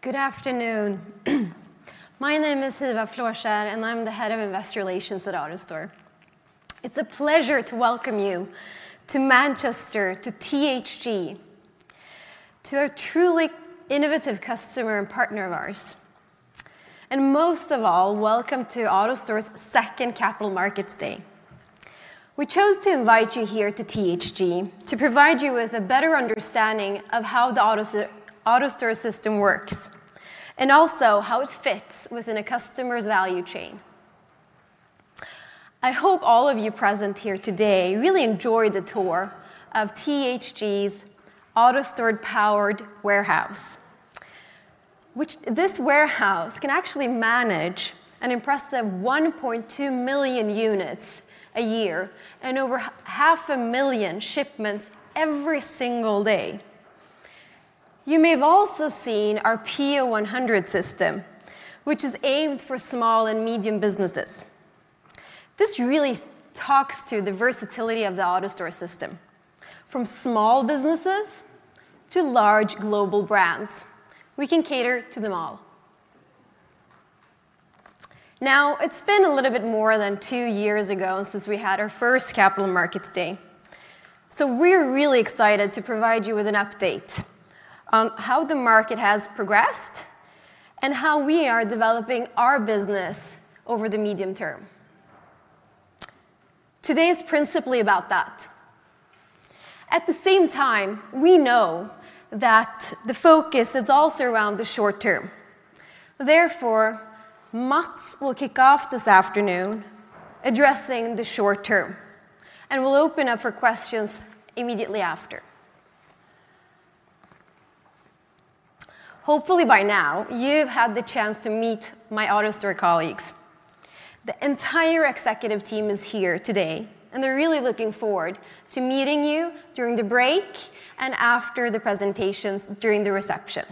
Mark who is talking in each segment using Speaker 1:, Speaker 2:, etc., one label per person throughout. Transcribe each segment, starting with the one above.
Speaker 1: Good afternoon. My name is Hiva Ghadir, and I'm the head of Investor Relations at AutoStore. It's a pleasure to welcome you to Manchester, to THG, to a truly innovative customer and partner of ours, and most of all, welcome to AutoStore's Second Capital Markets Day. We chose to invite you here to THG to provide you with a better understanding of how the AutoStore, AutoStore system works, and also how it fits within a customer's value chain. I hope all of you present here today really enjoyed the tour of THG's AutoStore-powered warehouse, which this warehouse can actually manage an impressive 1.2 million units a year, and over 500,000 shipments every single day. You may have also seen our Pio P100 system, which is aimed for small and medium businesses. This really talks to the versatility of the AutoStore system. From small businesses to large global brands, we can cater to them all. Now, it's been a little bit more than two years ago since we had our first Capital Markets Day, so we're really excited to provide you with an update on how the market has progressed and how we are developing our business over the medium term. Today is principally about that. At the same time, we know that the focus is also around the short term. Therefore, Mats will kick off this afternoon addressing the short term, and we'll open up for questions immediately after. Hopefully by now, you've had the chance to meet my AutoStore colleagues. The entire executive team is here today, and they're really looking forward to meeting you during the break and after the presentations, during the reception.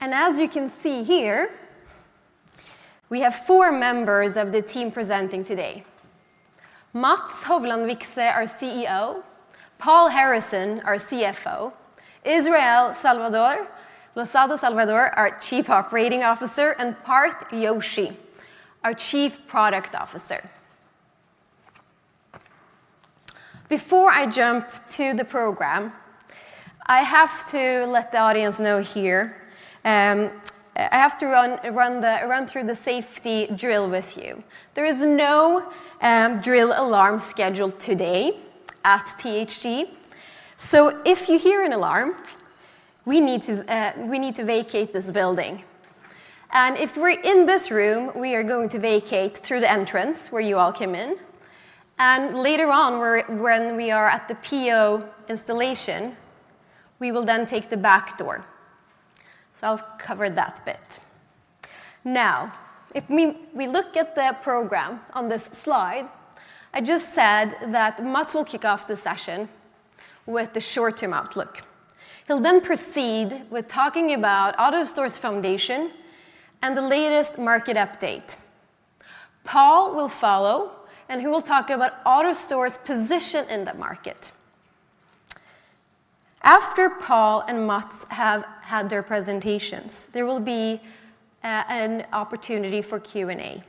Speaker 1: As you can see here, we have four members of the team presenting today: Mats Hovland Vikse, our CEO, Paul Harrison, our CFO, Israel Losada Salvador, our Chief Operating Officer, and Parth Joshi, our Chief Product Officer. Before I jump to the program, I have to let the audience know here. I have to run through the safety drill with you. There is no drill alarm scheduled today at THG, so if you hear an alarm, we need to vacate this building. If we're in this room, we are going to vacate through the entrance where you all came in, and later on, when we are at the Pio installation, we will then take the back door. I've covered that bit. Now, if we look at the program on this slide, I just said that Mats will kick off the session with the short-term outlook. He'll then proceed with talking about AutoStore's foundation and the latest market update. Paul will follow, and he will talk about AutoStore's position in the market. After Paul and Mats have had their presentations, there will be an opportunity for Q&A,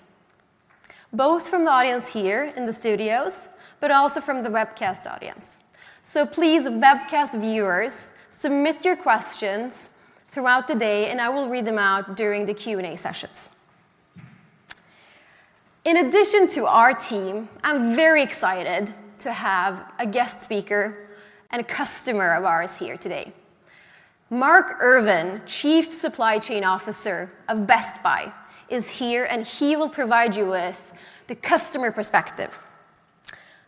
Speaker 1: both from the audience here in the studios, but also from the webcast audience. So please, webcast viewers, submit your questions throughout the day, and I will read them out during the Q&A sessions. In addition to our team, I'm very excited to have a guest speaker and a customer of ours here today. Mark Irvin, Chief Supply Chain Officer of Best Buy, is here, and he will provide you with the customer perspective.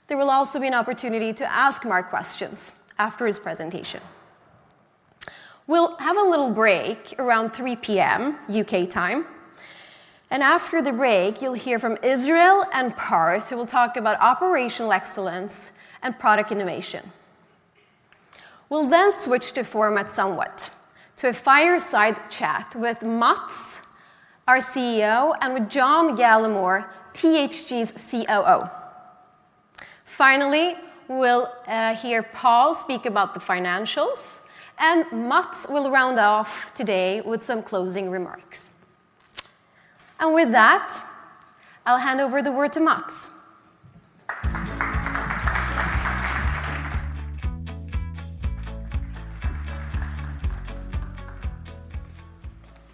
Speaker 1: There will also be an opportunity to ask Mark questions after his presentation. We'll have a little break around 3:00 P.M., U.K. time, and after the break, you'll hear from Israel and Parth, who will talk about operational excellence and product innovation. We'll then switch to format somewhat, to a fireside chat with Mats, our CEO, and with John Gallemore, THG's COO. Finally, we'll hear Paul speak about the financials, and Mats will round off today with some closing remarks. And with that, I'll hand over the word to Mats.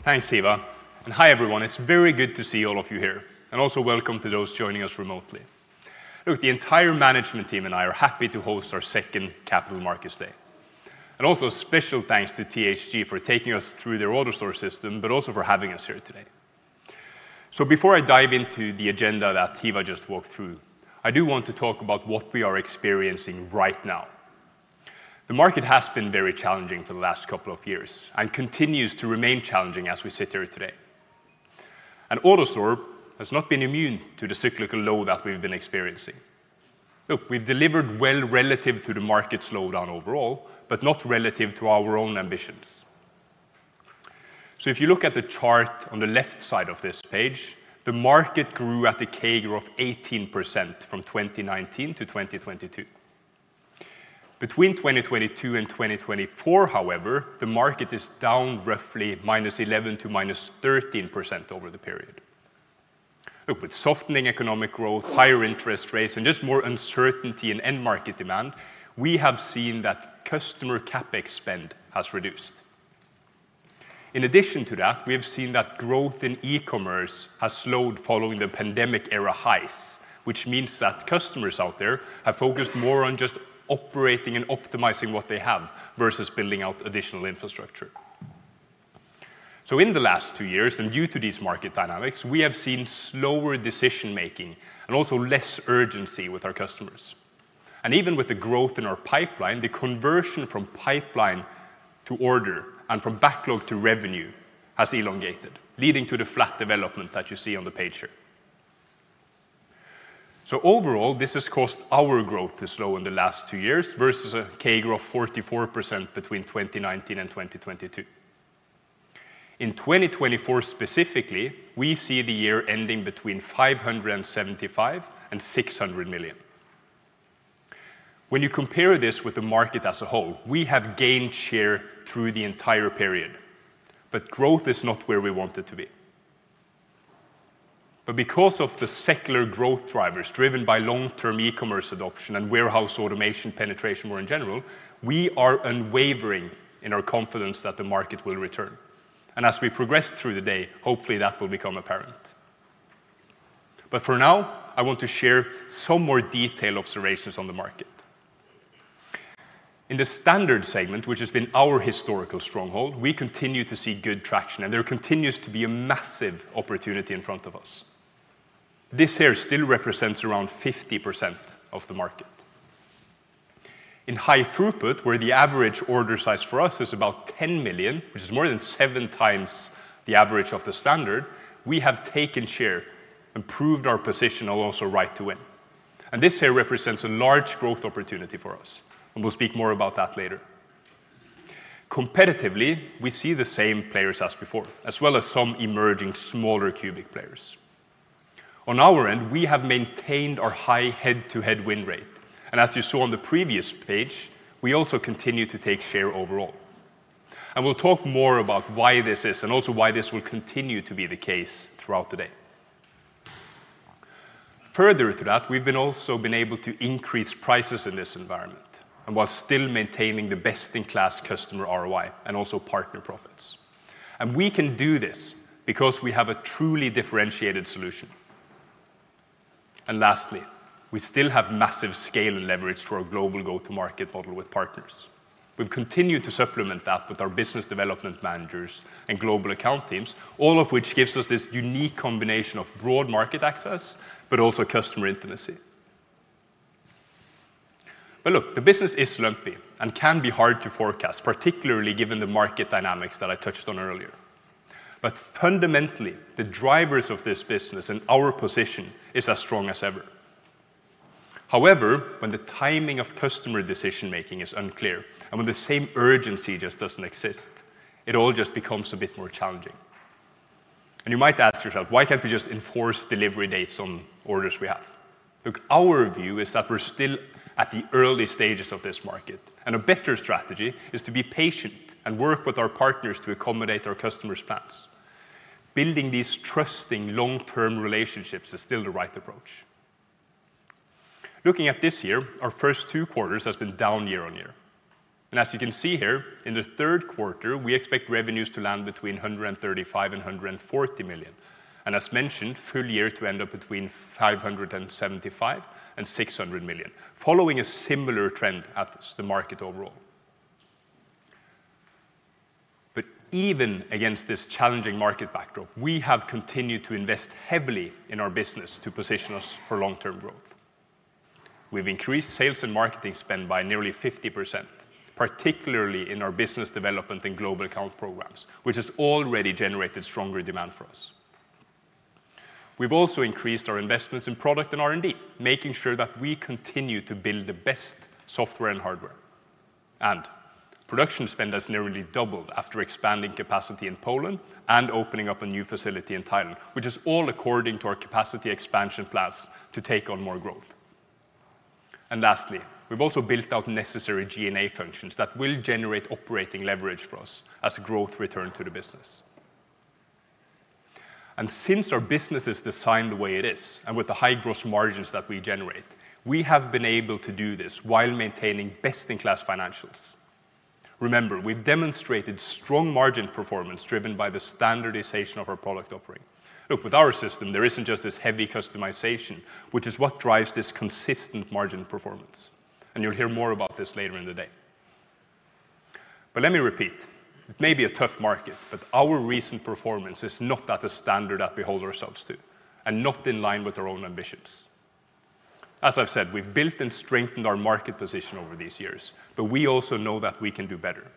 Speaker 2: Thanks, Hiva, and hi, everyone. It's very good to see all of you here, and also welcome to those joining us remotely. Look, the entire management team and I are happy to host our second Capital Markets Day. And also a special thanks to THG for taking us through their AutoStore system, but also for having us here today. So before I dive into the agenda that Hiva just walked through, I do want to talk about what we are experiencing right now. The market has been very challenging for the last couple of years and continues to remain challenging as we sit here today. And AutoStore has not been immune to the cyclical low that we've been experiencing. Look, we've delivered well relative to the market slowdown overall, but not relative to our own ambitions. So if you look at the chart on the left side of this page, the market grew at a CAGR of 18% from 2019 to 2022. Between 2022 and 2024, however, the market is down roughly -11% to -13% over the period. Look, with softening economic growth, higher interest rates, and just more uncertainty in end market demand, we have seen that customer CapEx spend has reduced. In addition to that, we have seen that growth in e-commerce has slowed following the pandemic-era highs, which means that customers out there have focused more on just operating and optimizing what they have versus building out additional infrastructure. So in the last two years, and due to these market dynamics, we have seen slower decision-making and also less urgency with our customers. Even with the growth in our pipeline, the conversion from pipeline to order and from backlog to revenue has elongated, leading to the flat development that you see on the page here. Overall, this has caused our growth to slow in the last two years versus a CAGR of 44% between 2019 and 2022. In 2024 specifically, we see the year ending between $575 million and $600 million. When you compare this with the market as a whole, we have gained share through the entire period, but growth is not where we want it to be. Because of the secular growth drivers, driven by long-term e-commerce adoption and warehouse automation penetration more in general, we are unwavering in our confidence that the market will return. As we progress through the day, hopefully, that will become apparent. But for now, I want to share some more detailed observations on the market. In the standard segment, which has been our historical stronghold, we continue to see good traction, and there continues to be a massive opportunity in front of us. This here still represents around 50% of the market. In high throughput, where the average order size for us is about $10 million, which is more than 7x the average of the standard, we have taken share, improved our position, and also right to win. And this here represents a large growth opportunity for us, and we'll speak more about that later. Competitively, we see the same players as before, as well as some emerging smaller Cube players. On our end, we have maintained our high head-to-head win rate, and as you saw on the previous page, we also continue to take share overall. We'll talk more about why this is and also why this will continue to be the case throughout the day. Further to that, we've also been able to increase prices in this environment and while still maintaining the best-in-class customer ROI and also partner profits. We can do this because we have a truly differentiated solution. Lastly, we still have massive scale and leverage through our global go-to-market model with partners. We've continued to supplement that with our business development managers and global account teams, all of which gives us this unique combination of broad market access, but also customer intimacy. Look, the business is lumpy and can be hard to forecast, particularly given the market dynamics that I touched on earlier. Fundamentally, the drivers of this business and our position is as strong as ever. However, when the timing of customer decision-making is unclear and when the same urgency just doesn't exist, it all just becomes a bit more challenging. You might ask yourself, why can't we just enforce delivery dates on orders we have? Look, our view is that we're still at the early stages of this market, and a better strategy is to be patient and work with our partners to accommodate our customers' plans. Building these trusting long-term relationships is still the right approach. Looking at this year, our first two quarters has been down year on year. As you can see here, in the third quarter, we expect revenues to land between $135 million and $140 million, and as mentioned, full year to end up between $575 million and $600 million, following a similar trend as the market overall. But even against this challenging market backdrop, we have continued to invest heavily in our business to position us for long-term growth. We've increased sales and marketing spend by nearly 50%, particularly in our business development and global account programs, which has already generated stronger demand for us. We've also increased our investments in product and R&D, making sure that we continue to build the best software and hardware. And production spend has nearly doubled after expanding capacity in Poland and opening up a new facility in Thailand, which is all according to our capacity expansion plans to take on more growth. And lastly, we've also built out necessary G&A functions that will generate operating leverage for us as growth returns to the business. Since our business is designed the way it is, and with the high gross margins that we generate, we have been able to do this while maintaining best-in-class financials. Remember, we've demonstrated strong margin performance driven by the standardization of our product offering. Look, with our system, there isn't just this heavy customization, which is what drives this consistent margin performance, and you'll hear more about this later in the day. Let me repeat, it may be a tough market, but our recent performance is not at the standard that we hold ourselves to and not in line with our own ambitions. As I've said, we've built and strengthened our market position over these years, but we also know that we can do better.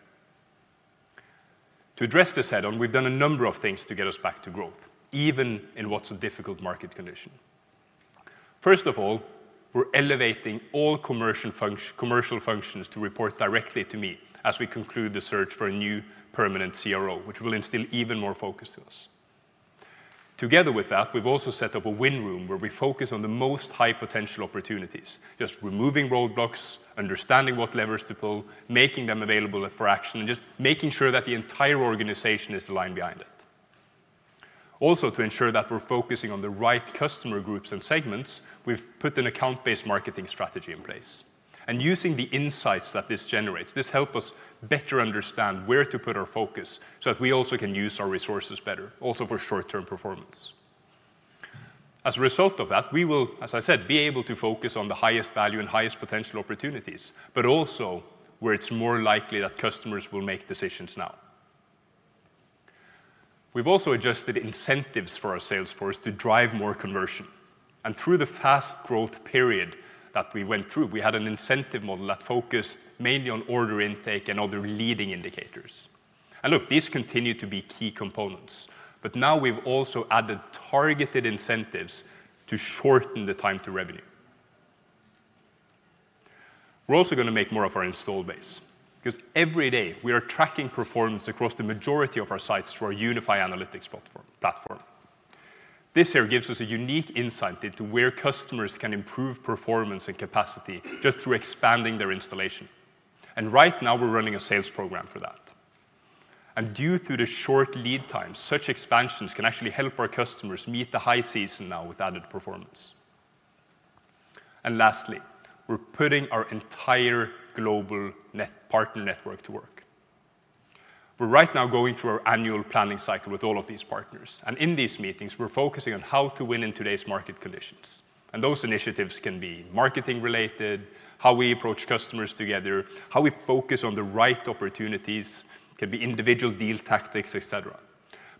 Speaker 2: To address this head-on, we've done a number of things to get us back to growth, even in what's a difficult market condition. First of all, we're elevating all commercial functions to report directly to me as we conclude the search for a new permanent CRO, which will instill even more focus to us. Together with that, we've also set up a win room where we focus on the most high potential opportunities, just removing roadblocks, understanding what levers to pull, making them available for action, and just making sure that the entire organization is aligned behind it. Also, to ensure that we're focusing on the right customer groups and segments, we've put an account-based marketing strategy in place. Using the insights that this generates, this help us better understand where to put our focus so that we also can use our resources better, also for short-term performance. As a result of that, we will, as I said, be able to focus on the highest value and highest potential opportunities, but also where it's more likely that customers will make decisions now. We've also adjusted incentives for our sales force to drive more conversion, and through the fast growth period that we went through, we had an incentive model that focused mainly on order intake and other leading indicators. And look, these continue to be key components, but now we've also added targeted incentives to shorten the time to revenue. We're also gonna make more of our installed base, 'cause every day we are tracking performance across the majority of our sites through our Unify Analytics platform. This here gives us a unique insight into where customers can improve performance and capacity just through expanding their installation. And right now we're running a sales program for that. Due to the short lead times, such expansions can actually help our customers meet the high season now with added performance. Lastly, we're putting our entire global network partner network to work. We're right now going through our annual planning cycle with all of these partners, and in these meetings, we're focusing on how to win in today's market conditions. Those initiatives can be marketing related, how we approach customers together, how we focus on the right opportunities, can be individual deal tactics, et cetera.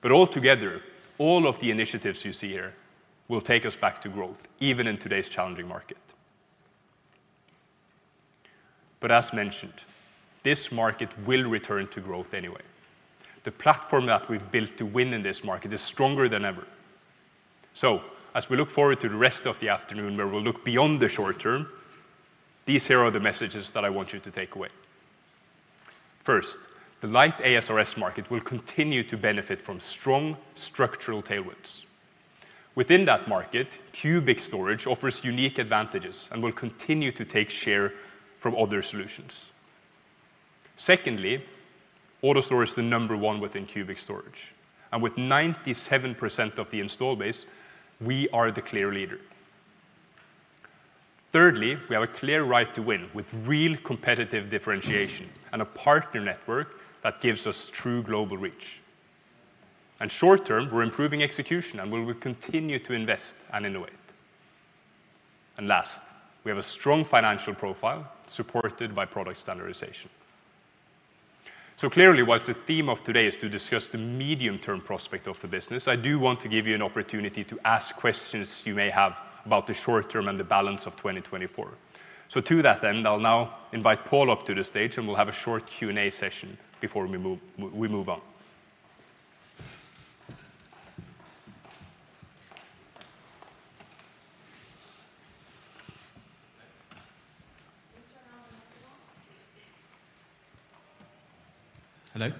Speaker 2: Altogether, all of the initiatives you see here will take us back to growth, even in today's challenging market. As mentioned, this market will return to growth anyway. The platform that we've built to win in this market is stronger than ever. As we look forward to the rest of the afternoon, where we'll look beyond the short term, these here are the messages that I want you to take away. First, the Light ASRS market will continue to benefit from strong structural tailwinds. Within that market, Cubic Storage offers unique advantages and will continue to take share from other solutions. Secondly, AutoStore is the number one within Cubic Storage, and with 97% of the installed base, we are the clear leader. Thirdly, we have a clear right to win with real competitive differentiation and a partner network that gives us true global reach. Short term, we're improving execution, and we will continue to invest and innovate. Last, we have a strong financial profile supported by product standardization. So clearly, while the theme of today is to discuss the medium-term prospect of the business, I do want to give you an opportunity to ask questions you may have about the short term and the balance of 2024. So to that end, I'll now invite Paul up to the stage, and we'll have a short Q&A session before we move on.
Speaker 3: Hello?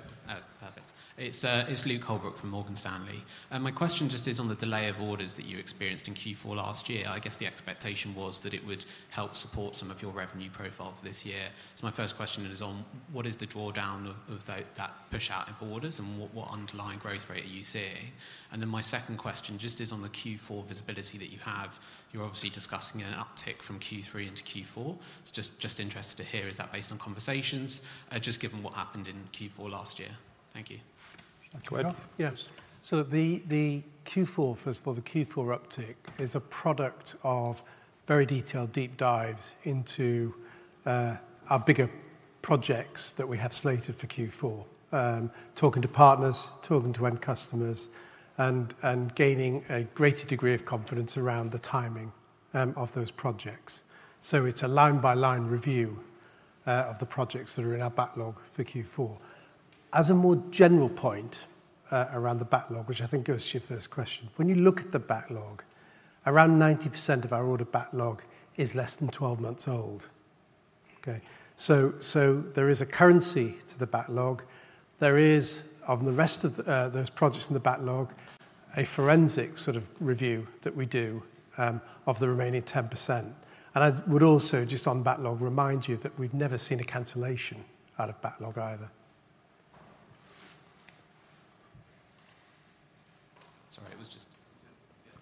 Speaker 3: Perfect. It's Luke Holbrook from Morgan Stanley. My question just is on the delay of orders that you experienced in Q4 last year. I guess the expectation was that it would help support some of your revenue profile for this year. My first question is on what is the drawdown of that push-out in orders, and what underlying growth rate are you seeing? Then my second question just is on the Q4 visibility that you have. You're obviously discussing an uptick from Q3 into Q4. Just interested to hear, is that based on conversations, just given what happened in Q4 last year? Thank you.
Speaker 2: Do you want to go ahead?
Speaker 4: Yes. So the Q4, first of all, the Q4 uptick is a product of very detailed, deep dives into our bigger projects that we had slated for Q4. Talking to partners, talking to end customers, and gaining a greater degree of confidence around the timing of those projects. It's a line-by-line review of the projects that are in our backlog for Q4. As a more general point, around the backlog, which I think goes to your first question, when you look at the backlog, around 90% of our order backlog is less than twelve months old. Okay? So there is a currency to the backlog. There is, of the rest of those projects in the backlog, a forensic sort of review that we do of the remaining 10%. I would also, just on backlog, remind you that we've never seen a cancellation out of backlog either.
Speaker 3: Sorry, it was just. Can you just get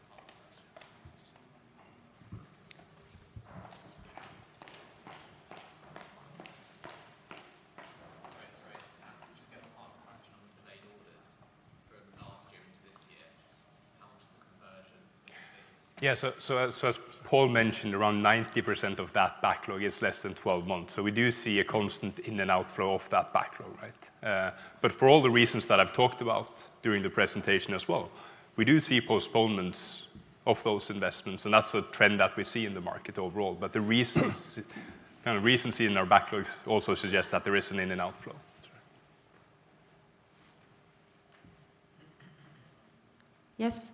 Speaker 3: a follow-up question on the delayed orders from last year into this year, how much of the conversion would be?
Speaker 2: Yeah. So as Paul mentioned, around 90% of that backlog is less than 12 months. So we do see a constant in and outflow of that backlog, right? But for all the reasons that I've talked about during the presentation as well, we do see postponements of those investments, and that's a trend that we see in the market overall. But the recency in our backlogs also suggests that there is an in and outflow.
Speaker 5: Yes,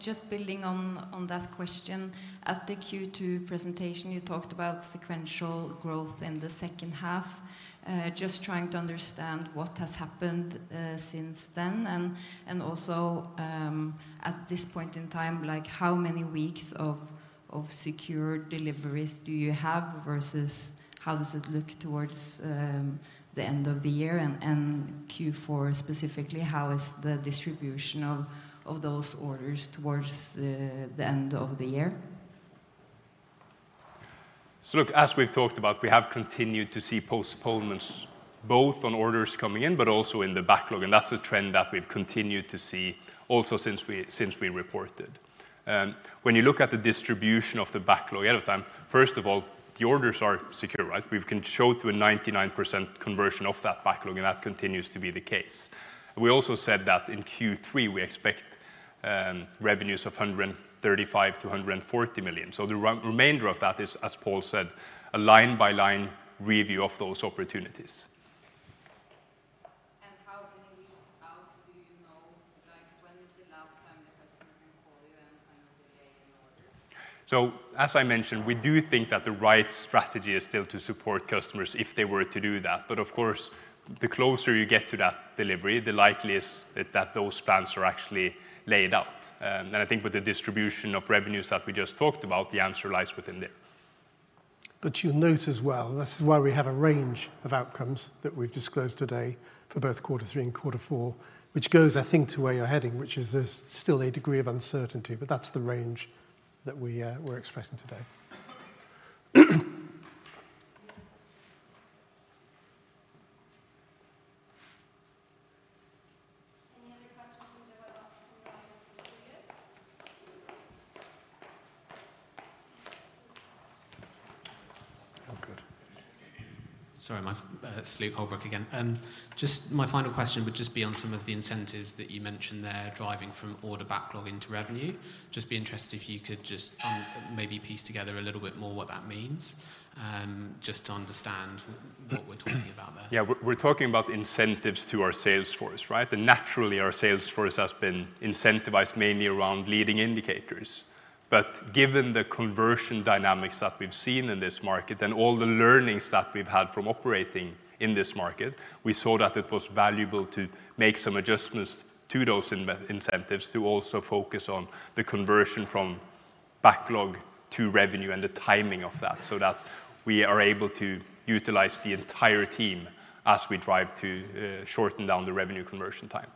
Speaker 5: just building on that question, at the Q2 presentation, you talked about sequential growth in the second half. Just trying to understand what has happened since then. And also, at this point in time, like, how many weeks of secure deliveries do you have, versus how does it look towards the end of the year, and Q4 specifically? How is the distribution of those orders towards the end of the year?
Speaker 2: So look, as we've talked about, we have continued to see postponements, both on orders coming in, but also in the backlog, and that's a trend that we've continued to see also since we reported. When you look at the distribution of the backlog ahead of time, first of all, the orders are secure, right? We can show to a 99% conversion of that backlog, and that continues to be the case. We also said that in Q3, we expect revenues of $135 million to $140 million. The remainder of that is, as Paul said, a line-by-line review of those opportunities.
Speaker 5: How many weeks out do you know? Like, when is the last time the customer can call you and kind of delay an order?
Speaker 2: So, as I mentioned, we do think that the right strategy is still to support customers if they were to do that. But of course, the closer you get to that delivery, the likeliest that those plans are actually laid out. And I think with the distribution of revenues that we just talked about, the answer lies within there.
Speaker 4: But you'll note as well, this is why we have a range of outcomes that we've disclosed today for both quarter three and quarter four, which goes, I think, to where you're heading, which is there's still a degree of uncertainty, but that's the range that we, we're expressing today.
Speaker 1: Any other questions from the room before we move to the videos?
Speaker 4: Oh, good.
Speaker 3: Sorry, Mats, Luke Holbrook again. Just my final question would just be on some of the incentives that you mentioned there, driving from order backlog into revenue. Just be interested if you could just, maybe piece together a little bit more what that means, just to understand what we're talking about there.
Speaker 2: Yeah, we're talking about incentives to our sales force, right? And naturally, our sales force has been incentivized mainly around leading indicators. But given the conversion dynamics that we've seen in this market and all the learnings that we've had from operating in this market, we saw that it was valuable to make some adjustments to those incentives to also focus on the conversion from backlog to revenue and the timing of that, so that we are able to utilize the entire team as we drive to shorten down the revenue conversion time.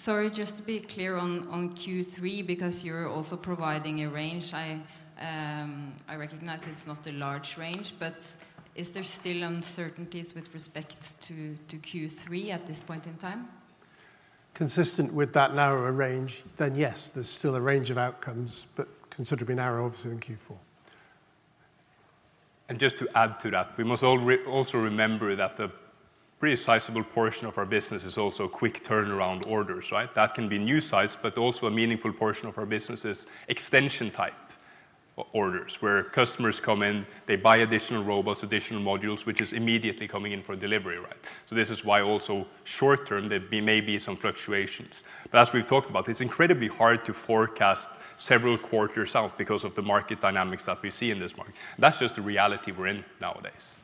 Speaker 5: Sorry, just to be clear on Q3, because you're also providing a range. I recognize it's not a large range, but is there still uncertainties with respect to Q3 at this point in time?
Speaker 4: Consistent with that narrower range, then yes, there's still a range of outcomes, but considerably narrower, obviously, than Q4.
Speaker 2: And just to add to that, we must also remember that a pretty sizable portion of our business is also quick turnaround orders, right? That can be new sites, but also a meaningful portion of our business is extension-type orders, where customers come in, they buy additional robots, additional modules, which is immediately coming in for delivery, right? So this is why also short term, there may be some fluctuations. But as we've talked about, it's incredibly hard to forecast several quarters out because of the market dynamics that we see in this market. That's just the reality we're in nowadays.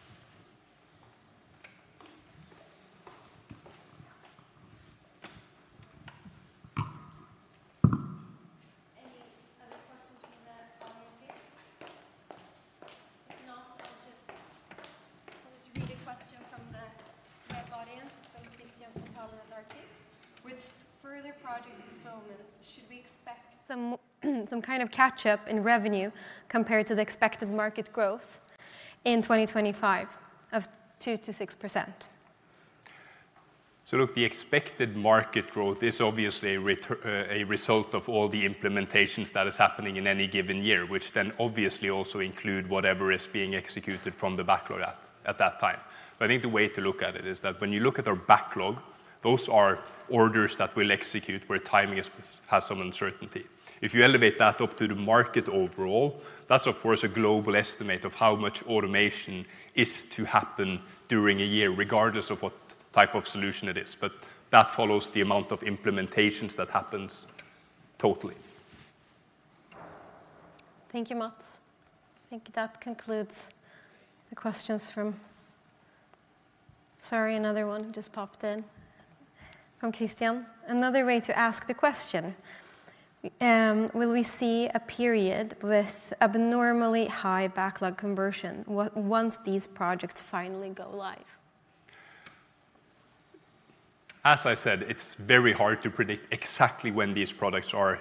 Speaker 1: Any other questions from the audience here? If not, I'll just read a question from the web audience. It's from Christian from Pareto Securities: "With further project postponements, should we expect some, some kind of catch-up in revenue compared to the expected market growth in 2025 of 2%-6%?
Speaker 2: So look, the expected market growth is obviously a result of all the implementations that is happening in any given year, which then obviously also include whatever is being executed from the backlog at that time. But I think the way to look at it is that when you look at our backlog, those are orders that we'll execute where timing has some uncertainty. If you elevate that up to the market overall, that's of course a global estimate of how much automation is to happen during a year, regardless of what type of solution it is. But that follows the amount of implementations that happens totally.
Speaker 1: Thank you, Mats. I think that concludes the questions from. Sorry, another one just popped in from Christian. Another way to ask the question: "Will we see a period with abnormally high backlog conversion on- once these projects finally go live?
Speaker 2: As I said, it's very hard to predict exactly when these products are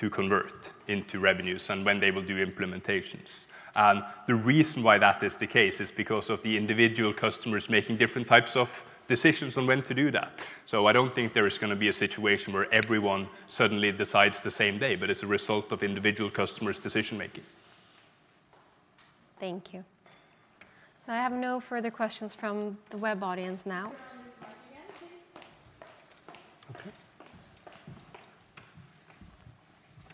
Speaker 2: to convert into revenues and when they will do implementations. And the reason why that is the case is because of the individual customers making different types of decisions on when to do that. So I don't think there is gonna be a situation where everyone suddenly decides the same day, but it's a result of individual customers' decision making.
Speaker 1: Thank you. So I have no further questions from the web audience now. We have one in the audience.
Speaker 4: Okay.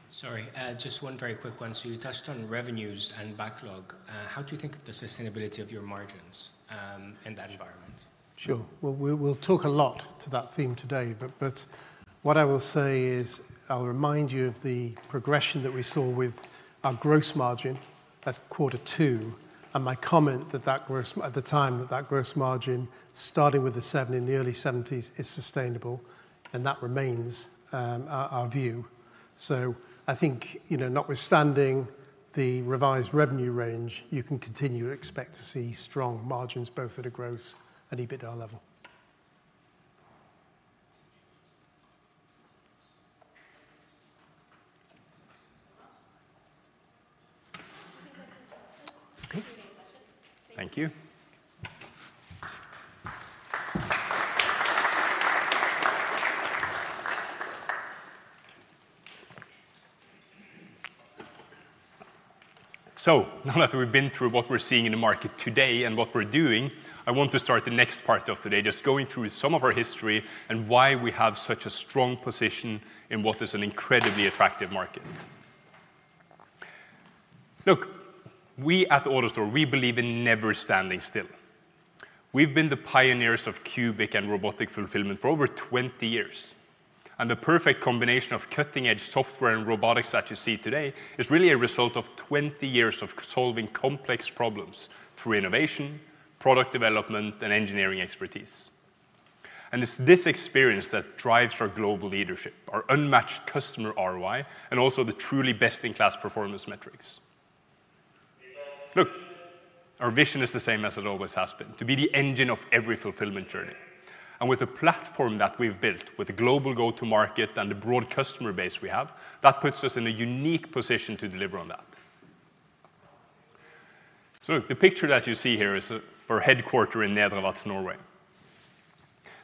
Speaker 6: Sorry, just one very quick one. So you touched on revenues and backlog. How do you think of the sustainability of your margins in that environment?
Speaker 4: Sure. Well, we'll talk a lot to that theme today, but what I will say is, I'll remind you of the progression that we saw with our gross margin at quarter two and my comment that gross margin, at the time, starting with the seven in the early seventies, is sustainable, and that remains our view. So I think, you know, notwithstanding the revised revenue range, you can continue to expect to see strong margins, both at a gross and EBITDA level.
Speaker 2: Okay. Thank you. So now that we've been through what we're seeing in the market today and what we're doing, I want to start the next part of today, just going through some of our history and why we have such a strong position in what is an incredibly attractive market. Look, we at AutoStore, we believe in never standing still. We've been the pioneers of cubic and robotic fulfillment for over 20 years, and the perfect combination of cutting-edge software and robotics that you see today is really a result of 20 years of solving complex problems through innovation, product development, and engineering expertise. And it's this experience that drives our global leadership, our unmatched customer ROI, and also the truly best-in-class performance metrics. Look, our vision is the same as it always has been: to be the engine of every fulfillment journey. With the platform that we've built, with the global go-to-market and the broad customer base we have, that puts us in a unique position to deliver on that. So the picture that you see here is our headquarters in Nedre Vats, Norway.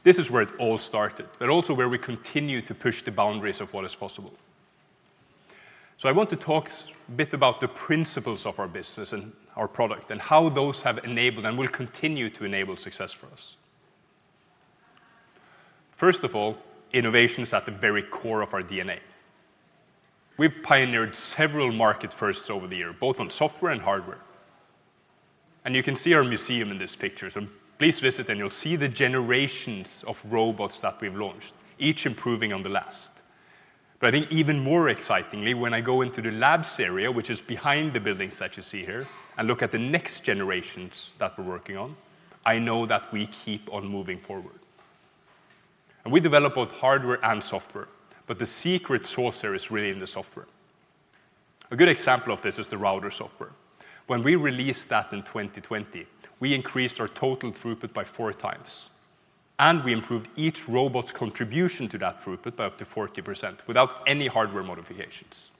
Speaker 2: This is where it all started, but also where we continue to push the boundaries of what is possible. So I want to talk a bit about the principles of our business and our product, and how those have enabled and will continue to enable success for us. First of all, innovation is at the very core of our DNA. We've pioneered several market firsts over the years, both on software and hardware. And you can see our museum in these pictures, and please visit and you'll see the generations of robots that we've launched, each improving on the last. But I think even more excitingly, when I go into the labs area, which is behind the buildings that you see here, and look at the next generations that we're working on, I know that we keep on moving forward. And we develop both hardware and software, but the secret sauce there is really in the software. A good example of this is the Router software. When we released that in 2020, we increased our total throughput by 4x, and we improved each robot's contribution to that throughput by up to 40% without any hardware modifications.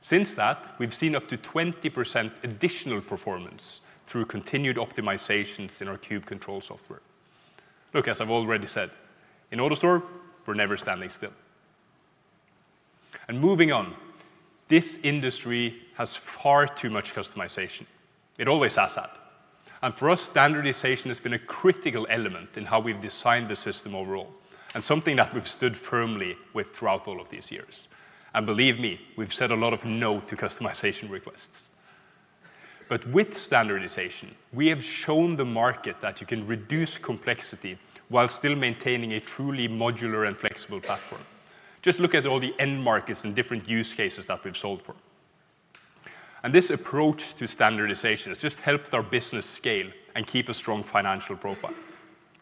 Speaker 2: Since that, we've seen up to 20% additional performance through continued optimizations in our Cube Control Software. Look, as I've already said, in AutoStore, we're never standing still. And moving on, this industry has far too much customization. It always has had. For us, standardization has been a critical element in how we've designed the system overall, and something that we've stood firmly with throughout all of these years. Believe me, we've said a lot of no to customization requests. But with standardization, we have shown the market that you can reduce complexity while still maintaining a truly modular and flexible platform. Just look at all the end markets and different use cases that we've solved for. This approach to standardization has just helped our business scale and keep a strong financial profile,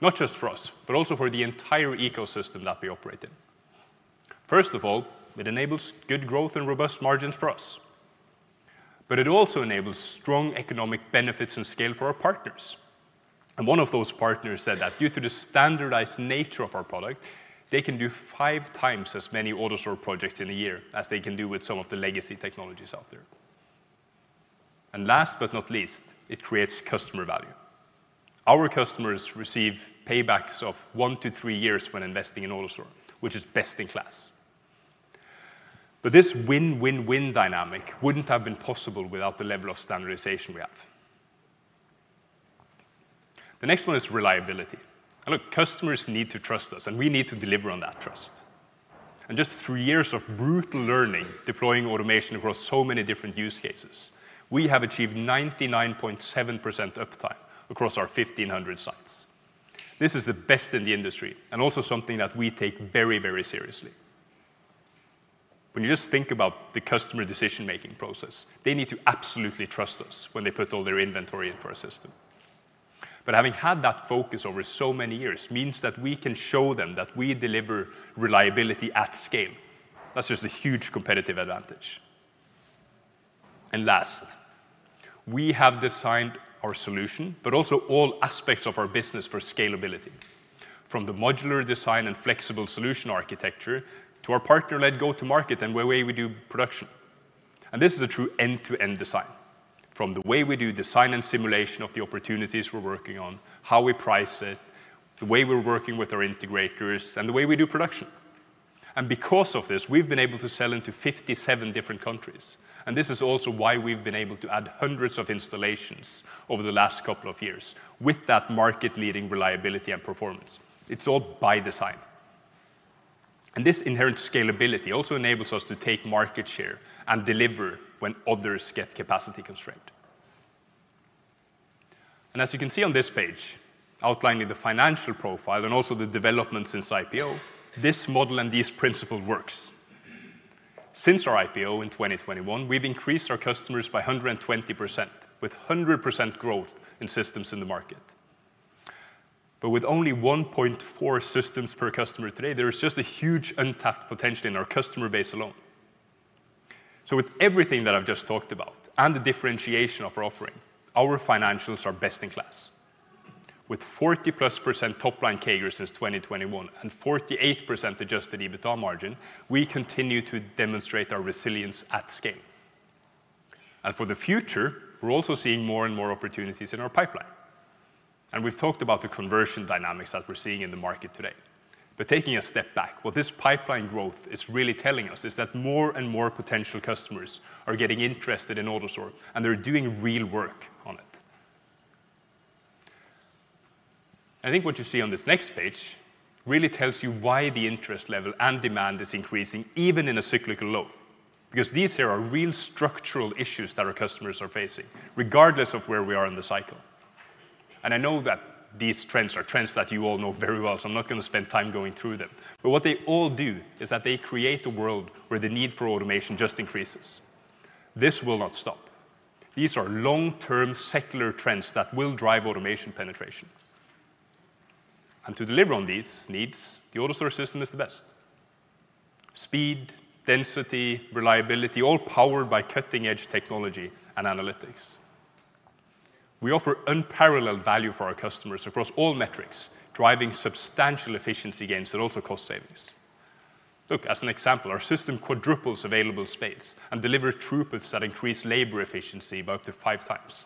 Speaker 2: not just for us, but also for the entire ecosystem that we operate in. First of all, it enables good growth and robust margins for us, but it also enables strong economic benefits and scale for our partners. One of those partners said that due to the standardized nature of our product, they can do 5x as many AutoStore projects in a year as they can do with some of the legacy technologies out there. And last but not least, it creates customer value. Our customers receive paybacks of one to three years when investing in AutoStore, which is best in class. But this win-win-win dynamic wouldn't have been possible without the level of standardization we have. The next one is reliability. And look, customers need to trust us, and we need to deliver on that trust. And just through years of brutal learning, deploying automation across so many different use cases, we have achieved 99.7% uptime across our 1,500 sites. This is the best in the industry and also something that we take very, very seriously. When you just think about the customer decision-making process, they need to absolutely trust us when they put all their inventory into our system, but having had that focus over so many years means that we can show them that we deliver reliability at scale. That's just a huge competitive advantage, and last, we have designed our solution, but also all aspects of our business for scalability, from the modular design and flexible solution architecture to our partner-led go-to-market and the way we do production, and this is a true end-to-end design, from the way we do design and simulation of the opportunities we're working on, how we price it, the way we're working with our integrators, and the way we do production. Because of this, we've been able to sell into 57 different countries, and this is also why we've been able to add hundreds of installations over the last couple of years with that market-leading reliability and performance. It's all by design. This inherent scalability also enables us to take market share and deliver when others get capacity constraint. As you can see on this page, outlining the financial profile and also the developments since IPO, this model and this principle works. Since our IPO in 2021, we've increased our customers by 120%, with 100% growth in systems in the market. With only 1.4 systems per customer today, there is just a huge untapped potential in our customer base alone. With everything that I've just talked about and the differentiation of our offering, our financials are best in class. With 40+% top-line CAGR since 2021 and 48% adjusted EBITDA margin, we continue to demonstrate our resilience at scale. And for the future, we're also seeing more and more opportunities in our pipeline. And we've talked about the conversion dynamics that we're seeing in the market today. But taking a step back, what this pipeline growth is really telling us is that more and more potential customers are getting interested in AutoStore, and they're doing real work on it. I think what you see on this next page really tells you why the interest level and demand is increasing even in a cyclical low, because these here are real structural issues that our customers are facing, regardless of where we are in the cycle. I know that these trends are trends that you all know very well, so I'm not going to spend time going through them. What they all do is that they create a world where the need for automation just increases. This will not stop. These are long-term secular trends that will drive automation penetration. To deliver on these needs, the AutoStore system is the best. Speed, density, reliability, all powered by cutting-edge technology and analytics. We offer unparalleled value for our customers across all metrics, driving substantial efficiency gains and also cost savings. Look, as an example, our system quadruples available space and delivers throughputs that increase labor efficiency by up to 5x.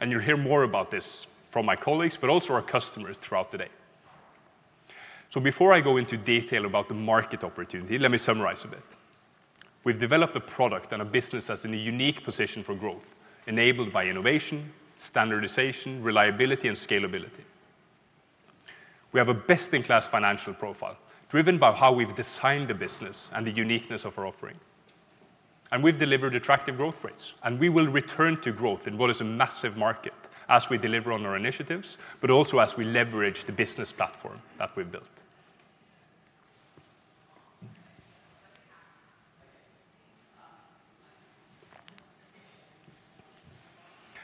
Speaker 2: You'll hear more about this from my colleagues, but also our customers throughout the day. Before I go into detail about the market opportunity, let me summarize a bit. We've developed a product and a business that's in a unique position for growth, enabled by innovation, standardization, reliability, and scalability. We have a best-in-class financial profile, driven by how we've designed the business and the uniqueness of our offering. And we've delivered attractive growth rates, and we will return to growth in what is a massive market as we deliver on our initiatives, but also as we leverage the business platform that we've built.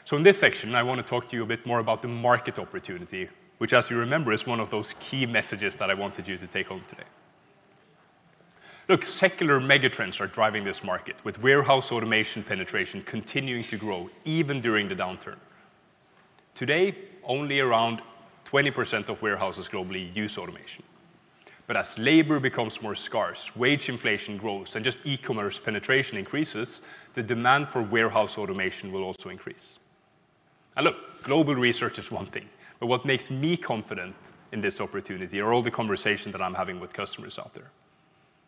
Speaker 2: So in this section, I want to talk to you a bit more about the market opportunity, which, as you remember, is one of those key messages that I wanted you to take home today. Look, secular megatrends are driving this market, with warehouse automation penetration continuing to grow even during the downturn. Today, only around 20% of warehouses globally use automation. As labor becomes more scarce, wage inflation grows, and just e-commerce penetration increases, the demand for warehouse automation will also increase. Look, global research is one thing, but what makes me confident in this opportunity are all the conversations that I'm having with customers out there.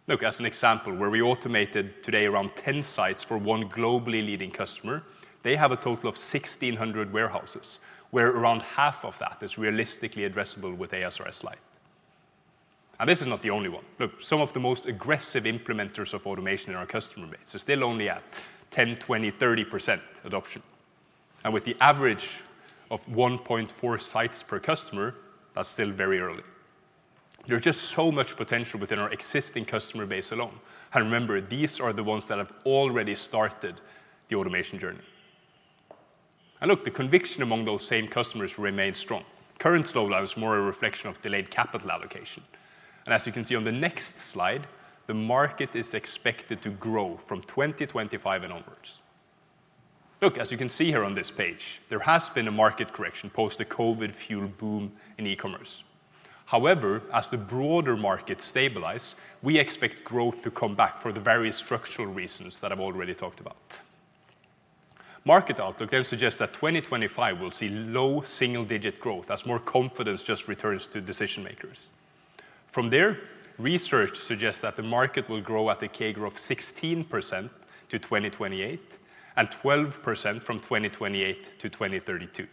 Speaker 2: Look, as an example, where we automated today around 10 sites for one globally leading customer, they have a total of 1,600 warehouses, where around half of that is realistically addressable with Light ASRS. This is not the only one. Look, some of the most aggressive implementers of automation in our customer base are still only at 10, 20, 30% adoption. With the average of 1.4 sites per customer, that's still very early. There's just so much potential within our existing customer base alone. Remember, these are the ones that have already started the automation journey. Look, the conviction among those same customers remains strong. Current slowdown is more a reflection of delayed capital allocation. As you can see on the next slide, the market is expected to grow from 2025 and onwards. Look, as you can see here on this page, there has been a market correction post the COVID-fueled boom in e-commerce. However, as the broader market stabilize, we expect growth to come back for the various structural reasons that I've already talked about. Market outlook then suggests that 2025 will see low single-digit growth as more confidence just returns to decision makers. From there, research suggests that the market will grow at a CAGR of 16% to 2028 and 12% from 2028-2032.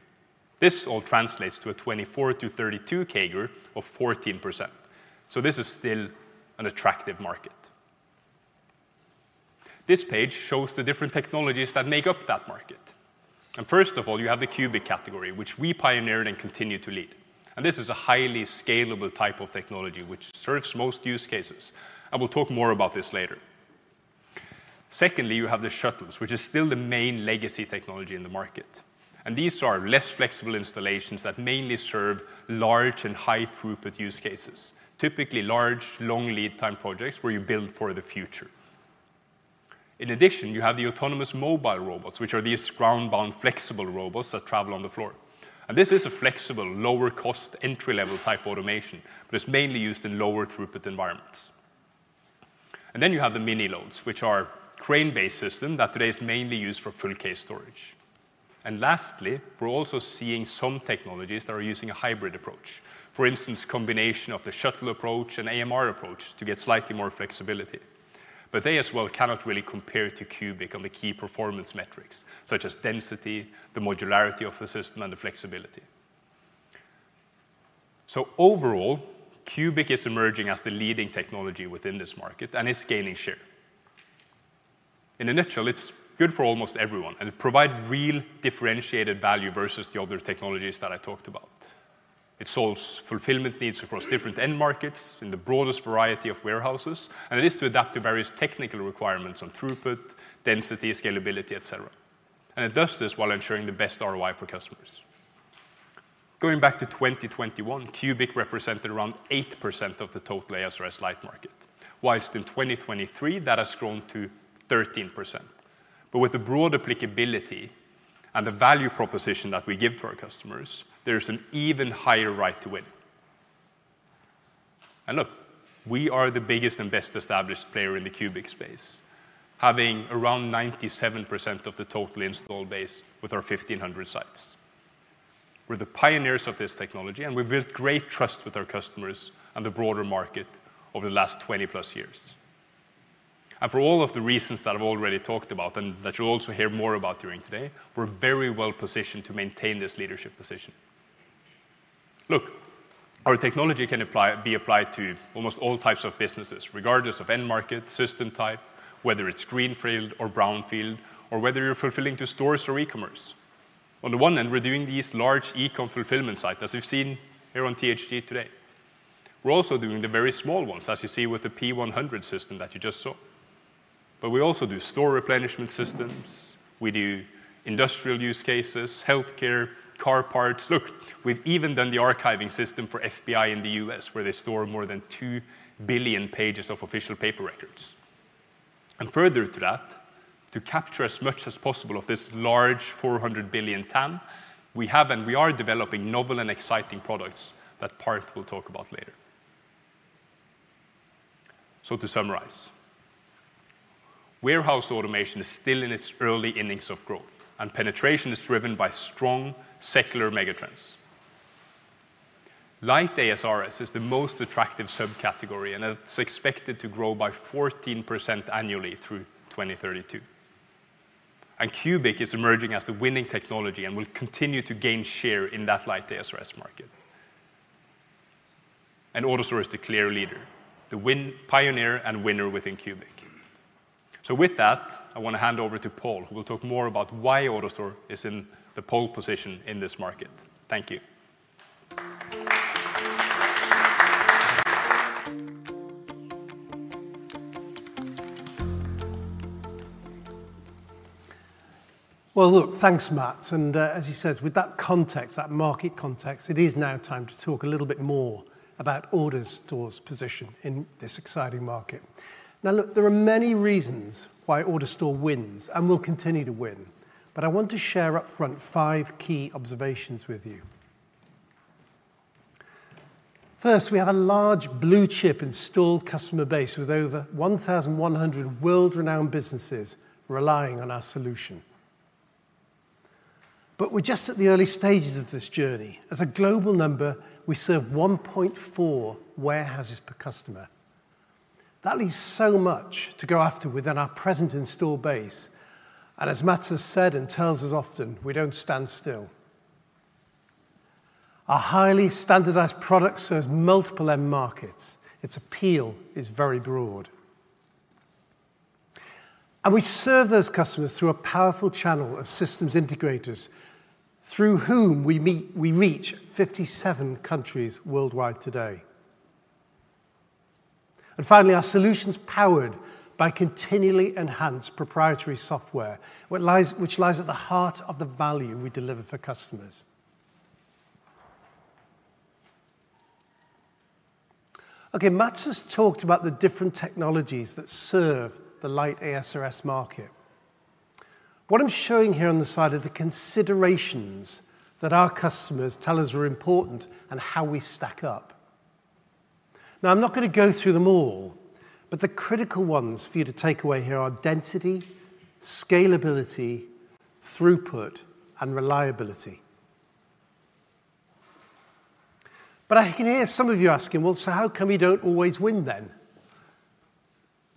Speaker 2: This all translates to a 24-32 CAGR of 14%. This is still an attractive market. This page shows the different technologies that make up that market, first of all you have the cubic category, which we pioneered and continue to lead. This is a highly scalable type of technology which serves most use cases, and we'll talk more about this later. Secondly, you have the shuttles, which is still the main legacy technology in the market. These are less flexible installations that mainly serve large and high-throughput use cases, typically large, long lead time projects where you build for the future. In addition, you have the autonomous mobile robots, which are these ground-bound, flexible robots that travel on the floor. This is a flexible, lower-cost, entry-level type automation, but it's mainly used in lower-throughput environments. And then you have the Miniloads, which are crane-based system that today is mainly used for full case storage. And lastly, we're also seeing some technologies that are using a hybrid approach. For instance, combination of the Shuttle approach and AMR approach to get slightly more flexibility. But they as well cannot really compare to cubic on the key performance metrics, such as density, the modularity of the system, and the flexibility. So overall, cubic is emerging as the leading technology within this market and is gaining share. In a nutshell, it's good for almost everyone, and it provides real differentiated value versus the other technologies that I talked about. It solves fulfillment needs across different end markets in the broadest variety of warehouses, and it is to adapt to various technical requirements on throughput, density, scalability, et cetera. And it does this while ensuring the best ROI for customers. Going back to 2021, cubic storage represented around 8% of the total light ASRS market, while in 2023, that has grown to 13%. But with the broad applicability and the value proposition that we give to our customers, there's an even higher right to win. And look, we are the biggest and best-established player in the cubic storage space, having around 97% of the total installed base with our 1,500 sites. We're the pioneers of this technology, and we've built great trust with our customers and the broader market over the last 20+ years. And for all of the reasons that I've already talked about, and that you'll also hear more about during today, we're very well positioned to maintain this leadership position. Look, our technology can apply, be applied to almost all types of businesses, regardless of end market, system type, whether it's greenfield or brownfield, or whether you're fulfilling to stores or e-commerce. On the one hand, we're doing these large e-com fulfillment sites, as you've seen here on THG today. We're also doing the very small ones, as you see with the P100 system that you just saw. But we also do store replenishment systems, we do industrial use cases, healthcare, car parts. Look, we've even done the archiving system for FBI in the U.S., where they store more than 2 billion pages of official paper records. And further to that, to capture as much as possible of this large 400 billion TAM, we have and we are developing novel and exciting products that Parth will talk about later. To summarize, warehouse automation is still in its early innings of growth, and penetration is driven by strong secular megatrends. Light AS/RS is the most attractive subcategory, and it's expected to grow by 14% annually through 2032. Cubic is emerging as the winning technology and will continue to gain share in that Light AS/RS market. AutoStore is the clear leader, the pioneer and winner within Cubic. With that, I want to hand over to Paul, who will talk more about why AutoStore is in the pole position in this market. Thank you.
Speaker 4: Well, look, thanks, Mats, and as you said, with that context, that market context, it is now time to talk a little bit more about AutoStore's position in this exciting market. Now, look, there are many reasons why AutoStore wins and will continue to win, but I want to share upfront five key observations with you. First, we have a large blue-chip installed customer base, with over 1,100 world-renowned businesses relying on our solution. But we're just at the early stages of this journey. As a global number, we serve 1.4 warehouses per customer. That leaves so much to go after within our present installed base, and as Mats has said, and tells us often, we don't stand still. Our highly standardized product serves multiple end markets. Its appeal is very broad. And we serve those customers through a powerful channel of systems integrators, through whom we meet, we reach fifty-seven countries worldwide today. And finally, our solution's powered by continually enhanced proprietary software, what lies—which lies at the heart of the value we deliver for customers. Okay, Mats has talked about the different technologies that serve the Light ASRS market. What I'm showing here on the side are the considerations that our customers tell us are important and how we stack up. Now, I'm not going to go through them all, but the critical ones for you to take away here are density, scalability, throughput, and reliability. But I can hear some of you asking: "Well, so how come you don't always win then?"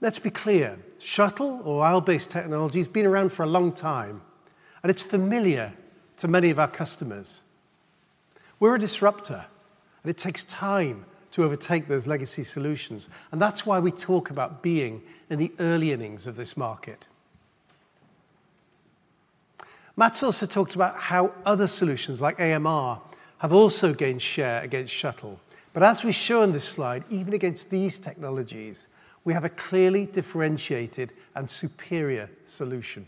Speaker 4: Let's be clear, Shuttle or aisle-based technology has been around for a long time, and it's familiar to many of our customers. We're a disruptor, and it takes time to overtake those legacy solutions, and that's why we talk about being in the early innings of this market. Mats also talked about how other solutions, like AMR, have also gained share against Shuttle. But as we show on this slide, even against these technologies, we have a clearly differentiated and superior solution.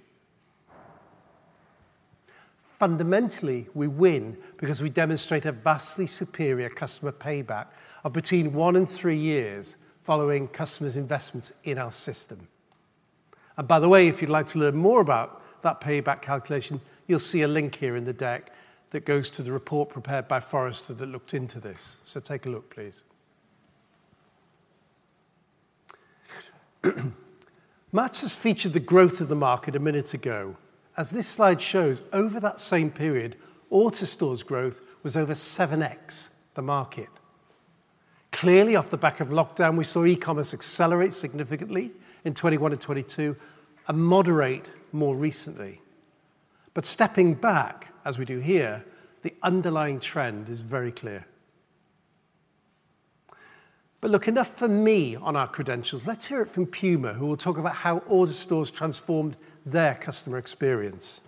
Speaker 4: Fundamentally, we win because we demonstrate a vastly superior customer payback of between one and three years following customers' investments in our system. And by the way, if you'd like to learn more about that payback calculation, you'll see a link here in the deck that goes to the report prepared by Forrester that looked into this. So take a look, please. Mats has featured the growth of the market a minute ago. As this slide shows, over that same period, AutoStore's growth was over seven X the market. Clearly, off the back of lockdown, we saw e-commerce accelerate significantly in 2021 and 2022 and moderate more recently. But stepping back, as we do here, the underlying trend is very clear. But look, enough from me on our credentials. Let's hear it from PUMA, who will talk about how AutoStore transformed their customer experience.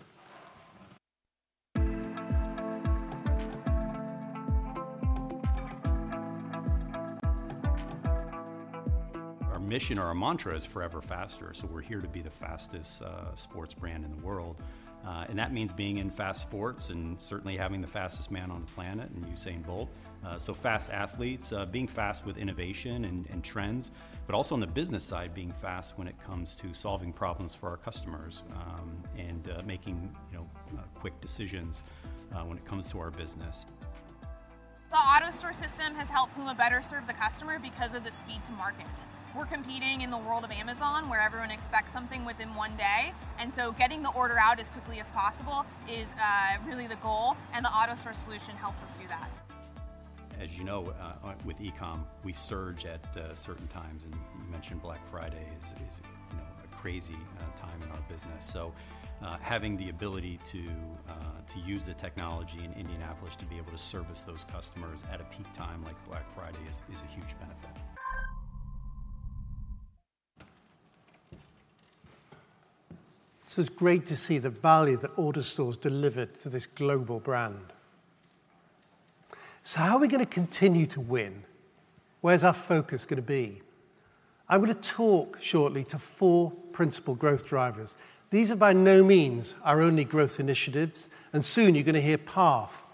Speaker 7: Our mission or our mantra is forever faster, so we're here to be the fastest sports brand in the world, and that means being in fast sports and certainly having the fastest man on the planet in Usain Bolt, so fast athletes, being fast with innovation and trends, but also on the business side, being fast when it comes to solving problems for our customers, and making, you know, quick decisions when it comes to our business. The AutoStore system has helped PUMA better serve the customer because of the speed to market. We're competing in the world of Amazon, where everyone expects something within one day, and so getting the order out as quickly as possible is really the goal, and the AutoStore solution helps us do that. As you know, with e-com, we surge at certain times, and you mentioned Black Friday is, you know, a crazy time in our business. So, having the ability to use the technology in Indianapolis to be able to service those customers at a peak time like Black Friday is a huge benefit.
Speaker 4: So it's great to see the value that AutoStore's delivered for this global brand. So how are we gonna continue to win? Where's our focus gonna be? I'm gonna talk shortly to four principal growth drivers. These are by no means our only growth initiatives, and soon you're gonna hear Parth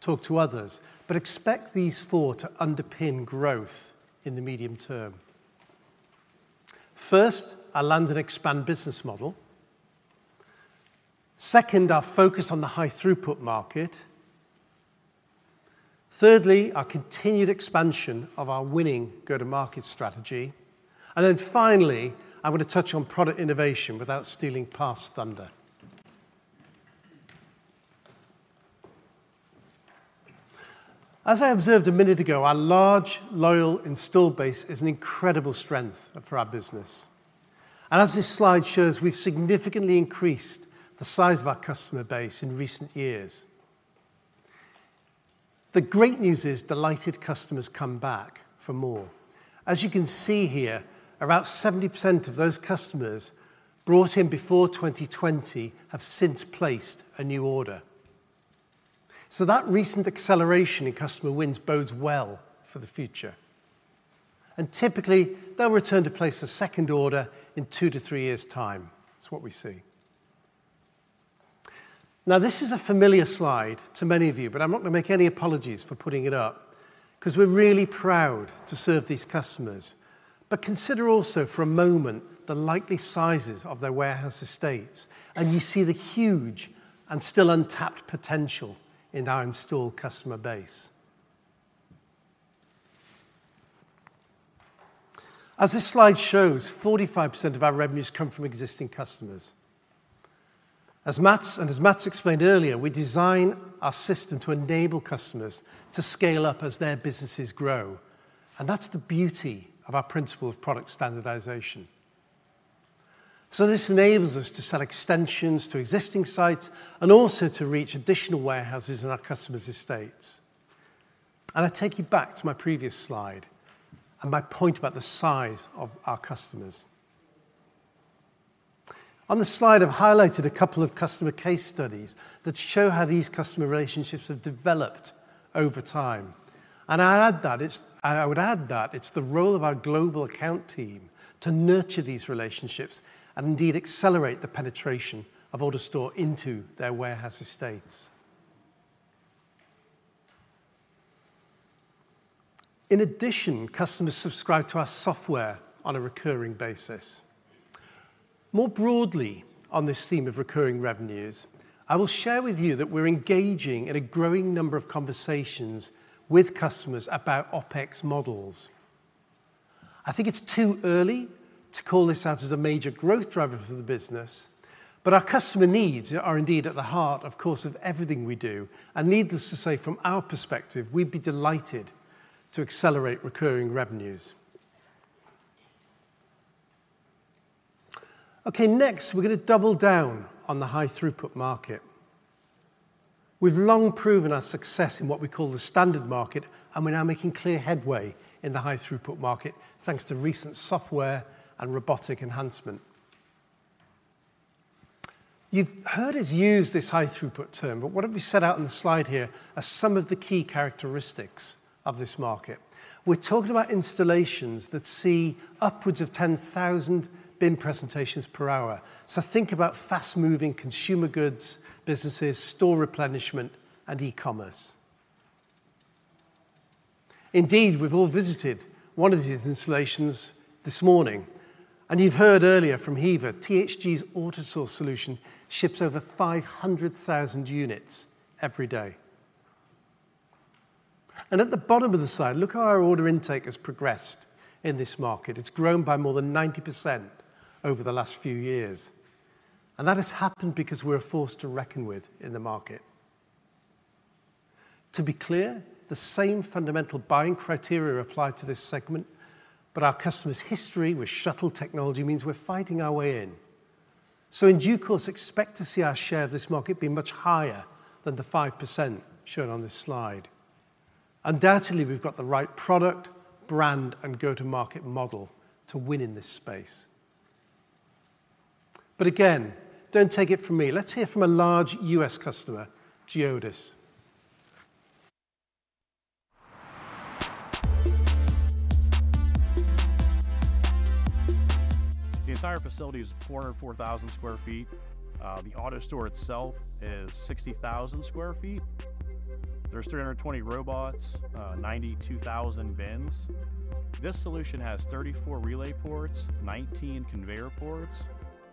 Speaker 4: talk to others, but expect these four to underpin growth in the medium term. First, our land and expand business model. Second, our focus on the high-throughput market. Thirdly, our continued expansion of our winning go-to-market strategy. And then finally, I'm gonna touch on product innovation without stealing Parth's thunder. As I observed a minute ago, our large, loyal installed base is an incredible strength for our business, and as this slide shows, we've significantly increased the size of our customer base in recent years. The great news is, delighted customers come back for more. As you can see here, about 70% of those customers brought in before 2020 have since placed a new order. So that recent acceleration in customer wins bodes well for the future, and typically they'll return to place a second order in 2-3 years' time. It's what we see. Now, this is a familiar slide to many of you, but I'm not gonna make any apologies for putting it up, 'cause we're really proud to serve these customers. But consider also for a moment the likely sizes of their warehouse estates, and you see the huge and still untapped potential in our installed customer base. As this slide shows, 45% of our revenues come from existing customers. As Mats explained earlier, we design our system to enable customers to scale up as their businesses grow, and that's the beauty of our principle of product standardization. This enables us to sell extensions to existing sites and also to reach additional warehouses in our customers' estates. I take you back to my previous slide and my point about the size of our customers. On the slide, I've highlighted a couple of customer case studies that show how these customer relationships have developed over time, and I would add that it's the role of our global account team to nurture these relationships and indeed accelerate the penetration of AutoStore into their warehouse estates. In addition, customers subscribe to our software on a recurring basis. More broadly, on this theme of recurring revenues, I will share with you that we're engaging in a growing number of conversations with customers about OpEx models. I think it's too early to call this out as a major growth driver for the business, but our customer needs are indeed at the heart, of course, of everything we do. And needless to say, from our perspective, we'd be delighted to accelerate recurring revenues. Okay, next, we're gonna double down on the high-throughput market. We've long proven our success in what we call the standard market, and we're now making clear headway in the high-throughput market, thanks to recent software and robotic enhancement. You've heard us use this high-throughput term, but what have we set out in the slide here are some of the key characteristics of this market. We're talking about installations that see upwards of 10,000 bin presentations per hour. So think about fast-moving consumer goods, businesses, store replenishment, and e-commerce. Indeed, we've all visited one of these installations this morning, and you've heard earlier from Hiva. THG's AutoStore solution ships over 500,000 units every day. And at the bottom of the slide, look how our order intake has progressed in this market. It's grown by more than 90% over the last few years, and that has happened because we're a force to reckon with in the market. To be clear, the same fundamental buying criteria apply to this segment, but our customers' history with shuttle technology means we're fighting our way in. So in due course, expect to see our share of this market be much higher than the 5% shown on this slide. Undoubtedly, we've got the right product, brand, and go-to-market model to win in this space. But again, don't take it from me. Let's hear from a large U.S. customer, GEODIS.
Speaker 8: The entire facility is 404,000 sq ft. The AutoStore itself is 60,000 sq ft. There's 320 robots, 92,000 bins. This solution has 34 RelayPorts, 19 ConveyorPorts,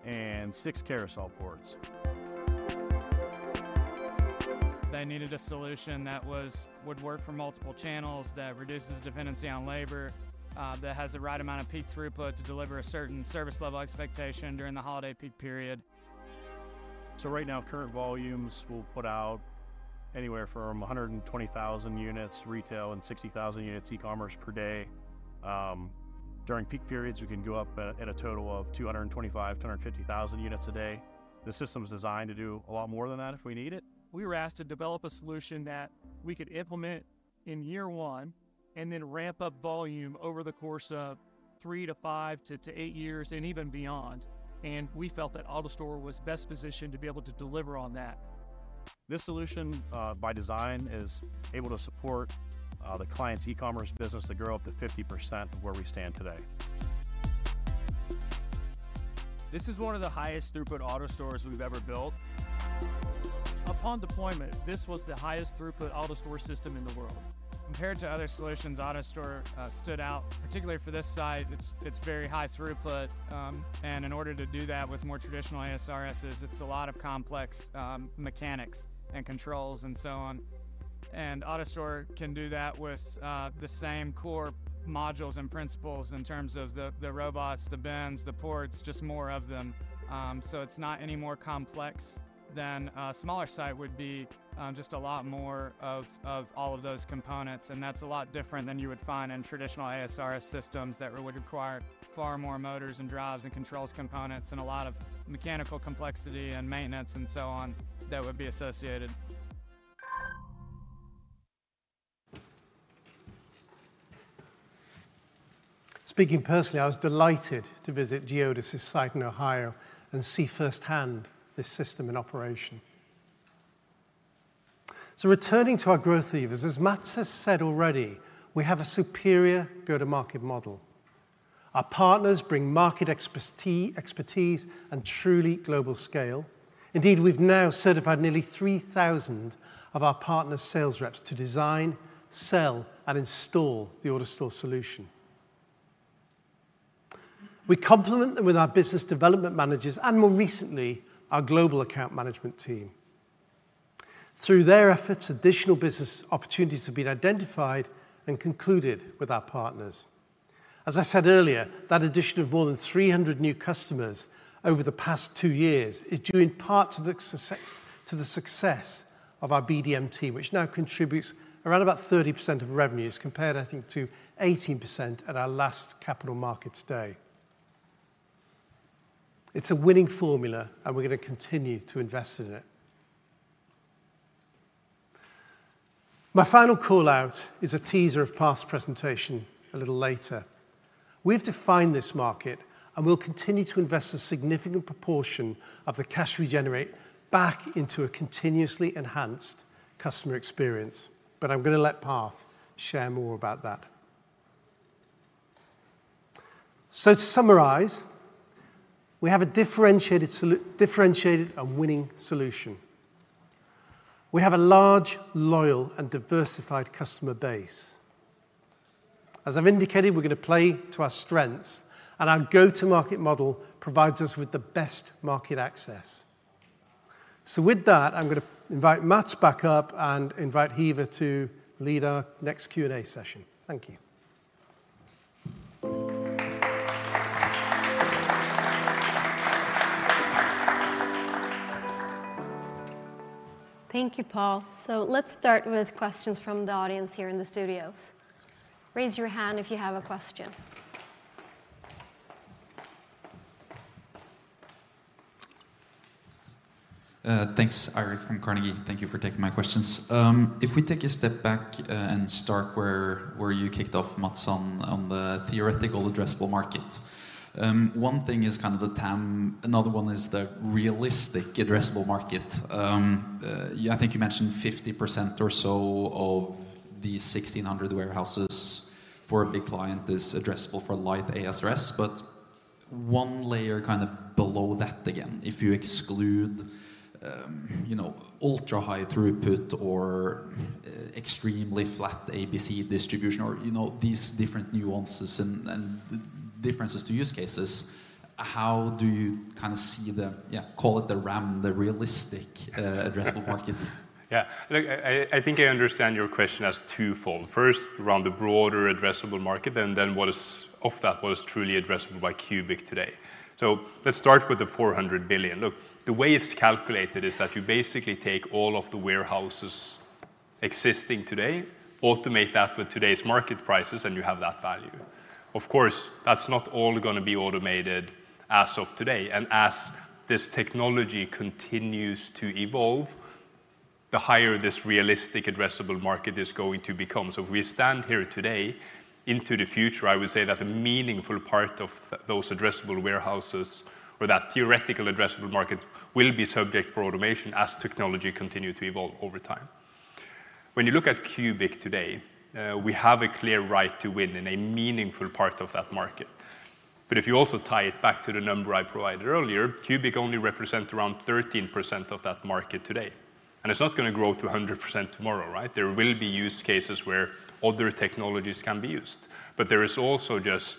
Speaker 8: and 6 CarouselPorts. They needed a solution that would work for multiple channels, that reduces dependency on labor, that has the right amount of peak throughput to deliver a certain service level expectation during the holiday peak period. Right now, current volumes, we'll put out anywhere from a 120,000 units retail and sixty thousand units e-commerce per day. During peak periods, we can go up at a total of 225,250 units a day. The system's designed to do a lot more than that if we need it. We were asked to develop a solution that we could implement in year one, and then ramp up volume over the course of three to five to eight years, and even beyond, and we felt that AutoStore was best positioned to be able to deliver on that. This solution, by design, is able to support the client's e-commerce business to grow up to 50% of where we stand today. This is one of the highest throughput AutoStores we've ever built. Upon deployment, this was the highest throughput AutoStore system in the world. Compared to other solutions, AutoStore stood out, particularly for this site. It's very high throughput, and in order to do that with more traditional ASRSs, it's a lot of complex mechanics and controls and so on. And AutoStore can do that with the same core modules and principles in terms of the robots, the bins, the ports, just more of them. So it's not any more complex than a smaller site would be, just a lot more of all of those components, and that's a lot different than you would find in traditional ASRS systems that would require far more motors and drives and controls components, and a lot of mechanical complexity and maintenance and so on that would be associated.
Speaker 4: Speaking personally, I was delighted to visit GEODIS's site in Ohio and see firsthand this system in operation. Returning to our growth levers, as Mats has said already, we have a superior go-to-market model. Our partners bring market expertise and truly global scale. Indeed, we've now certified nearly three thousand of our partner sales reps to design, sell, and install the AutoStore solution. We complement them with our business development managers and more recently, our global account management team. Through their efforts, additional business opportunities have been identified and concluded with our partners. As I said earlier, that addition of more than three hundred new customers over the past two years is due in part to the success of our BDM team, which now contributes around about 30% of revenues, compared, I think, to 18% at our last Capital Markets Day. It's a winning formula, and we're gonna continue to invest in it. My final call-out is a teaser of Parth's presentation a little later. We've defined this market, and we'll continue to invest a significant proportion of the cash we generate back into a continuously enhanced customer experience. But I'm gonna let Parth share more about that. So to summarize, we have a differentiated and winning solution. We have a large, loyal, and diversified customer base. As I've indicated, we're gonna play to our strengths, and our go-to-market model provides us with the best market access. So with that, I'm gonna invite Mats back up and invite Hiva to lead our next Q&A session. Thank you.
Speaker 1: Thank you, Paul. So let's start with questions from the audience here in the studios. Raise your hand if you have a question.
Speaker 9: Thanks. Eirik from Carnegie. Thank you for taking my questions. If we take a step back, and start where you kicked off, Mats, on the theoretical addressable market. One thing is kind of the TAM. Another one is the realistic addressable market. Yeah, I think you mentioned 50% or so of the 1,600 warehouses for a big client is addressable for light ASRS, but one layer kind of below that again, if you exclude, you know, ultra-high throughput or extremely flat ABC distribution or, you know, these different nuances and differences to use cases, how do you kind of see the, yeah, call it the RAM, the realistic addressable market?
Speaker 2: Yeah, look, I think I understand your question as twofold. First, around the broader addressable market, and then what is, of that, what is truly addressable by Cubic today. So let's start with the $400 billion. Look, the way it's calculated is that you basically take all of the warehouses existing today, automate that with today's market prices, and you have that value. Of course, that's not all gonna be automated as of today, and as this technology continues to evolve, the higher this realistic addressable market is going to become. So if we stand here today into the future, I would say that a meaningful part of those addressable warehouses or that theoretical addressable market will be subject for automation as technology continue to evolve over time. When you look at Cubic today, we have a clear right to win in a meaningful part of that market. But if you also tie it back to the number I provided earlier, Cubic only represent around 13% of that market today, and it's not gonna grow to 100% tomorrow, right? There will be use cases where other technologies can be used, but there is also just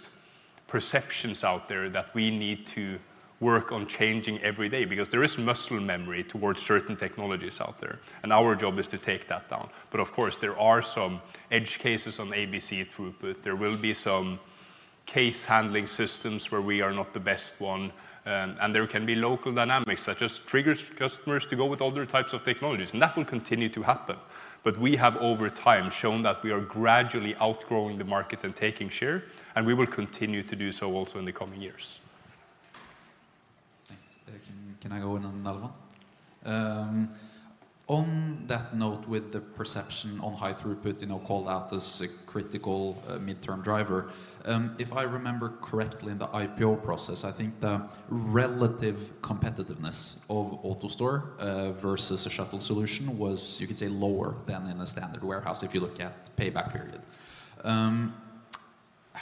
Speaker 2: perceptions out there that we need to work on changing every day because there is muscle memory towards certain technologies out there, and our job is to take that down. But of course, there are some edge cases on ABC throughput. There will be some case handling systems where we are not the best one, and there can be local dynamics that just triggers customers to go with other types of technologies, and that will continue to happen. But we have, over time, shown that we are gradually outgrowing the market and taking share, and we will continue to do so also in the coming years.
Speaker 9: Thanks. Can I go in on another one? On that note, with the perception on high throughput, you know, called out as a critical midterm driver, if I remember correctly in the IPO process, I think the relative competitiveness of AutoStore versus a shuttle solution was, you could say, lower than in a standard warehouse if you look at payback period.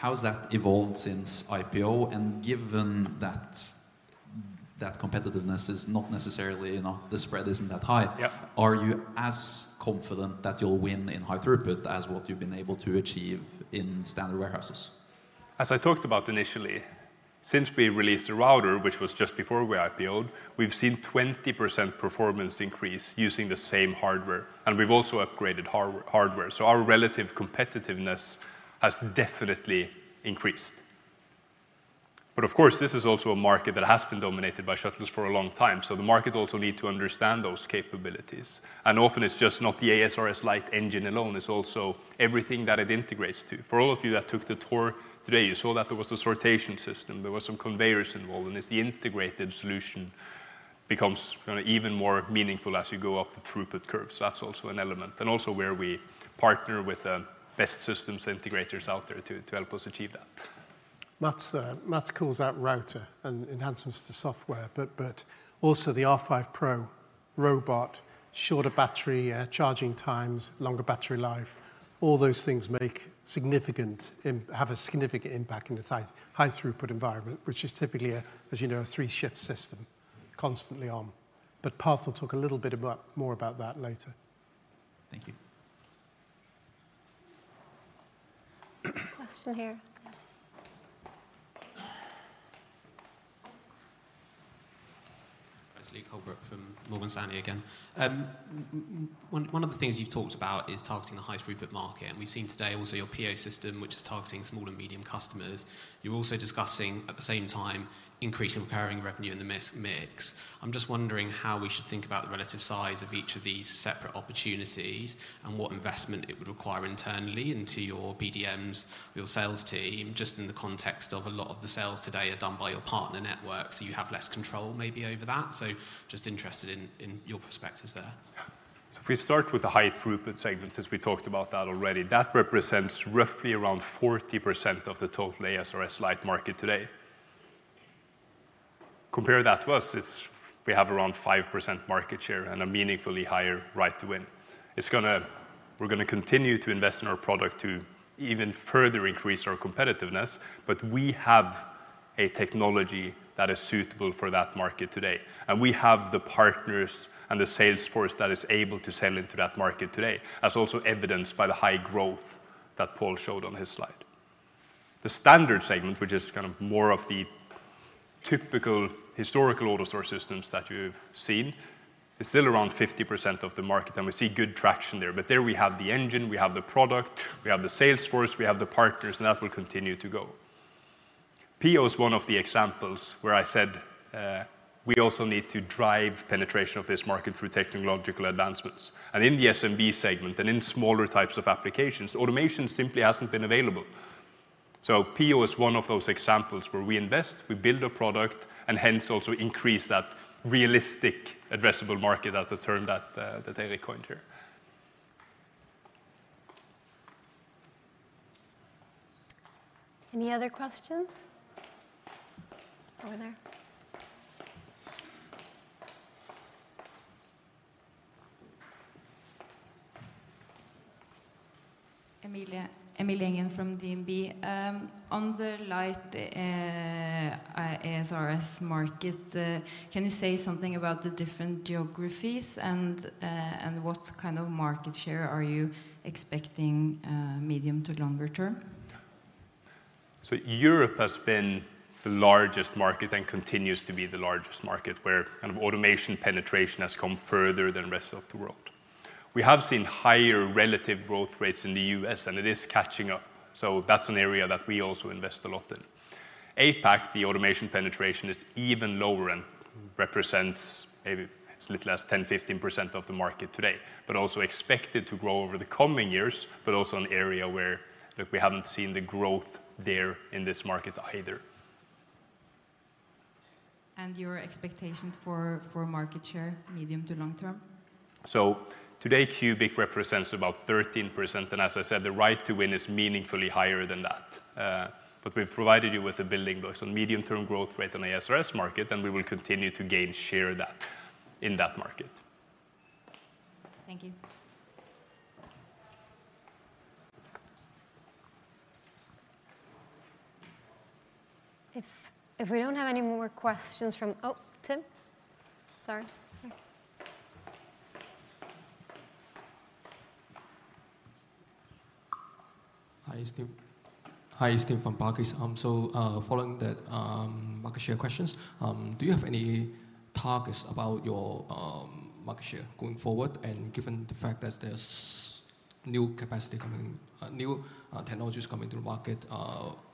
Speaker 9: How has that evolved since IPO? And given that competitiveness is not necessarily, you know, the spread isn't that high. Are you as confident that you'll win in high throughput as what you've been able to achieve in standard warehouses?
Speaker 2: As I talked about initially, since we released the Router, which was just before we IPO'd, we've seen 20% performance increase using the same hardware, and we've also upgraded hardware, so our relative competitiveness has definitely increased, but of course, this is also a market that has been dominated by shuttles for a long time, so the market also need to understand those capabilities, and often it's just not the Light ASRS engine alone, it's also everything that it integrates to. For all of you that took the tour today, you saw that there was a sortation system, there were some conveyors involved, and it's the integrated solution becomes kind of even more meaningful as you go up the throughput curve, so that's also an element, and also where we partner with the best systems integrators out there to help us achieve that.
Speaker 4: Mats calls out router and enhancements to software, but also the R5 Pro robot, shorter battery charging times, longer battery life. All those things have a significant impact in the tight, high-throughput environment, which is typically, as you know, a three-shift system, constantly on. But Parth will talk a little bit more about that later.
Speaker 9: Thank you.
Speaker 1: Question here.
Speaker 3: Thanks. Luke Holbrook from Morgan Stanley again. One of the things you've talked about is targeting the high-throughput market, and we've seen today also your Pio system, which is targeting small and medium customers. You're also discussing, at the same time, increasing recurring revenue in the mix. I'm just wondering how we should think about the relative size of each of these separate opportunities and what investment it would require internally into your BDMs, your sales team, just in the context of a lot of the sales today are done by your partner network, so you have less control maybe over that. So just interested in your perspectives there.
Speaker 2: Yeah. So if we start with the high-throughput segment, since we talked about that already, that represents roughly around 40% of the total light ASRS market today. Compare that to us, it's. We have around 5% market share and a meaningfully higher right to win. It's gonna. We're gonna continue to invest in our product to even further increase our competitiveness, but we have a technology that is suitable for that market today, and we have the partners and the sales force that is able to sell into that market today, as also evidenced by the high growth that Paul showed on his slide. The standard segment, which is kind of more of the typical historical AutoStore systems that you've seen, is still around 50% of the market, and we see good traction there. But there we have the engine, we have the product, we have the sales force, we have the partners, and that will continue to go. Pio is one of the examples where I said, we also need to drive penetration of this market through technological advancements. And in the SMB segment and in smaller types of applications, automation simply hasn't been available. So Pio is one of those examples where we invest, we build a product, and hence also increase that realistic addressable market, that's a term that, that David coined here.
Speaker 1: Any other questions? Over there.
Speaker 5: Emilie, Emilie Engen from DNB. On the Light ASRS market, can you say something about the different geographies and what kind of market share are you expecting, medium to longer term?
Speaker 2: Europe has been the largest market and continues to be the largest market, where kind of automation penetration has come further than the rest of the world. We have seen higher relative growth rates in the U.S., and it is catching up, so that's an area that we also invest a lot in. APAC, the automation penetration is even lower and represents maybe as little as 10-15% of the market today, but also expected to grow over the coming years, but also an area where, look, we haven't seen the growth there in this market either.
Speaker 1: Your expectations for market share, medium to long term?
Speaker 2: So today, cubic represents about 13%, and as I said, the right to win is meaningfully higher than that. But we've provided you with the building blocks on medium-term growth rate on the ASRS market, and we will continue to gain share in that market.
Speaker 1: Thank you. If we don't have any more questions from-- Oh, Tim? Sorry.
Speaker 9: Hi, it's Tim. Hi, it's Tim from Barclays. So, following the market share questions, do you have any targets about your market share going forward? And given the fact that there's new capacity coming, new technologies coming to the market,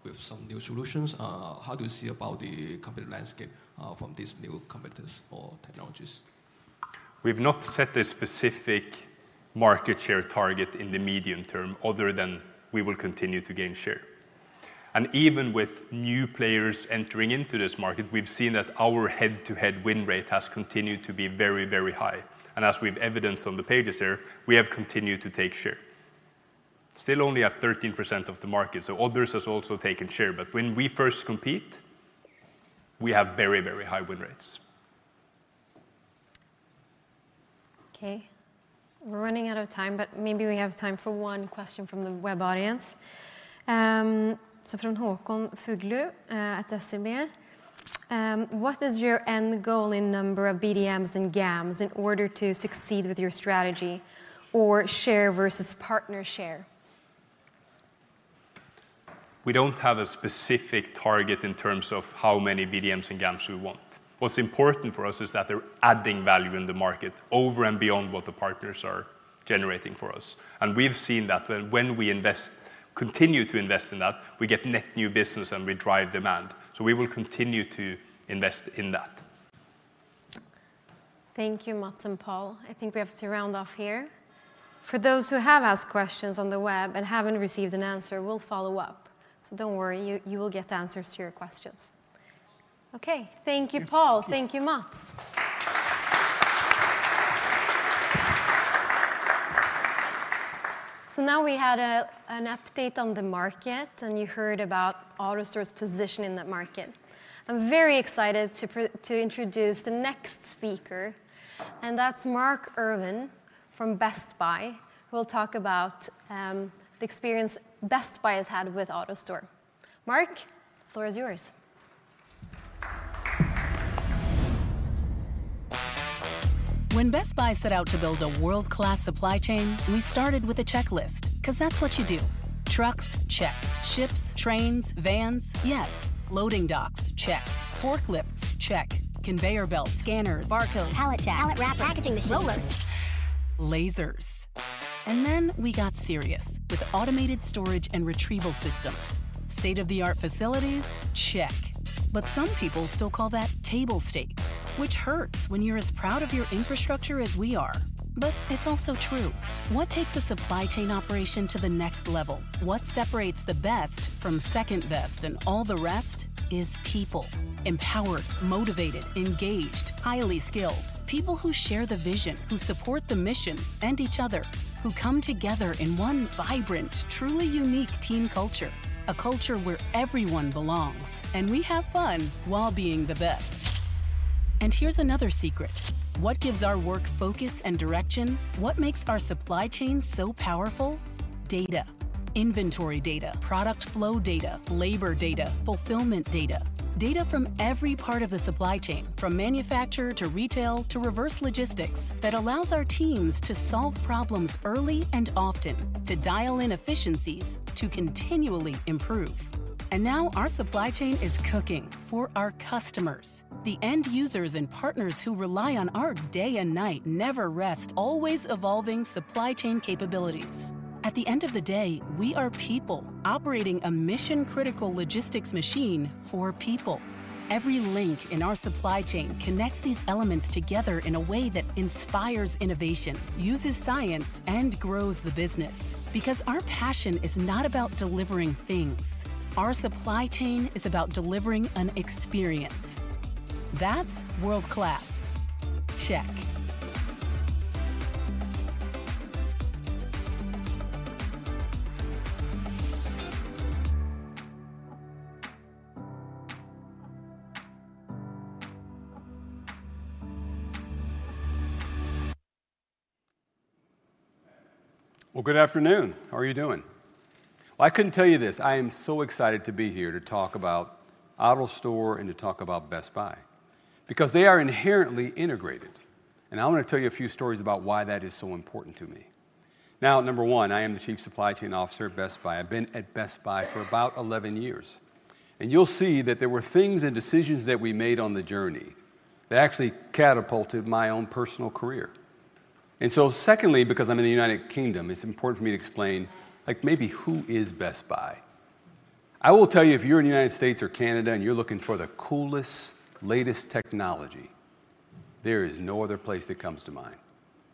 Speaker 9: with some new solutions, how do you see about the competitive landscape from these new competitors or technologies?
Speaker 2: We've not set a specific market share target in the medium term other than we will continue to gain share. And even with new players entering into this market, we've seen that our head-to-head win rate has continued to be very, very high. And as we've evidenced on the pages here, we have continued to take share. Still only at 13% of the market, so others has also taken share, but when we first compete, we have very, very high win rates.
Speaker 1: Okay, we're running out of time, but maybe we have time for one question from the web audience. So from Haakon Fuglu at SpareBank 1 Markets: "What is your end goal in number of BDMs and GAMs in order to succeed with your strategy or share versus partner share?
Speaker 2: We don't have a specific target in terms of how many BDMs and GAMs we want. What's important for us is that they're adding value in the market over and beyond what the partners are generating for us, and we've seen that when we continue to invest in that, we get net new business and we drive demand, so we will continue to invest in that.
Speaker 1: Thank you, Mats and Paul. I think we have to round off here. For those who have asked questions on the web and haven't received an answer, we'll follow up. So don't worry, you will get answers to your questions. Okay. Thank you, Paul.
Speaker 2: Thank you.
Speaker 1: Thank you, Mats. So now we had an update on the market, and you heard about AutoStore's position in that market. I'm very excited to introduce the next speaker, and that's Mark Irvin from Best Buy, who will talk about the experience Best Buy has had with AutoStore. Mark, the floor is yours.
Speaker 10: When Best Buy set out to build a world-class supply chain, we started with a checklist, 'cause that's what you do. Trucks: check. Ships, trains, vans: yes. Loading docks: check. Forklifts: check. Conveyor belts, scanners, barcodes, pallet jack, pallet wrap, packaging machines, rollers, lasers. And then we got serious with automated storage and retrieval systems. State-of-the-art facilities: check. But some people still call that table stakes, which hurts when you're as proud of your infrastructure as we are. But it's also true. What takes a supply chain operation to the next level? What separates the best from second best and all the rest is people: empowered, motivated, engaged, highly skilled. People who share the vision, who support the mission and each other, who come together in one vibrant, truly unique team culture, a culture where everyone belongs, and we have fun while being the best. And here's another secret: What gives our work focus and direction, what makes our supply chain so powerful? Data. Inventory data, product flow data, labor data, fulfillment data. Data from every part of the supply chain, from manufacturer to retail, to reverse logistics, that allows our teams to solve problems early and often, to dial in efficiencies, to continually improve. And now our supply chain is cooking for our customers, the end users and partners who rely on our day and night, never-rest, always-evolving supply chain capabilities. At the end of the day, we are people operating a mission-critical logistics machine for people. Every link in our supply chain connects these elements together in a way that inspires innovation, uses science, and grows the business. Because our passion is not about delivering things. Our supply chain is about delivering an experience. That's world-class. Check.
Speaker 11: Good afternoon. How are you doing? Well, I'll tell you this. I am so excited to be here to talk about AutoStore and to talk about Best Buy, because they are inherently integrated, and I want to tell you a few stories about why that is so important to me. Now, number one, I am the Chief Supply Chain Officer at Best Buy. I've been at Best Buy for about 11 years, and you'll see that there were things and decisions that we made on the journey that actually catapulted my own personal career, and so secondly, because I'm in the United Kingdom, it's important for me to explain, like, maybe who is Best Buy? I will tell you, if you're in the United States or Canada, and you're looking for the coolest, latest technology, there is no other place that comes to mind.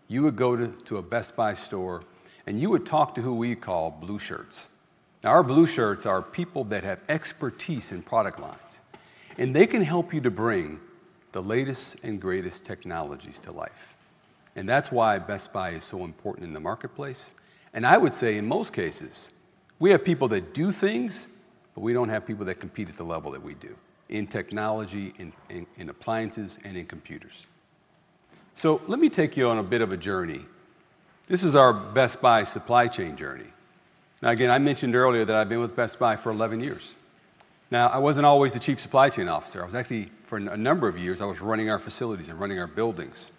Speaker 11: You would go to a Best Buy store, and you would talk to who we call Blue Shirts. Now, our Blue Shirts are people that have expertise in product lines, and they can help you to bring the latest and greatest technologies to life. And that's why Best Buy is so important in the marketplace. And I would say, in most cases, we have people that do things, but we don't have people that compete at the level that we do in technology, in appliances, and in computers. So let me take you on a bit of a journey. This is our Best Buy supply chain journey. Now, again, I mentioned earlier that I've been with Best Buy for eleven years. Now, I wasn't always the Chief Supply Chain Officer. I was actually for a number of years, I was running our facilities and running our buildings.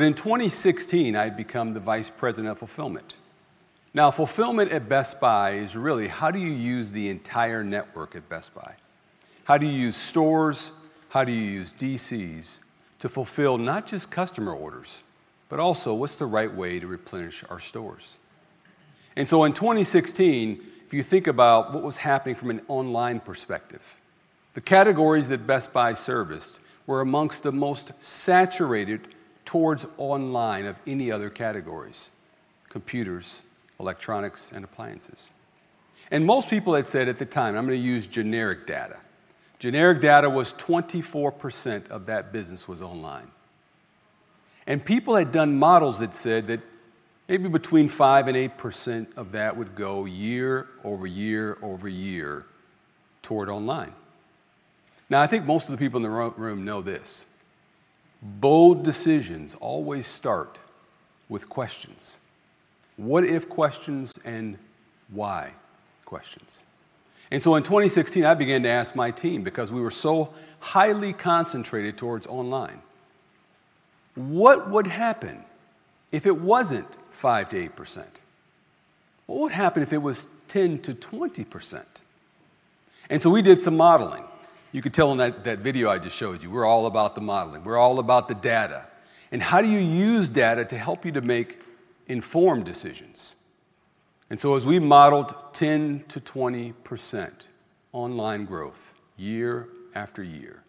Speaker 11: In 2016, I had become the Vice President of Fulfillment. Now, fulfillment at Best Buy is really, how do you use the entire network at Best Buy? How do you use stores? How do you use DCs to fulfill not just customer orders, but also what's the right way to replenish our stores? And so in 2016, if you think about what was happening from an online perspective, the categories that Best Buy serviced were amongst the most saturated towards online of any other categories: computers, electronics, and appliances. And most people had said at the time, I'm gonna use generic data. Generic data was 24% of that business online. And people had done models that said that maybe between 5% and 8% of that would go year over year over year toward online. Now, I think most of the people in the room know this: bold decisions always start with questions. What if questions and why questions. And so in 2016, I began to ask my team, because we were so highly concentrated towards online, what would happen if it wasn't 5-8%? What would happen if it was 10-20%? And so we did some modeling. You could tell in that, that video I just showed you, we're all about the modeling. We're all about the data, and how do you use data to help you to make informed decisions? And so as we modeled 10-20% online growth year after year,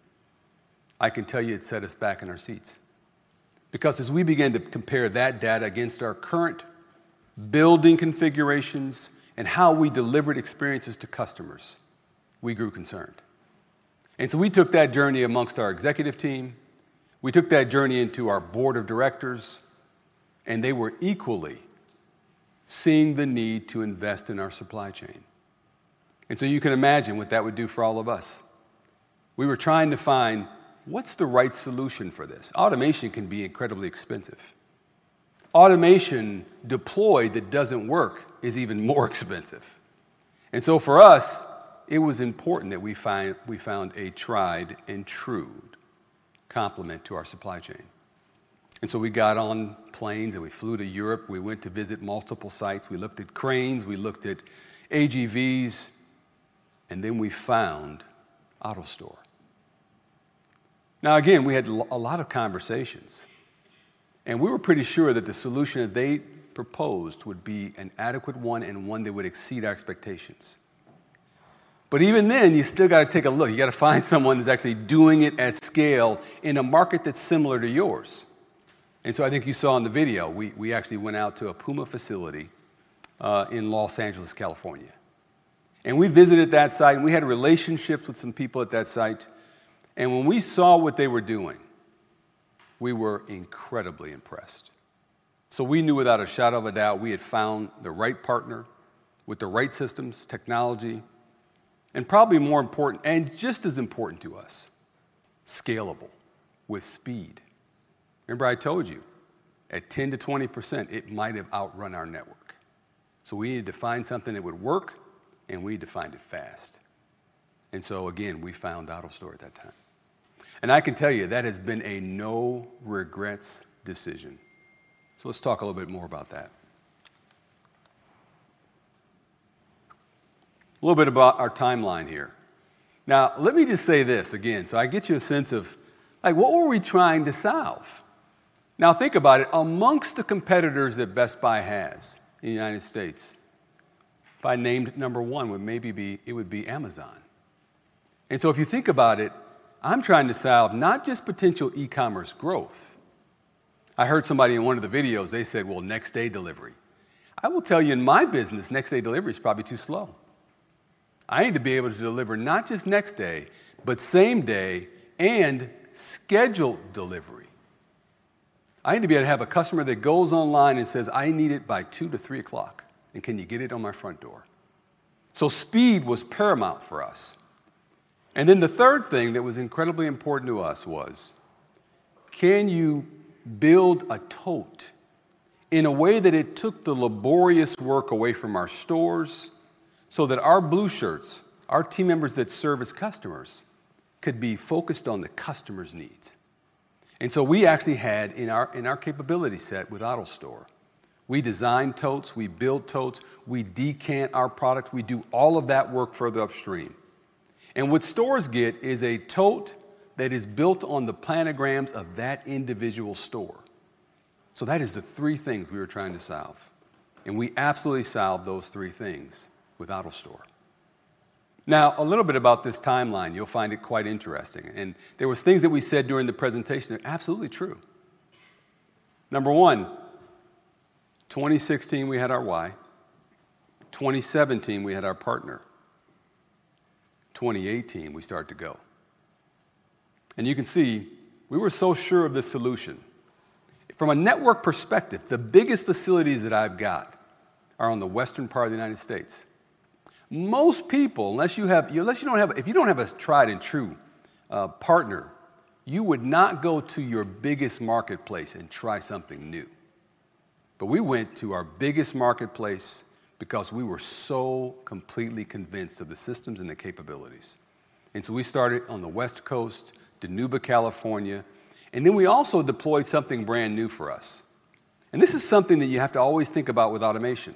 Speaker 11: I can tell you it set us back in our seats. Because as we began to compare that data against our current building configurations and how we delivered experiences to customers, we grew concerned. And so we took that journey amongst our executive team, we took that journey into our board of directors, and they were equally seeing the need to invest in our supply chain. And so you can imagine what that would do for all of us. We were trying to find, what's the right solution for this? Automation can be incredibly expensive. Automation deployed that doesn't work is even more expensive. And so for us, it was important that we find, we found a tried and true complement to our supply chain. And so we got on planes, and we flew to Europe. We went to visit multiple sites. We looked at cranes, we looked at AGVs, and then we found AutoStore. Now, again, we had a lot of conversations, and we were pretty sure that the solution that they proposed would be an adequate one and one that would exceed our expectations, but even then, you still gotta take a look. You gotta find someone who's actually doing it at scale in a market that's similar to yours, and so I think you saw in the video, we actually went out to a PUMA facility in Los Angeles, California, and we visited that site, and we had relationships with some people at that site, and when we saw what they were doing, we were incredibly impressed, so we knew without a shadow of a doubt we had found the right partner with the right systems, technology, and probably more important, and just as important to us, scalable with speed. Remember, I told you, at 10%-20%, it might have outrun our network, so we needed to find something that would work, and we needed to find it fast. And so again, we found AutoStore at that time. And I can tell you, that has been a no-regrets decision. So let's talk a little bit more about that. A little bit about our timeline here. Now, let me just say this again, so I get you a sense of, like, what were we trying to solve? Now, think about it. Among the competitors that Best Buy has in the United States, if I named number one, would maybe be, it would be Amazon. And so if you think about it, I'm trying to solve not just potential e-commerce growth. I heard somebody in one of the videos; they said, "Well, next-day delivery." I will tell you, in my business, next-day delivery is probably too slow. I need to be able to deliver not just next day, but same day and schedule delivery. I need to be able to have a customer that goes online and says, "I need it by two to three o'clock, and can you get it on my front door?" So speed was paramount for us. And then the third thing that was incredibly important to us was, can you build a tote in a way that it took the laborious work away from our stores so that our Blue Shirts, our team members that serve as customers, could be focused on the customer's needs? And so we actually had in our capability set with AutoStore, we design totes, we build totes, we decant our product. We do all of that work further upstream. And what stores get is a tote that is built on the planograms of that individual store. So that is the three things we were trying to solve, and we absolutely solved those three things with AutoStore. Now, a little bit about this timeline. You'll find it quite interesting, and there was things that we said during the presentation that are absolutely true. Number one, 2016, we had our why. 2017, we had our partner. 2018, we started to go. And you can see, we were so sure of this solution. From a network perspective, the biggest facilities that I've got are on the western part of the United States. Most people, if you don't have a tried-and-true partner, you would not go to your biggest marketplace and try something new. But we went to our biggest marketplace because we were so completely convinced of the systems and the capabilities. And so we started on the West Coast, Dinuba, California, and then we also deployed something brand new for us, and this is something that you have to always think about with automation.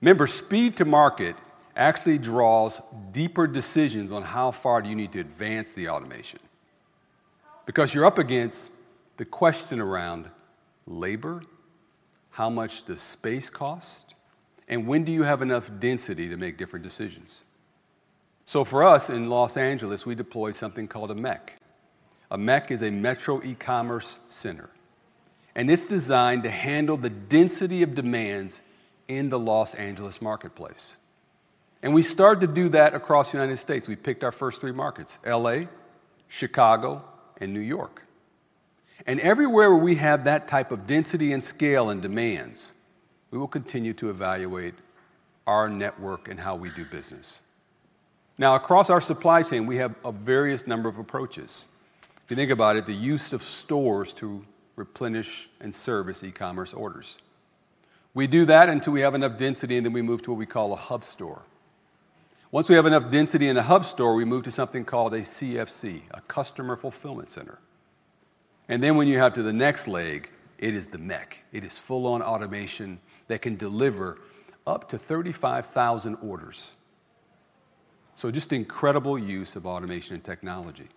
Speaker 11: Remember, speed to market actually draws deeper decisions on how far do you need to advance the automation. Because you're up against the question around labor, how much does space cost, and when do you have enough density to make different decisions? So for us, in Los Angeles, we deployed something called a MEC. A MEC is a metro e-commerce center, and it's designed to handle the density of demands in the Los Angeles marketplace. We started to do that across the United States. We picked our first three markets: LA, Chicago, and New York. Everywhere where we have that type of density and scale and demands, we will continue to evaluate our network and how we do business. Now, across our supply chain, we have a variety of approaches. If you think about it, the use of stores to replenish and service e-commerce orders. We do that until we have enough density, and then we move to what we call a hub store. Once we have enough density in a hub store, we move to something called a CFC, a customer fulfillment center. When you get to the next leg, it is the MEC. It is full-on automation that can deliver up to 35,000 orders. So just incredible use of automation and technology.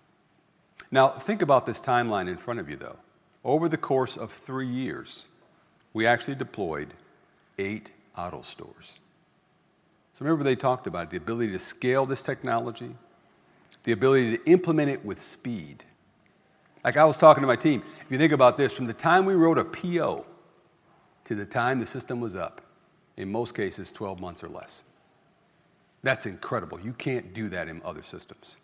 Speaker 11: Now, think about this timeline in front of you, though. Over the course of three years, we actually deployed eight AutoStores. So remember, they talked about the ability to scale this technology, the ability to implement it with speed. Like I was talking to my team, if you think about this, from the time we wrote a Pio to the time the system was up, in most cases, 12 months or less. That's incredible. You can't do that in other systems.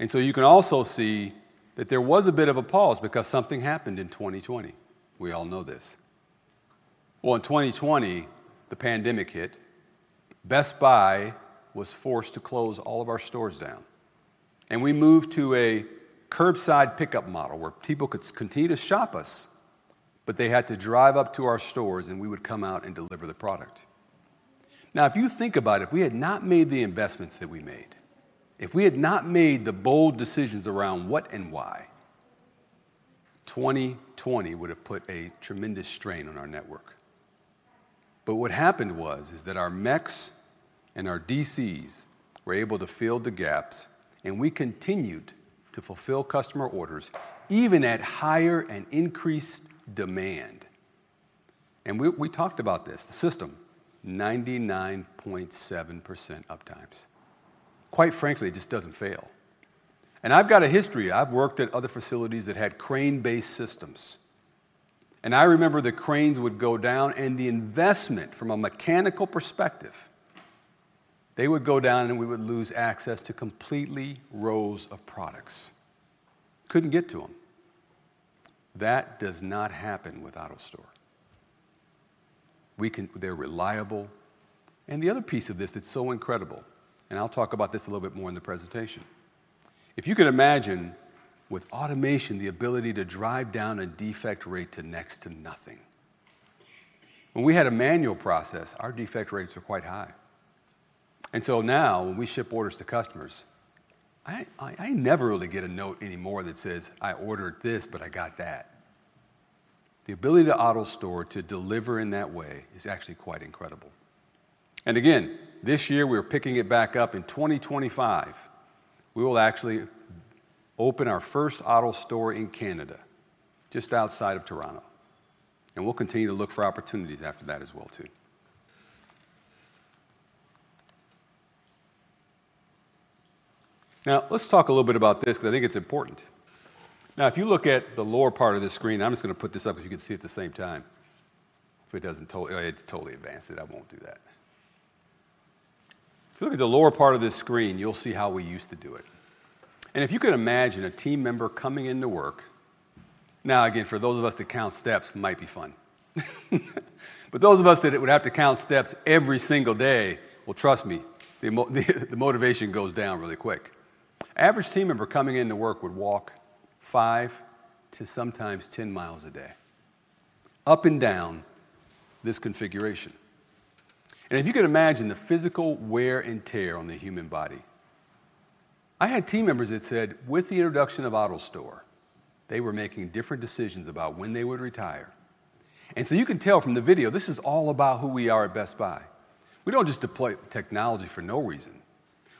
Speaker 11: And so you can also see that there was a bit of a pause because something happened in 2020. We all know this. In 2020, the pandemic hit. Best Buy was forced to close all of our stores down, and we moved to a curbside pickup model where people could continue to shop us, but they had to drive up to our stores, and we would come out and deliver the product. Now, if you think about it, if we had not made the investments that we made, if we had not made the bold decisions around what and why, 2020 would have put a tremendous strain on our network. But what happened was, is that our MECs and our DCs were able to fill the gaps, and we continued to fulfill customer orders, even at higher and increased demand. We talked about this, the system, 99.7% uptime. Quite frankly, it just doesn't fail. I've got a history. I've worked at other facilities that had crane-based systems, and I remember the cranes would go down, and the investment from a mechanical perspective, they would go down, and we would lose access to completely rows of products. Couldn't get to them. That does not happen with AutoStore. We can. They're reliable, and the other piece of this that's so incredible, and I'll talk about this a little bit more in the presentation. If you can imagine, with automation, the ability to drive down a defect rate to next to nothing. When we had a manual process, our defect rates were quite high. And so now, when we ship orders to customers, I never really get a note anymore that says, "I ordered this, but I got that." The ability to AutoStore, to deliver in that way is actually quite incredible. And again, this year, we're picking it back up. In 2025, we will actually open our first AutoStore in Canada, just outside of Toronto, and we'll continue to look for opportunities after that as well, too. Now, let's talk a little bit about this 'cause I think it's important. Now, if you look at the lower part of the screen, I'm just gonna put this up, so you can see it the same time. If it doesn't totally, it totally advanced it, I won't do that. If you look at the lower part of this screen, you'll see how we used to do it. And if you can imagine a team member coming into work. Now, again, for those of us that count steps, might be fun. But those of us that it would have to count steps every single day, well, trust me, the motivation goes down really quick. Average team member coming into work would walk five to sometimes 10 miles a day, up and down this configuration. And if you can imagine the physical wear and tear on the human body, I had team members that said, with the introduction of AutoStore, they were making different decisions about when they would retire. And so you can tell from the video, this is all about who we are at Best Buy. We don't just deploy technology for no reason.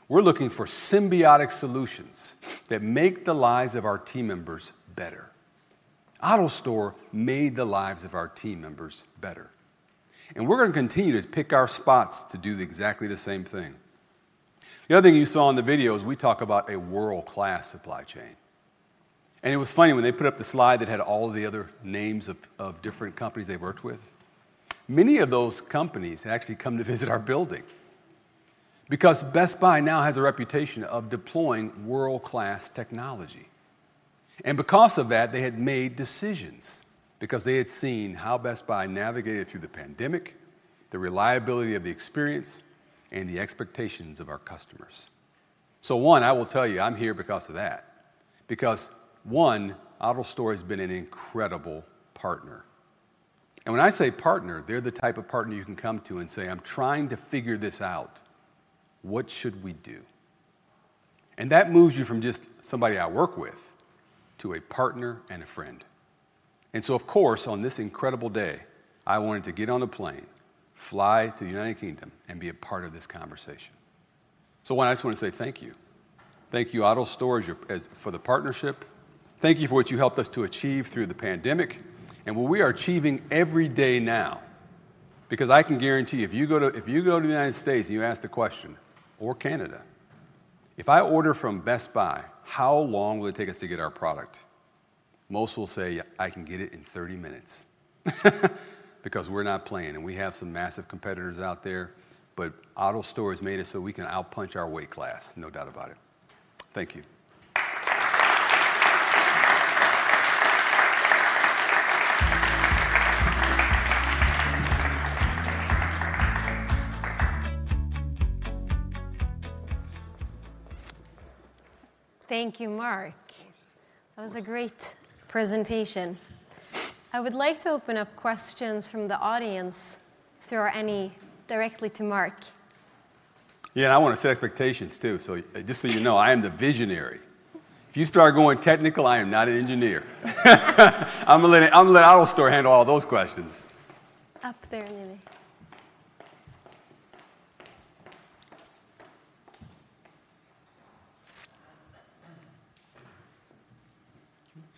Speaker 11: We're looking for symbiotic solutions that make the lives of our team members better. AutoStore made the lives of our team members better, and we're gonna continue to pick our spots to do the exactly the same thing. The other thing you saw in the video is we talk about a world-class supply chain, and it was funny, when they put up the slide that had all of the other names of different companies they worked with, many of those companies had actually come to visit our building. Because Best Buy now has a reputation of deploying world-class technology, and because of that, they had made decisions, because they had seen how Best Buy navigated through the pandemic, the reliability of the experience, and the expectations of our customers, so one, I will tell you, I'm here because of that. Because, one, AutoStore has been an incredible partner, and when I say partner, they're the type of partner you can come to and say: "I'm trying to figure this out. “What should we do?” And that moves you from just somebody I work with to a partner and a friend. And so of course, on this incredible day, I wanted to get on a plane, fly to the United Kingdom, and be a part of this conversation. So one, I just wanna say thank you. Thank you, AutoStore, for the partnership. Thank you for what you helped us to achieve through the pandemic, and what we are achieving every day now. Because I can guarantee you, if you go to, if you go to the United States, and you ask the question, or Canada, "If I order from Best Buy, how long will it take us to get our product?" Most will say, "I can get it in thirty minutes." Because we're not playing, and we have some massive competitors out there, but AutoStore has made it so we can outpunch our weight class, no doubt about it. Thank you.
Speaker 1: Thank you, Mark. That was a great presentation. I would like to open up questions from the audience, if there are any, directly to Mark.
Speaker 11: Yeah, and I wanna set expectations, too. So, just so you know, I am the visionary. If you start going technical, I am not an engineer. I'm gonna let AutoStore handle all those questions.
Speaker 1: Up there, Nili.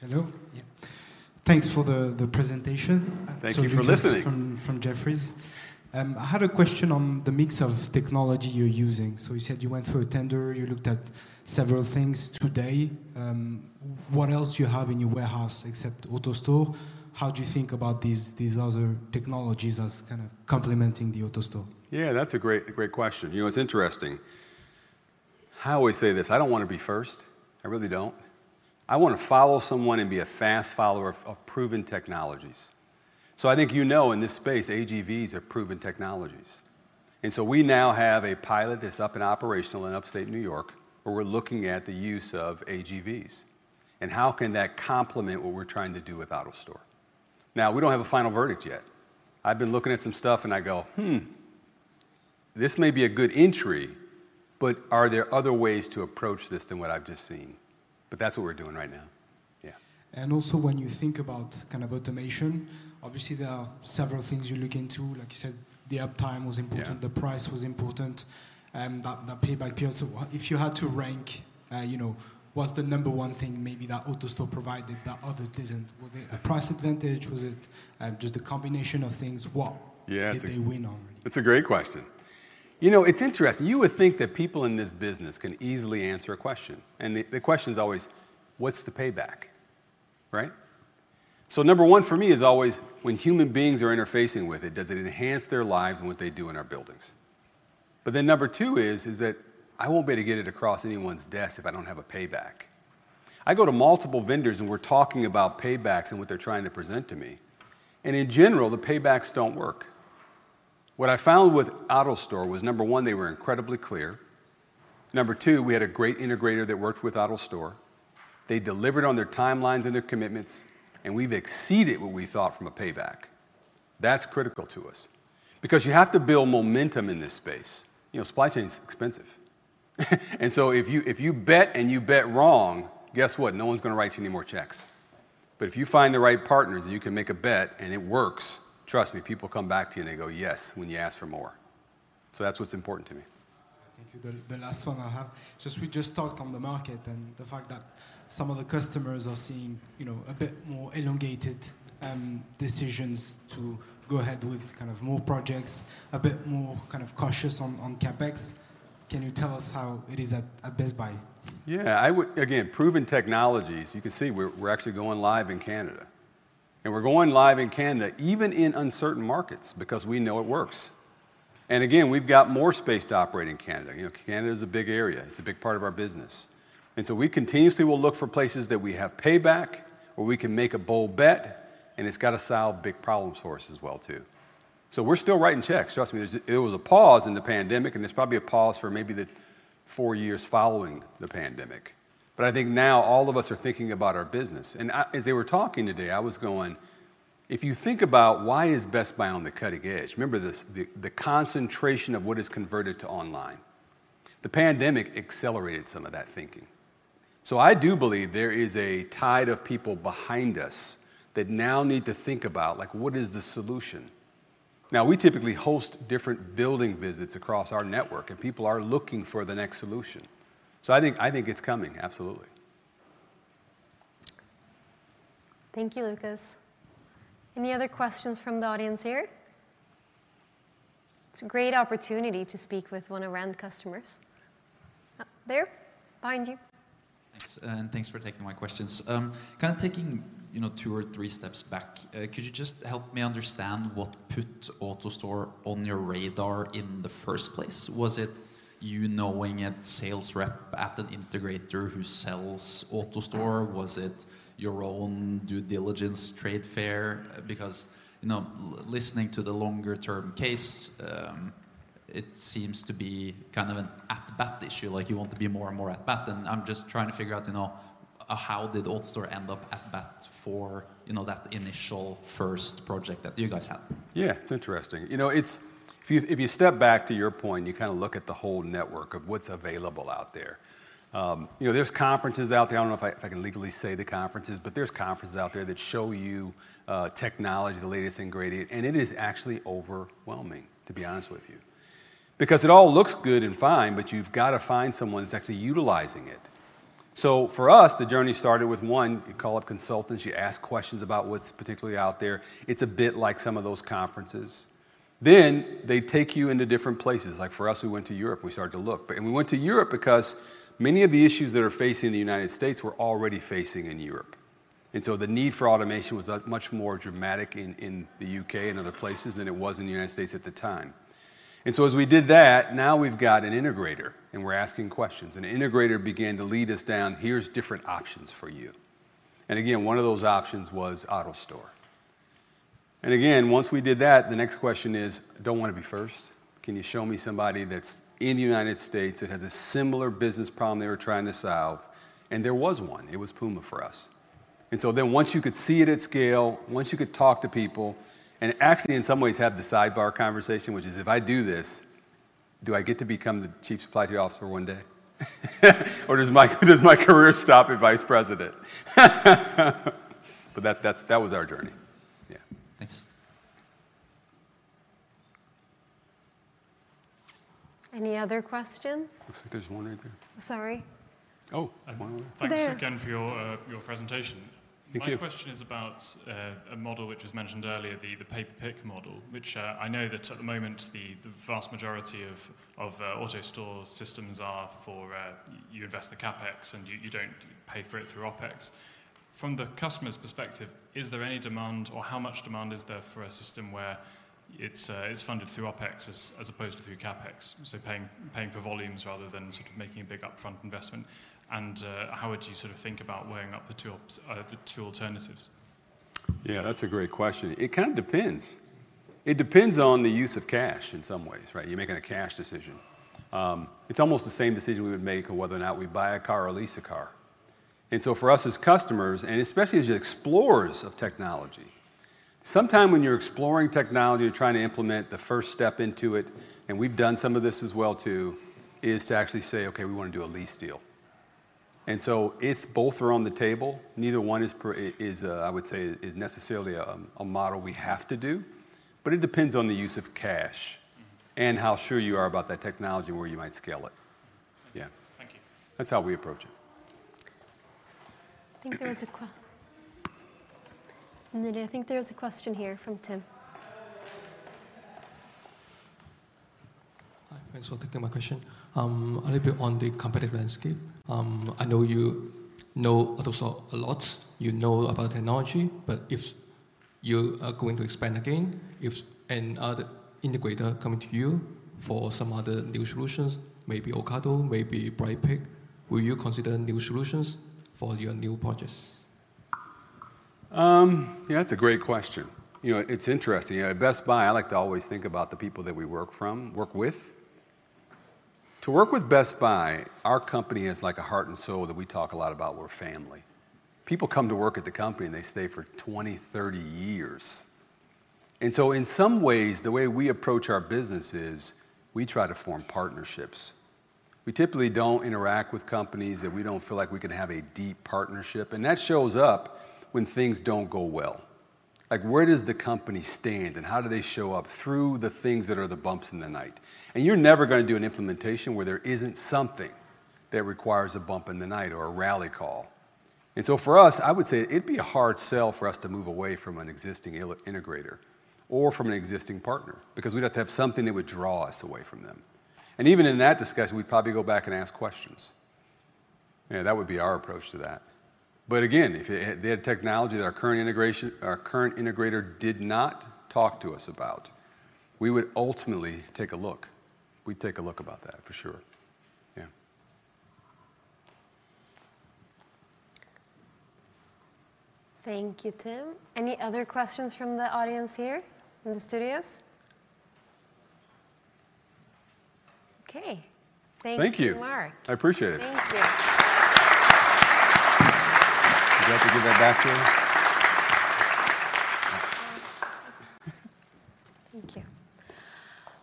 Speaker 12: Hello. Yeah, thanks for the presentation.
Speaker 11: Thank you for listening.
Speaker 12: So Lucas from Jefferies. I had a question on the mix of technology you're using. So you said you went through a tender, you looked at several things today. What else do you have in your warehouse except AutoStore? How do you think about these other technologies as kind of complementing the AutoStore?
Speaker 11: Yeah, that's a great, a great question. You know, it's interesting. I always say this: I don't wanna be first. I really don't. I wanna follow someone and be a fast follower of, of proven technologies. So I think you know, in this space, AGVs are proven technologies. And so we now have a pilot that's up and operational in upstate New York, where we're looking at the use of AGVs, and how can that complement what we're trying to do with AutoStore. Now, we don't have a final verdict yet. I've been looking at some stuff, and I go, "Hmm, this may be a good entry, but are there other ways to approach this than what I've just seen?" But that's what we're doing right now. Yeah.
Speaker 12: Also, when you think about kind of automation, obviously, there are several things you look into. Like you said, the uptime was important. The price was important, the pay-per-pick. So what if you had to rank, you know, what's the number one thing maybe that AutoStore provided that others didn't? Was it a price advantage? Was it just a combination of things? What did they win on?
Speaker 11: It's a great question. You know, it's interesting. You would think that people in this business can easily answer a question, and the question is always: What's the payback, right? So number one for me is always when human beings are interfacing with it, does it enhance their lives and what they do in our buildings? But then number two is that I won't be able to get it across anyone's desk if I don't have a payback. I go to multiple vendors, and we're talking about paybacks and what they're trying to present to me, and in general, the paybacks don't work. What I found with AutoStore was, number one, they were incredibly clear. Number two, we had a great integrator that worked with AutoStore. They delivered on their timelines and their commitments, and we've exceeded what we thought from a payback. That's critical to us, because you have to build momentum in this space. You know, supply chain is expensive, and so if you bet and you bet wrong, guess what? No one's gonna write you any more checks. But if you find the right partners, and you can make a bet, and it works, trust me, people come back to you, and they go, "Yes," when you ask for more. So that's what's important to me.
Speaker 12: Thank you. The last one I have, we just talked on the market and the fact that some of the customers are seeing, you know, a bit more elongated decisions to go ahead with kind of more projects, a bit more kind of cautious on CapEx. Can you tell us how it is at Best Buy?
Speaker 11: Yeah, I would. Again, proven technologies. You can see we're actually going live in Canada, and we're going live in Canada even in uncertain markets because we know it works. And again, we've got more space to operate in Canada. You know, Canada is a big area. It's a big part of our business. And so we continuously will look for places that we have payback, where we can make a bold bet, and it's gotta solve big problems for us as well, too. So we're still writing checks. Trust me, there's, there was a pause in the pandemic, and there's probably a pause for maybe the four years following the pandemic. But I think now all of us are thinking about our business, and I, as they were talking today, I was going, "If you think about why is Best Buy on the cutting edge?" Remember this, the concentration of what is converted to online. The pandemic accelerated some of that thinking. So I do believe there is a tide of people behind us that now need to think about, like, what is the solution. Now, we typically host different building visits across our network, and people are looking for the next solution. So I think it's coming, absolutely.
Speaker 1: Thank you, Lucas. Any other questions from the audience here? It's a great opportunity to speak with one of our customers. There, behind you.
Speaker 13: Thanks, and thanks for taking my questions. Kind of taking, you know, two or three steps back, could you just help me understand what put AutoStore on your radar in the first place? Was it you knowing a sales rep at an integrator who sells AutoStore? Was it your own due diligence trade fair? Because, you know, listening to the longer term case, it seems to be kind of an at bat issue, like you want to be more and more at bat. And I'm just trying to figure out, you know, how did AutoStore end up at bat for, you know, that initial first project that you guys had?
Speaker 11: Yeah, it's interesting. You know, it's - if you, if you step back to your point, you kinda look at the whole network of what's available out there. You know, there's conferences out there, I don't know if I, if I can legally say the conferences, but there's conferences out there that show you, technology, the latest and greatest, and it is actually overwhelming, to be honest with you. Because it all looks good and fine, but you've gotta find someone that's actually utilizing it. So for us, the journey started with, one, you call up consultants, you ask questions about what's particularly out there. It's a bit like some of those conferences. Then, they take you into different places. Like, for us, we went to Europe, we started to look. And we went to Europe because many of the issues that are facing the United States we're already facing in Europe, and so the need for automation was much more dramatic in the UK and other places than it was in the United States at the time. And so as we did that, now we've got an integrator, and we're asking questions, and the integrator began to lead us down, "Here's different options for you." And again, one of those options was AutoStore. And again, once we did that, the next question is: I don't wanna be first. Can you show me somebody that's in the United States that has a similar business problem they were trying to solve? And there was one, it was PUMA for us. And so then, once you could see it at scale, once you could talk to people, and actually, in some ways, have the sidebar conversation, which is, "If I do this, do I get to become the chief supply officer one day? Or does my career stop at vice president?" But that was our journey. Yeah.
Speaker 13: Thanks.
Speaker 1: Any other questions?
Speaker 11: Looks like there's one right there.
Speaker 1: Sorry.
Speaker 14: Thanks again for your presentation.
Speaker 11: Thank you.
Speaker 14: My question is about a model which was mentioned earlier, the pay-per-pick model, which I know that at the moment, the vast majority of AutoStore systems are for. You invest the CapEx, and you don't pay for it through OpEx. From the customer's perspective, is there any demand or how much demand is there for a system where it's funded through OpEx as opposed to through CapEx? So paying for volumes rather than sort of making a big upfront investment. And how would you sort of think about weighing up the two options, the two alternatives?
Speaker 11: Yeah, that's a great question. It kind of depends. It depends on the use of cash in some ways, right? You're making a cash decision. It's almost the same decision we would make on whether or not we'd buy a car or lease a cool car. And so for us as customers, and especially as explorers of technology, sometimes when you're exploring technology, you're trying to implement the first step into it, and we've done some of this as well, too, is to actually say, "Okay, we wanna do a lease deal." And so it's both are on the table. Neither one is, I would say, is necessarily a model we have to do, but it depends on the use of cash and how sure you are about that technology where you might scale it.
Speaker 14: Thank you.
Speaker 11: That's how we approach it.
Speaker 1: I think there is a question. And then I think there is a question here from Tim.
Speaker 15: Hi, thanks for taking my question. A little bit on the competitive landscape. I know you know AutoStore a lot, you know about technology, but if you are going to expand again, if another integrator coming to you for some other new solutions, maybe Ocado, maybe Brightpick, will you consider new solutions for your new projects?
Speaker 11: Yeah, that's a great question. You know, it's interesting. At Best Buy, I like to always think about the people that we work with. To work with Best Buy, our company has, like, a heart and soul that we talk a lot about. We're family. People come to work at the company, and they stay for 20, 30 years. And so in some ways, the way we approach our business is we try to form partnerships. We typically don't interact with companies that we don't feel like we can have a deep partnership, and that shows up when things don't go well. Like, where does the company stand, and how do they show up through the things that are the bumps in the night? And you're never gonna do an implementation where there isn't something that requires a bump in the night or a rally call. And so for us, I would say it'd be a hard sell for us to move away from an existing integrator or from an existing partner, because we'd have to have something that would draw us away from them. And even in that discussion, we'd probably go back and ask questions. Yeah, that would be our approach to that. But again, if it had, they had technology that our current integrator did not talk to us about, we would ultimately take a look. We'd take a look about that, for sure. Yeah.
Speaker 1: Thank you, Tim. Any other questions from the audience here in the studios? Okay.
Speaker 11: Thank you.
Speaker 1: Thank you, Mark.
Speaker 11: I appreciate it.
Speaker 2: Would you like to give that back to him?
Speaker 1: Thank you.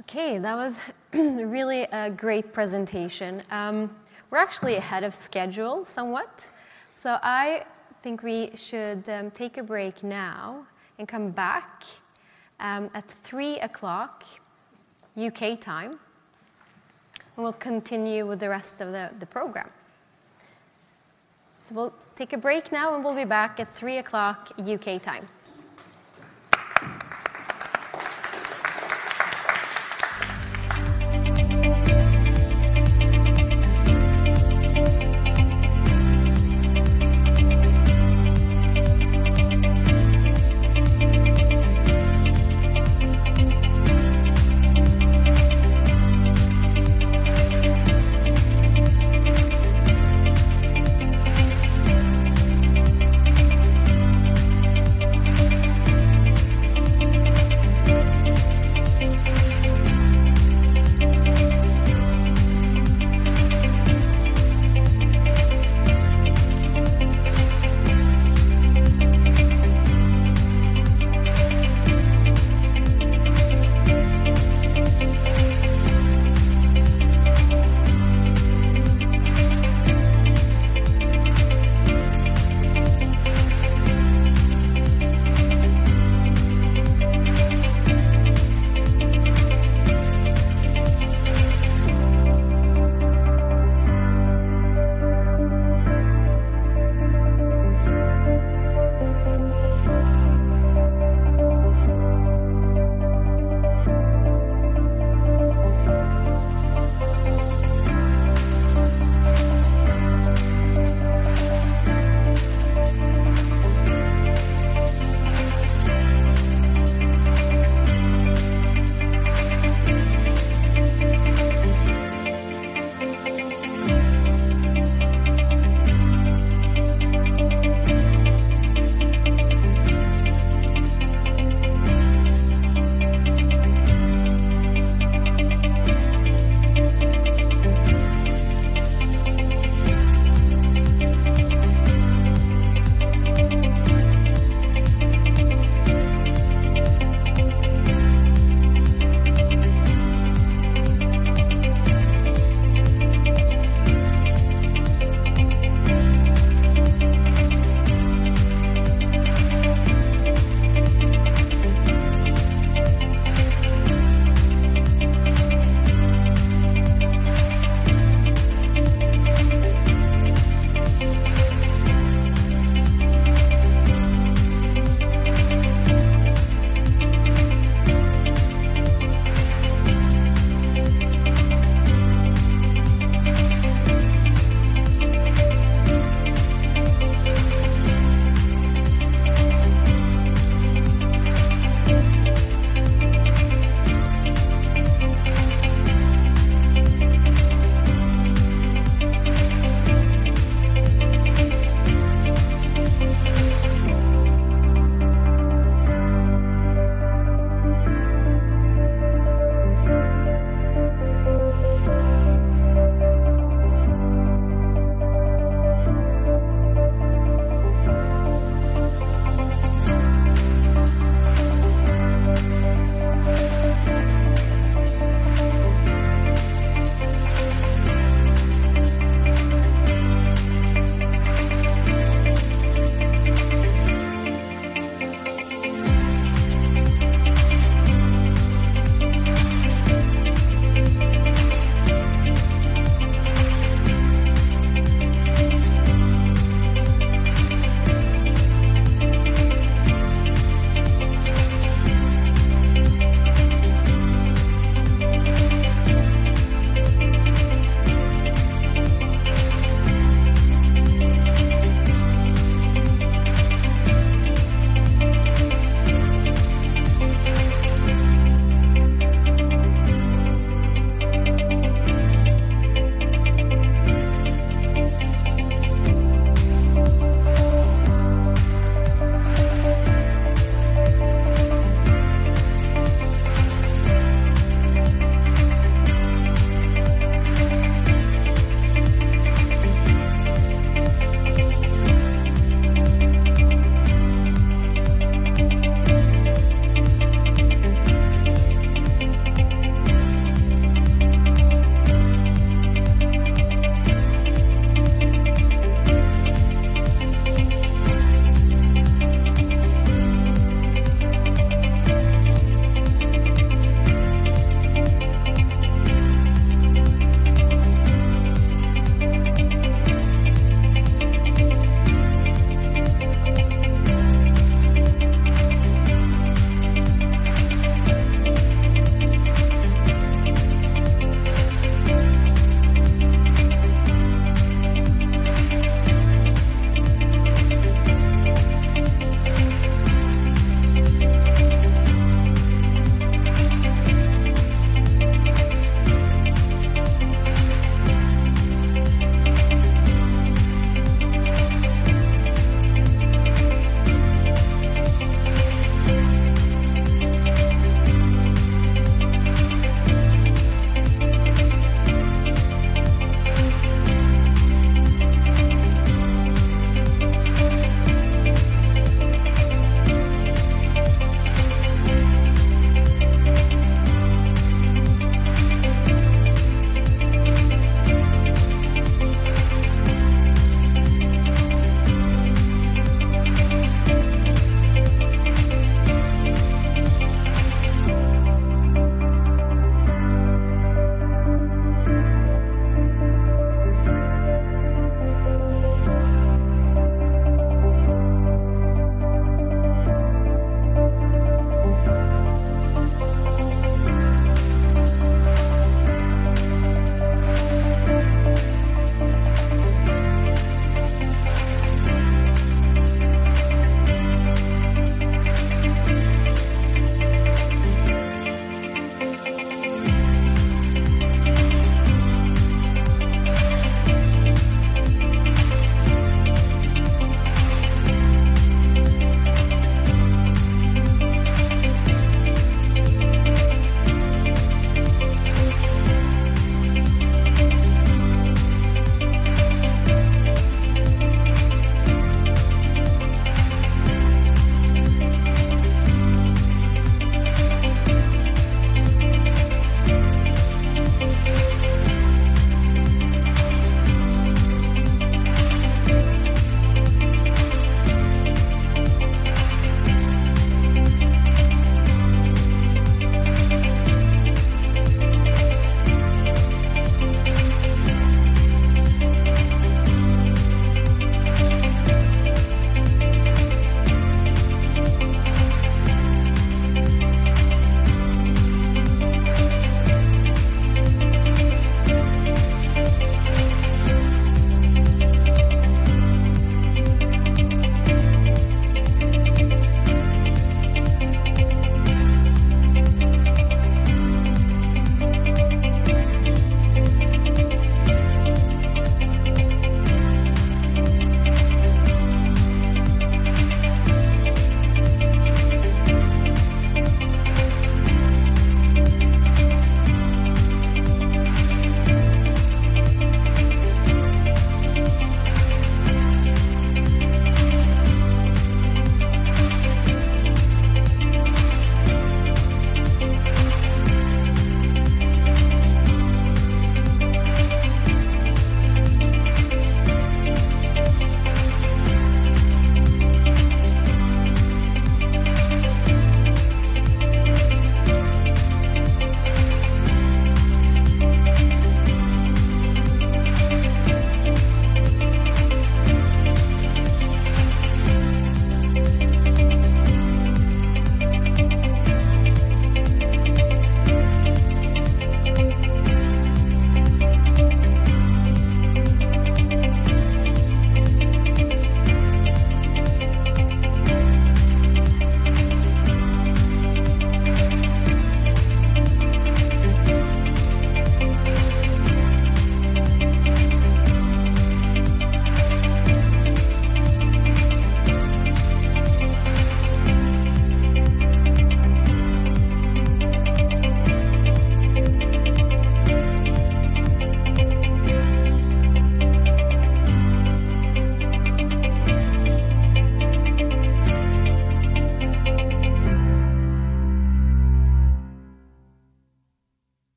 Speaker 1: Okay, that was really a great presentation. We're actually ahead of schedule, somewhat. So I think we should take a break now and come back at 3:00 P.M. U.K. time, and we'll continue with the rest of the program. So we'll take a break now, and we'll be back at 3:00 P.M. U.K. time.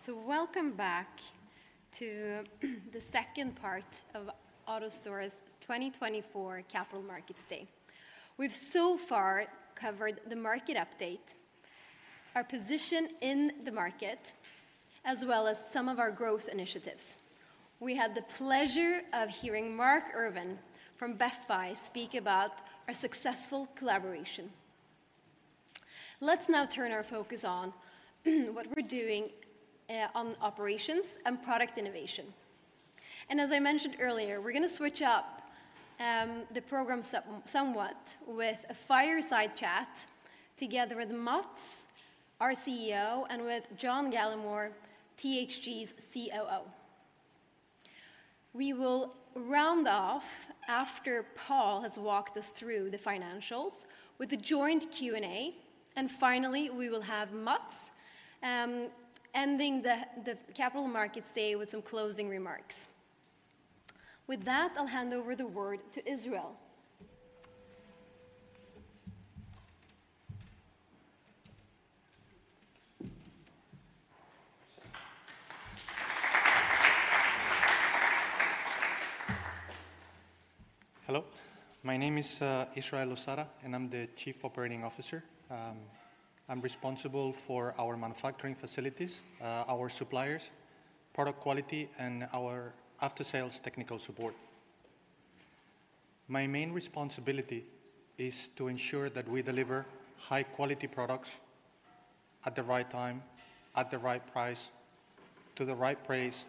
Speaker 1: Okay, everyone, please find your seats. Thank you! Welcome back to the second part of AutoStore's 2024 Capital Markets Day. We've so far covered the market update, our position in the market, as well as some of our growth initiatives. We had the pleasure of hearing Mark Irvin from Best Buy speak about our successful collaboration. Let's now turn our focus on what we're doing on operations and product innovation. As I mentioned earlier, we're gonna switch up the program somewhat with a fireside chat together with Mats, our CEO, and with John Gallemore, THG's COO. We will round off after Paul has walked us through the financials with a joint Q&A, and finally, we will have Mats ending the Capital Markets Day with some closing remarks. With that, I'll hand over the word to Israel.
Speaker 16: Hello, my name is Israel Losada, and I'm the Chief Operating Officer. I'm responsible for our manufacturing facilities, our suppliers, product quality, and our after-sales technical support. My main responsibility is to ensure that we deliver high-quality products at the right time, at the right price, to the right place,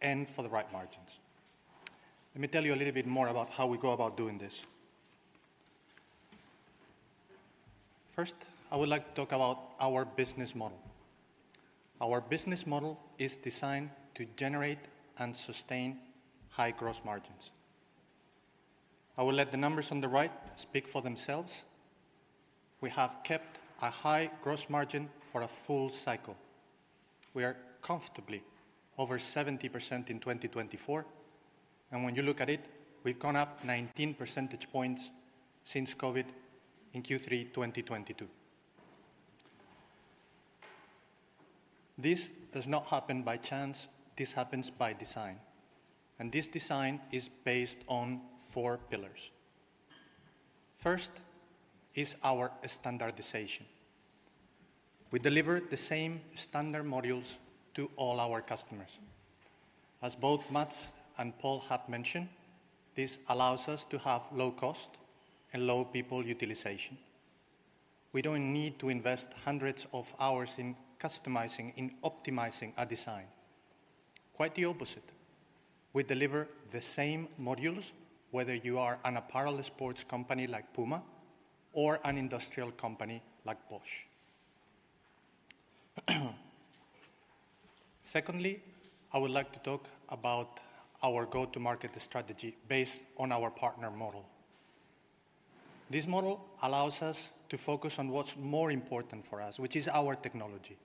Speaker 16: and for the right margins. Let me tell you a little bit more about how we go about doing this. First, I would like to talk about our business model. Our business model is designed to generate and sustain high gross margins. I will let the numbers on the right speak for themselves. We have kept a high gross margin for a full cycle. We are comfortably over 70% in 2024, and when you look at it, we've gone up 19 percentage points since COVID in Q3 2022. This does not happen by chance, this happens by design, and this design is based on four pillars. First is our standardization. We deliver the same standard modules to all our customers. As both Mats and Paul have mentioned, this allows us to have low cost and low people utilization. We don't need to invest hundreds of hours in customizing, in optimizing a design. Quite the opposite. We deliver the same modules, whether you are an apparel sports company like PUMA or an industrial company like Bosch. Secondly, I would like to talk about our go-to-market strategy based on our partner model. This model allows us to focus on what's more important for us, which is our technology.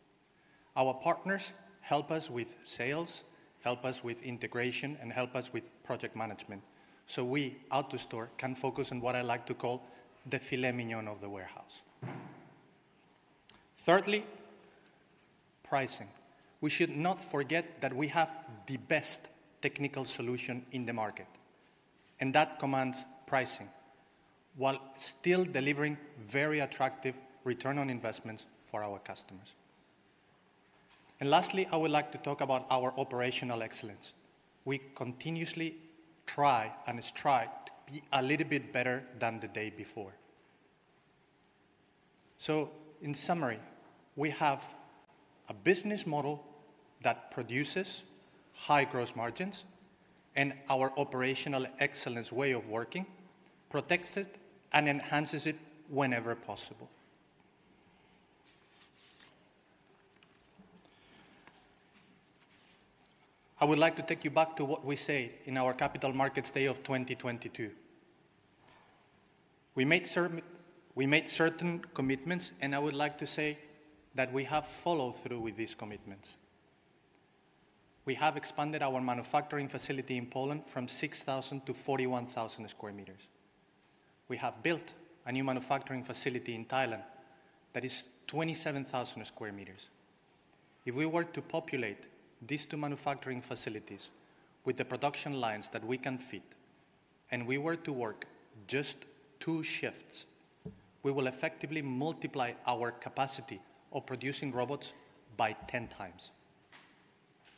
Speaker 16: Our partners help us with sales, help us with integration, and help us with project management, so we, AutoStore, can focus on what I like to call the filet mignon of the warehouse. Thirdly, pricing. We should not forget that we have the best technical solution in the market, and that commands pricing, while still delivering very attractive return on investments for our customers. And lastly, I would like to talk about our operational excellence. We continuously try and strive to be a little bit better than the day before. So, in summary, we have a business model that produces high gross margins, and our operational excellence way of working protects it and enhances it whenever possible. I would like to take you back to what we said in our Capital Markets Day of 2022. We made certain commitments, and I would like to say that we have followed through with these commitments. We have expanded our manufacturing facility in Poland from 6,000-41,000 sq m. We have built a new manufacturing facility in Thailand that is 27,000 sq m. If we were to populate these two manufacturing facilities with the production lines that we can fit, and we were to work just two shifts, we will effectively multiply our capacity of producing robots by 10x.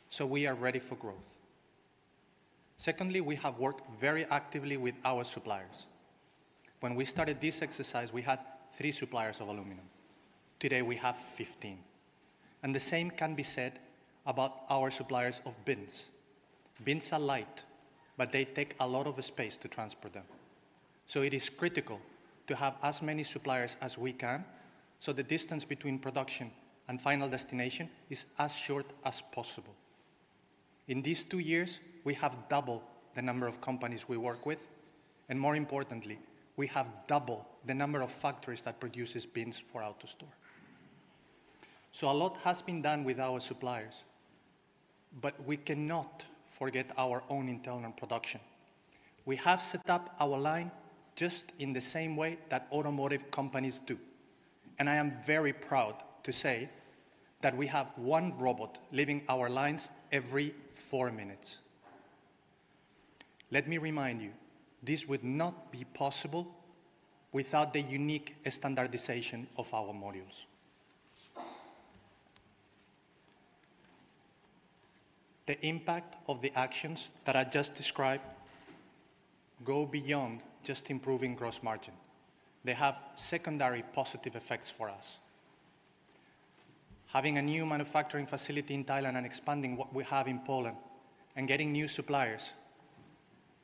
Speaker 16: So we are ready for growth. Secondly, we have worked very actively with our suppliers. When we started this exercise, we had three suppliers of aluminum. Today, we have 15, and the same can be said about our suppliers of bins. Bins are light, but they take a lot of space to transport them, so it is critical to have as many suppliers as we can, so the distance between production and final destination is as short as possible. In these two years, we have doubled the number of companies we work with, and more importantly, we have doubled the number of factories that produce bins for AutoStore. So a lot has been done with our suppliers, but we cannot forget our own internal production. We have set up our line just in the same way that automotive companies do, and I am very proud to say that we have one robot leaving our lines every four minutes. Let me remind you, this would not be possible without the unique standardization of our modules. The impact of the actions that I just described go beyond just improving gross margin. They have secondary positive effects for us. Having a new manufacturing facility in Thailand and expanding what we have in Poland and getting new suppliers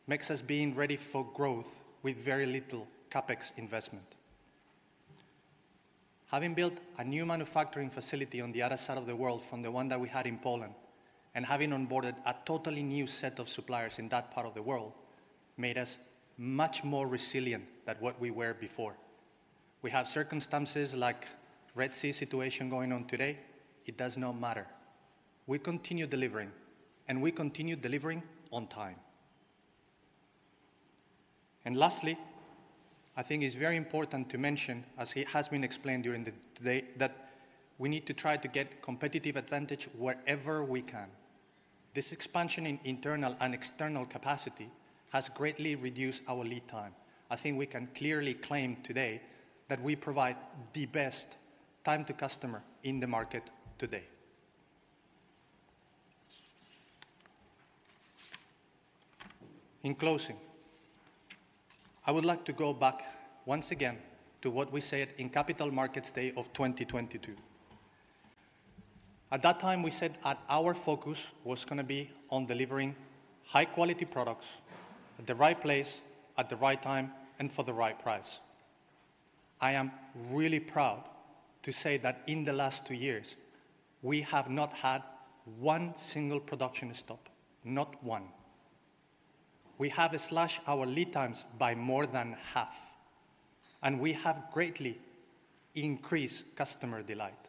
Speaker 16: makes us being ready for growth with very little CapEx investment. Having built a new manufacturing facility on the other side of the world from the one that we had in Poland, and having onboarded a totally new set of suppliers in that part of the world, made us much more resilient than what we were before. We have circumstances like Red Sea situation going on today. It does not matter. We continue delivering, and we continue delivering on time. And lastly, I think it's very important to mention, as it has been explained during the day, that we need to try to get competitive advantage wherever we can. This expansion in internal and external capacity has greatly reduced our lead time. I think we can clearly claim today that we provide the best time to customer in the market today. In closing, I would like to go back once again to what we said in Capital Markets Day of 2022. At that time, we said that our focus was gonna be on delivering high-quality products at the right place, at the right time, and for the right price. I am really proud to say that in the last two years, we have not had one single production stop, not one. We have slashed our lead times by more than half, and we have greatly increased customer delight.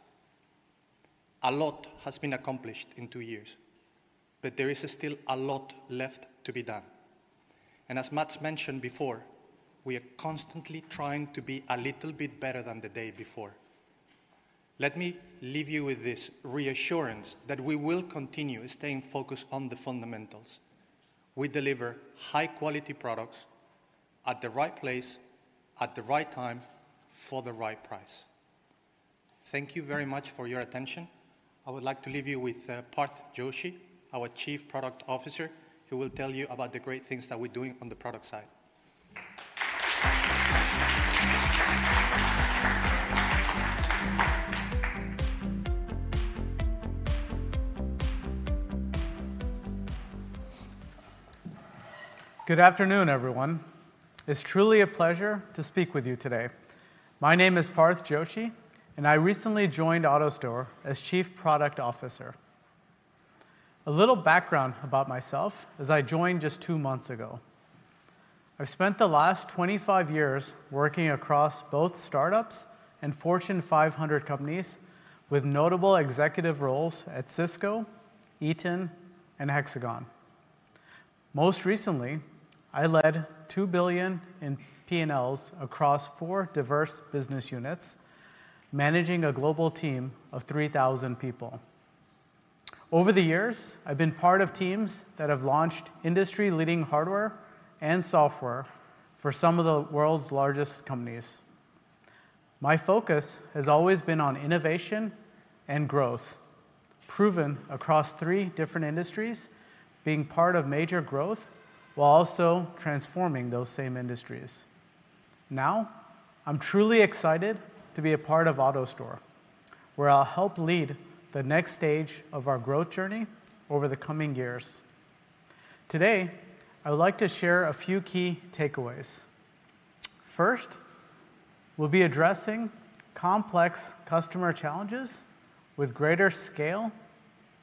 Speaker 16: A lot has been accomplished in two years, but there is still a lot left to be done, and as Mats mentioned before, we are constantly trying to be a little bit better than the day before. Let me leave you with this reassurance that we will continue staying focused on the fundamentals. We deliver high-quality products at the right place, at the right time, for the right price. Thank you very much for your attention. I would like to leave you with, Parth Joshi, our Chief Product Officer, who will tell you about the great things that we're doing on the product side.
Speaker 17: Good afternoon, everyone. It's truly a pleasure to speak with you today. My name is Parth Joshi, and I recently joined AutoStore as Chief Product Officer. A little background about myself, as I joined just two months ago. I've spent the last 25 years working across both startups and Fortune 500 companies, with notable executive roles at Cisco, Eaton, and Hexagon. Most recently, I led $2 billion in P&Ls across four diverse business units, managing a global team of 3,000 people. Over the years, I've been part of teams that have launched industry-leading hardware and software for some of the world's largest companies. My focus has always been on innovation and growth, proven across three different industries, being part of major growth while also transforming those same industries. Now, I'm truly excited to be a part of AutoStore, where I'll help lead the next stage of our growth journey over the coming years. Today, I would like to share a few key takeaways. First, we'll be addressing complex customer challenges with greater scale,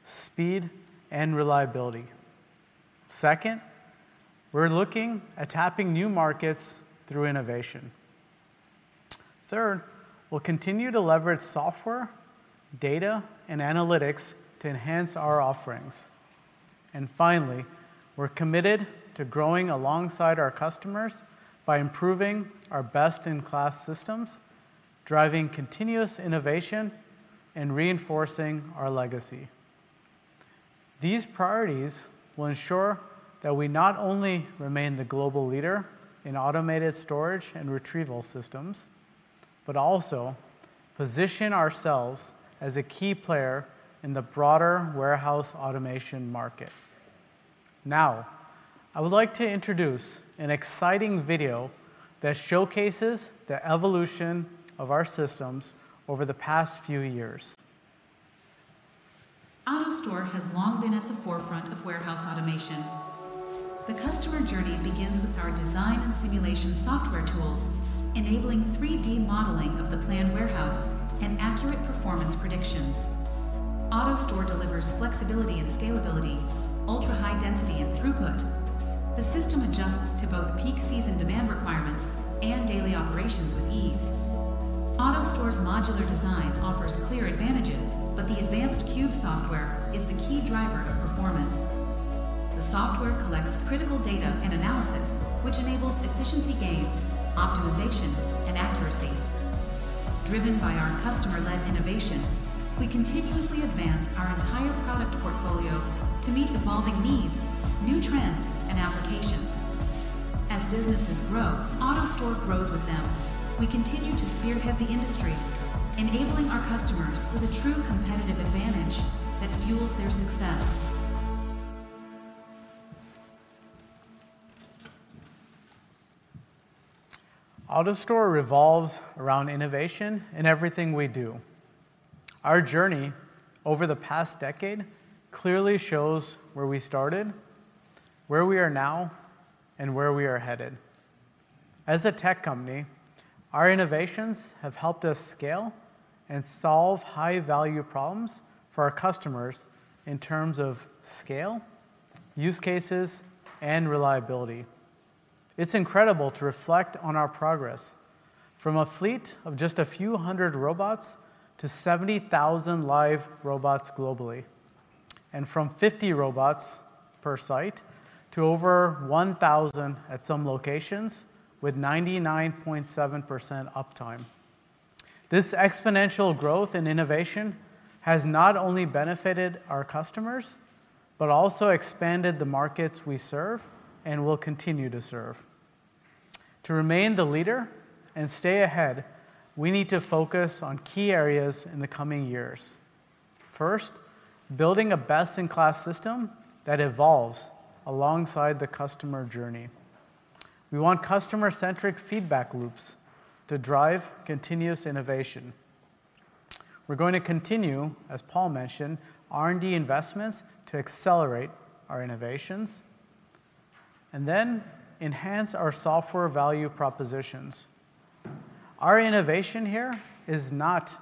Speaker 17: speed, and reliability. Second, we're looking at tapping new markets through innovation. Third, we'll continue to leverage software, data, and analytics to enhance our offerings. And finally, we're committed to growing alongside our customers by improving our best-in-class systems, driving continuous innovation, and reinforcing our legacy. These priorities will ensure that we not only remain the global leader in automated storage and retrieval systems, but also position ourselves as a key player in the broader warehouse automation market. Now, I would like to introduce an exciting video that showcases the evolution of our systems over the past few years.
Speaker 10: AutoStore has long been at the forefront of warehouse automation. The customer journey begins with our design and simulation software tools, enabling 3D modeling of the planned warehouse and accurate performance predictions. AutoStore delivers flexibility and scalability, ultra-high density, and throughput. The system adjusts to both peak season demand requirements and daily operations with ease. AutoStore's modular design offers clear advantages, but the advanced cube software is the key driver of performance. The software collects critical data and analysis, which enables efficiency gains, optimization, and accuracy. Driven by our customer-led innovation, we continuously advance our entire product portfolio to meet evolving needs, new trends, and applications. As businesses grow, AutoStore grows with them. We continue to spearhead the industry, enabling our customers with a true competitive advantage that fuels their success.
Speaker 17: AutoStore revolves around innovation in everything we do. Our journey over the past decade clearly shows where we started, where we are now, and where we are headed. As a tech company, our innovations have helped us scale and solve high-value problems for our customers in terms of scale, use cases, and reliability. It's incredible to reflect on our progress from a fleet of just a few hundred robots to 70,000 live robots globally, and from 50 robots per site to over 1,000 at some locations with 99.7% uptime. This exponential growth and innovation has not only benefited our customers, but also expanded the markets we serve and will continue to serve. To remain the leader and stay ahead, we need to focus on key areas in the coming years. First, building a best-in-class system that evolves alongside the customer journey. We want customer-centric feedback loops to drive continuous innovation. We're going to continue, as Paul mentioned, R&D investments to accelerate our innovations and then enhance our software value propositions. Our innovation here is not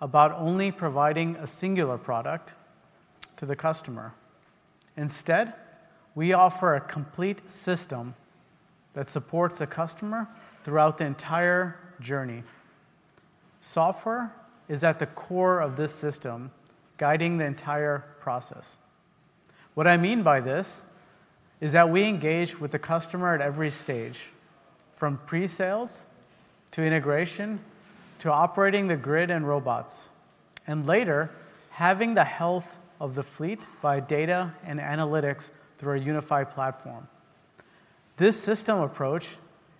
Speaker 17: about only providing a singular product to the customer. Instead, we offer a complete system that supports the customer throughout the entire journey. Software is at the core of this system, guiding the entire process. What I mean by this is that we engage with the customer at every stage, from pre-sales to integration to operating the grid and robots, and later, having the health of the fleet by data and analytics through our unified platform. This system approach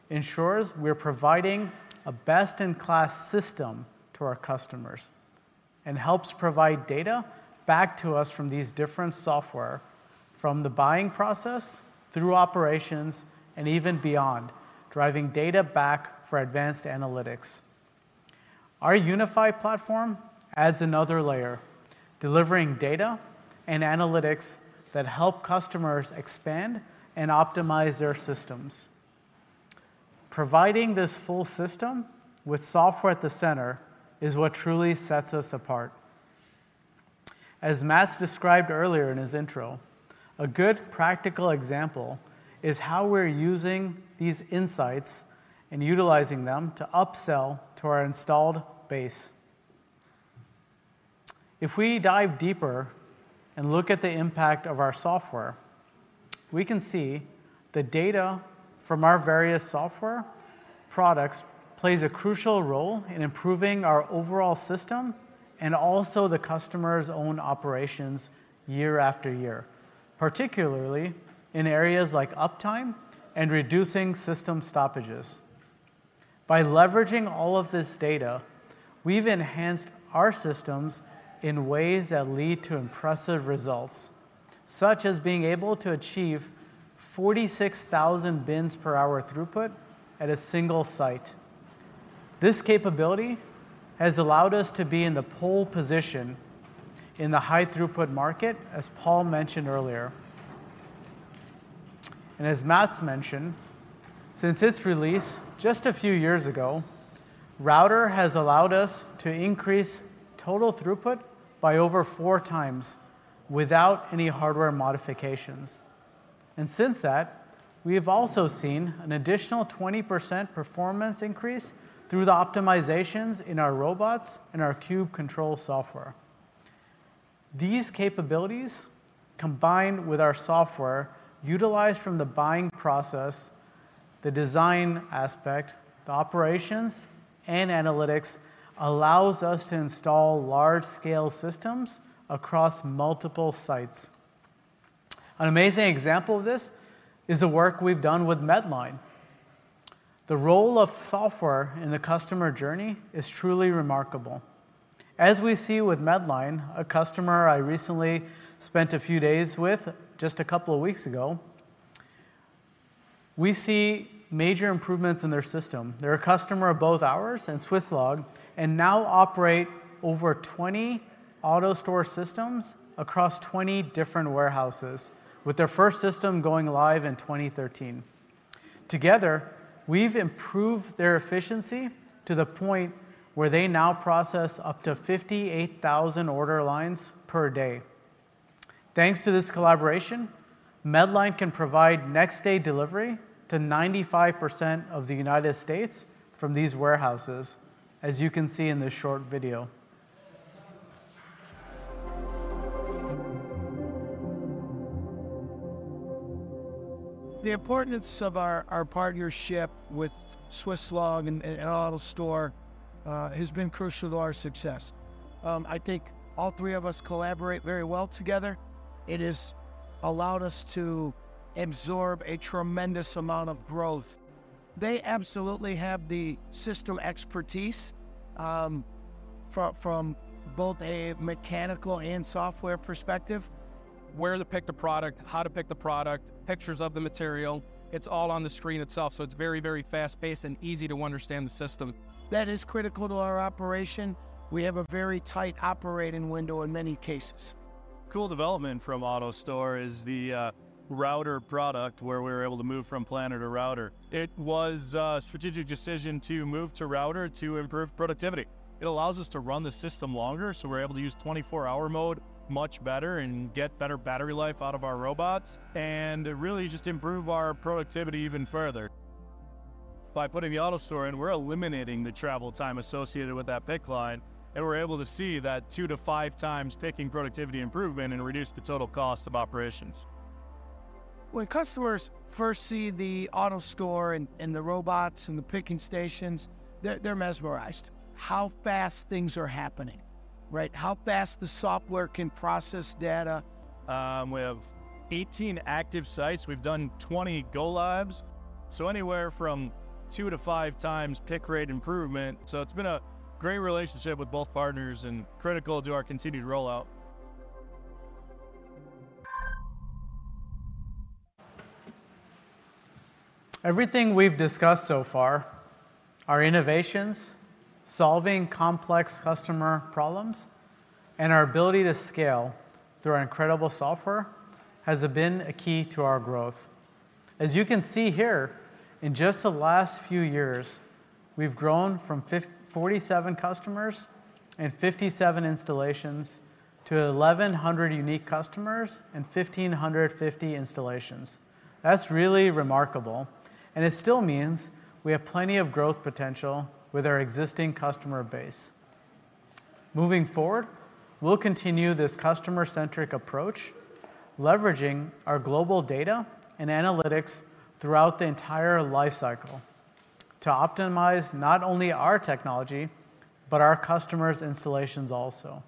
Speaker 17: ensures we're providing a best-in-class system to our customers and helps provide data back to us from these different software, from the buying process through operations and even beyond, driving data back for advanced analytics. Our unified platform adds another layer, delivering data and analytics that help customers expand and optimize their systems. Providing this full system with software at the center is what truly sets us apart. As Mats described earlier in his intro, a good practical example is how we're using these insights and utilizing them to upsell to our installed base. If we dive deeper and look at the impact of our software, we can see the data from our various software products plays a crucial role in improving our overall system and also the customer's own operations year after year, particularly in areas like uptime and reducing system stoppages. By leveraging all of this data, we've enhanced our systems in ways that lead to impressive results, such as being able to achieve 46,000 bins per hour throughput at a single site. This capability has allowed us to be in the pole position in the high-throughput market, as Paul mentioned earlier, and as Mats mentioned, since its release just a few years ago, Router has allowed us to increase total throughput by over 4x without any hardware modifications, and since that, we have also seen an additional 20% performance increase through the optimizations in our robots and our Cube Control Software. These capabilities, combined with our software, utilized from the buying process, the design aspect, the operations, and analytics, allows us to install large-scale systems across multiple sites. An amazing example of this is the work we've done with Medline. The role of software in the customer journey is truly remarkable. As we see with Medline, a customer I recently spent a few days with just a couple of weeks ago, we see major improvements in their system. They're a customer of both ours and Swisslog, and now operate over 20 AutoStore systems across 20 different warehouses, with their first system going live in 2013. Together, we've improved their efficiency to the point where they now process up to 58,000 order lines per day. Thanks to this collaboration, Medline can provide next-day delivery to 95% of the United States from these warehouses, as you can see in this short video.
Speaker 10: The importance of our partnership with Swisslog and AutoStore has been crucial to our success. I think all three of us collaborate very well together. It has allowed us to absorb a tremendous amount of growth. They absolutely have the system expertise from both a mechanical and software perspective. Where to pick the product, how to pick the product, pictures of the material, it's all on the screen itself, so it's very, very fast-paced and easy to understand the system. That is critical to our operation. We have a very tight operating window in many cases. Cool development from AutoStore is the Router product, where we were able to move from Planner to Router. It was a strategic decision to move to Router to improve productivity. It allows us to run the system longer, so we're able to use 24-hour mode much better and get better battery life out of our robots, and really just improve our productivity even further. By putting the AutoStore in, we're eliminating the travel time associated with that pick line, and we're able to see that 2x-5x picking productivity improvement and reduce the total cost of operations. When customers first see the AutoStore and the robots, and the picking stations, they're mesmerized, how fast things are happening, right? How fast the software can process data. We have 18 active sites. We've done 20 go-lives, so anywhere from 2x-5x pick rate improvement, so it's been a great relationship with both partners and critical to our continued rollout.
Speaker 17: Everything we've discussed so far, our innovations, solving complex customer problems, and our ability to scale through our incredible software, has been a key to our growth. As you can see here, in just the last few years, we've grown from forty-seven customers and fifty-seven installations to eleven hundred unique customers and fifteen hundred and fifty installations. That's really remarkable, and it still means we have plenty of growth potential with our existing customer base. Moving forward, we'll continue this customer-centric approach, leveraging our global data and analytics throughout the entire life cycle, to optimize not only our technology, but our customers' installations also.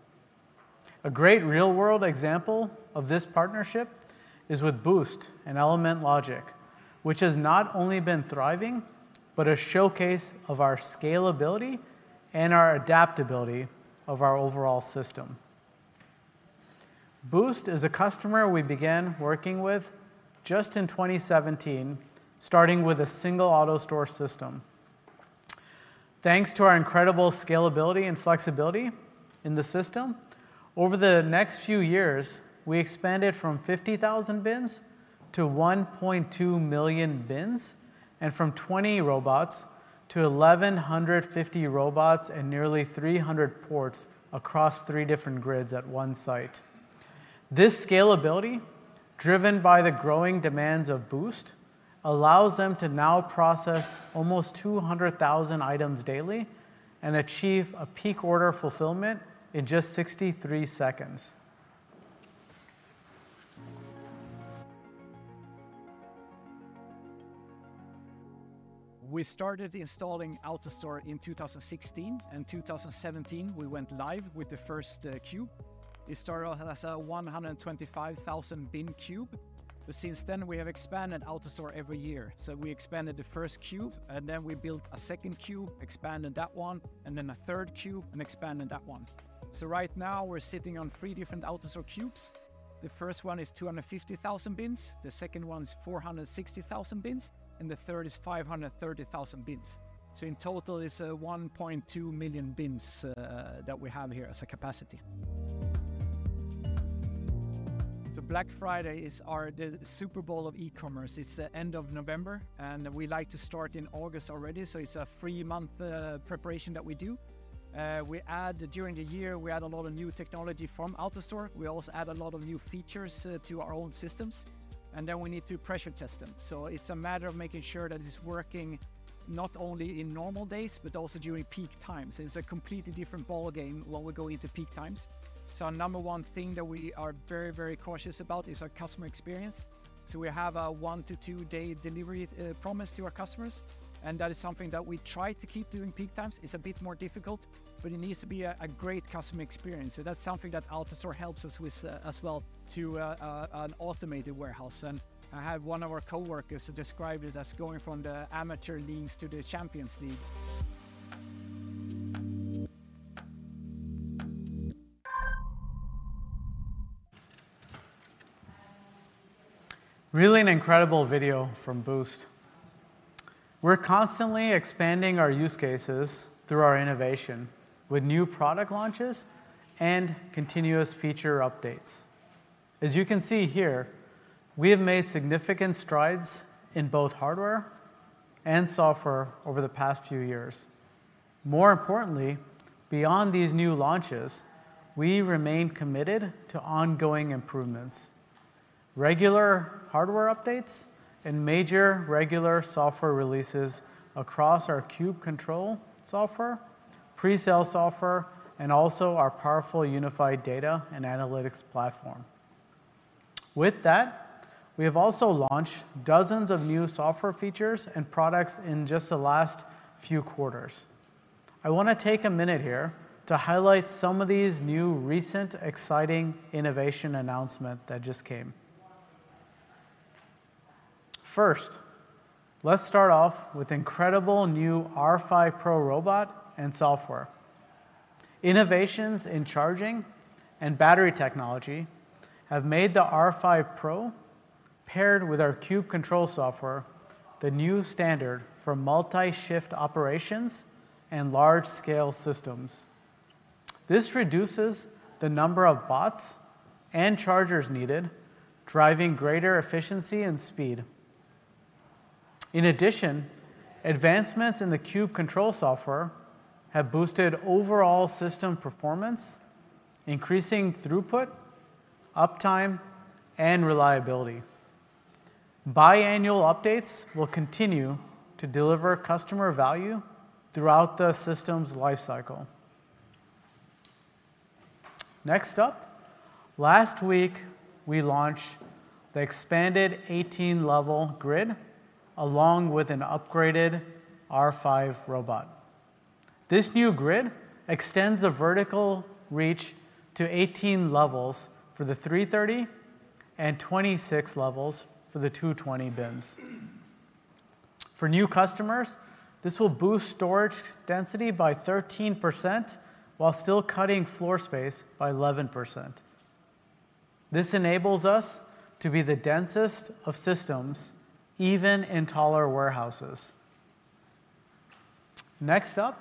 Speaker 17: A great real-world example of this partnership is with Boozt and Element Logic, which has not only been thriving, but a showcase of our scalability and our adaptability of our overall system. Boozt is a customer we began working with just in 2017, starting with a single AutoStore system. Thanks to our incredible scalability and flexibility in the system, over the next few years, we expanded from 50,000 bins to 1.2 million bins, and from 20 robots to 1,150 robots, and nearly 300 ports across 3 different grids at one site. This scalability, driven by the growing demands of Boozt, allows them to now process almost 200,000 items daily and achieve a peak order fulfillment in just 63 seconds.
Speaker 10: We started installing AutoStore in two thousand and sixteen, and two thousand and seventeen, we went live with the first cube. It started off as a 125,000 bin cube, but since then we have expanded AutoStore every year. So we expanded the first cube, and then we built a second cube, expanded that one, and then a third cube, and expanded that one. So right now, we're sitting on three different AutoStore cubes. The first one is two hundred and fifty thousand bins, the second one is four hundred and sixty thousand bins, and the third is five hundred and thirty thousand bins. So in total, it's one point two million bins that we have here as a capacity. So Black Friday is our, the Super Bowl of e-commerce. It's the end of November, and we like to start in August already, so it's a three-month preparation that we do. During the year, we add a lot of new technology from AutoStore. We also add a lot of new features to our own systems, and then we need to pressure test them. So it's a matter of making sure that it's working not only in normal days but also during peak times. It's a completely different ballgame when we go into peak times. So our number one thing that we are very, very cautious about is our customer experience. So we have a one-to-two-day delivery promise to our customers, and that is something that we try to keep during peak times. It's a bit more difficult, but it needs to be a great customer experience. That's something that AutoStore helps us with, as well, to an automated warehouse. I had one of our coworkers describe it as going from the amateur leagues to the Champions League.
Speaker 17: Really an incredible video from Boozt. We're constantly expanding our use cases through our innovation with new product launches and continuous feature updates. As you can see here, we have made significant strides in both hardware and software over the past few years. More importantly, beyond these new launches, we remain committed to ongoing improvements, regular hardware updates, and major regular software releases across our Cube Control Software, pre-sale software, and also our powerful unified data and analytics platform. With that, we have also launched dozens of new software features and products in just the last few quarters. I want to take a minute here to highlight some of these new recent exciting innovation announcement that just came. First, let's start off with incredible new R5 Pro Robot and software. Innovations in charging and battery technology have made the R5 Pro, paired with our Cube Control Software, the new standard for multi-shift operations and large-scale systems. This reduces the number of bots and chargers needed, driving greater efficiency and speed. In addition, advancements in the Cube Control Software have boosted overall system performance, increasing throughput, uptime, and reliability. Biannual updates will continue to deliver customer value throughout the system's life cycle. Next up, last week, we launched the expanded 18-Level Grid, along with an upgraded R5 Robot. This new grid extends a vertical reach to 18 levels for the 330 and 26 levels for the 220 bins. For new customers, this will boost storage density by 13% while still cutting floor space by 11%. This enables us to be the densest of systems, even in taller warehouses. Next up,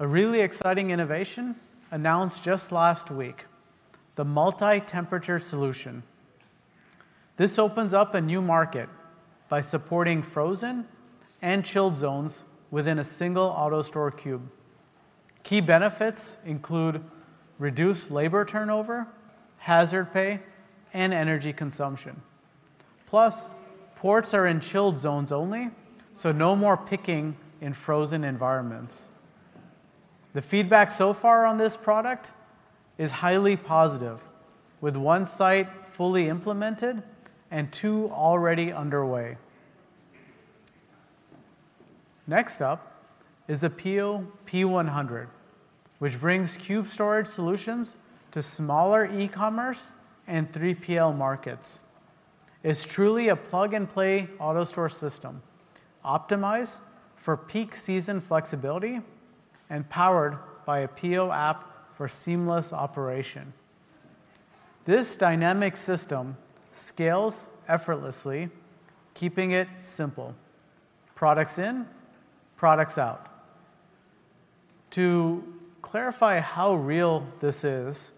Speaker 17: a really exciting innovation announced just last week: the multi-temperature solution. This opens up a new market by supporting frozen and chilled zones within a single AutoStore cube. Key benefits include reduced labor turnover, hazard pay, and energy consumption. Plus, ports are in chilled zones only, so no more picking in frozen environments. The feedback so far on this product is highly positive, with one site fully implemented and two already underway. Next up is the Pio P100, which brings cube storage solutions to smaller e-commerce and 3PL markets. It's truly a plug-and-play AutoStore system, optimized for peak season flexibility and powered by a Pio app for seamless operation. This dynamic system scales effortlessly, keeping it simple: products in, products out. To clarify how real this is,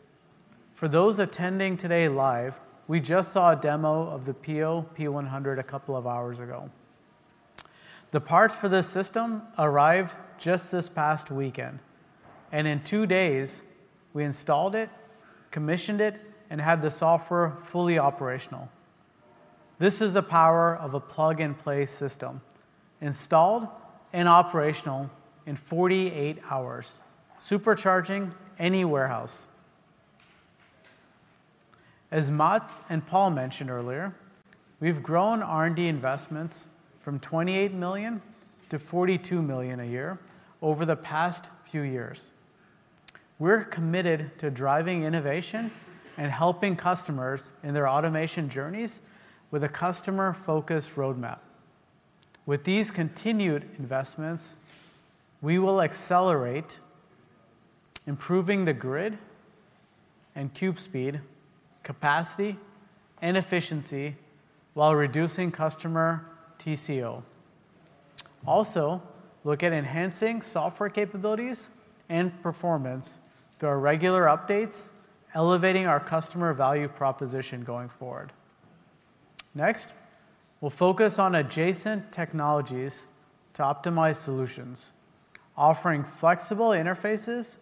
Speaker 17: for those attending today live, we just saw a demo of the Pio P100 a couple of hours ago. The parts for this system arrived just this past weekend, and in two days we installed it, commissioned it, and had the software fully operational. This is the power of a plug-and-play system, installed and operational in 48 hours, supercharging any warehouse. As Mats and Paul mentioned earlier, we've grown R&D investments from $28 million to $42 million a year over the past few years. We're committed to driving innovation and helping customers in their automation journeys with a customer-focused roadmap. With these continued investments, we will accelerate improving the grid and bin speed, capacity, and efficiency while reducing customer TCO. Also, look at enhancing software capabilities and performance through our regular updates, elevating our customer value proposition going forward. Next, we'll focus on adjacent technologies to optimize solutions, offering flexible interfaces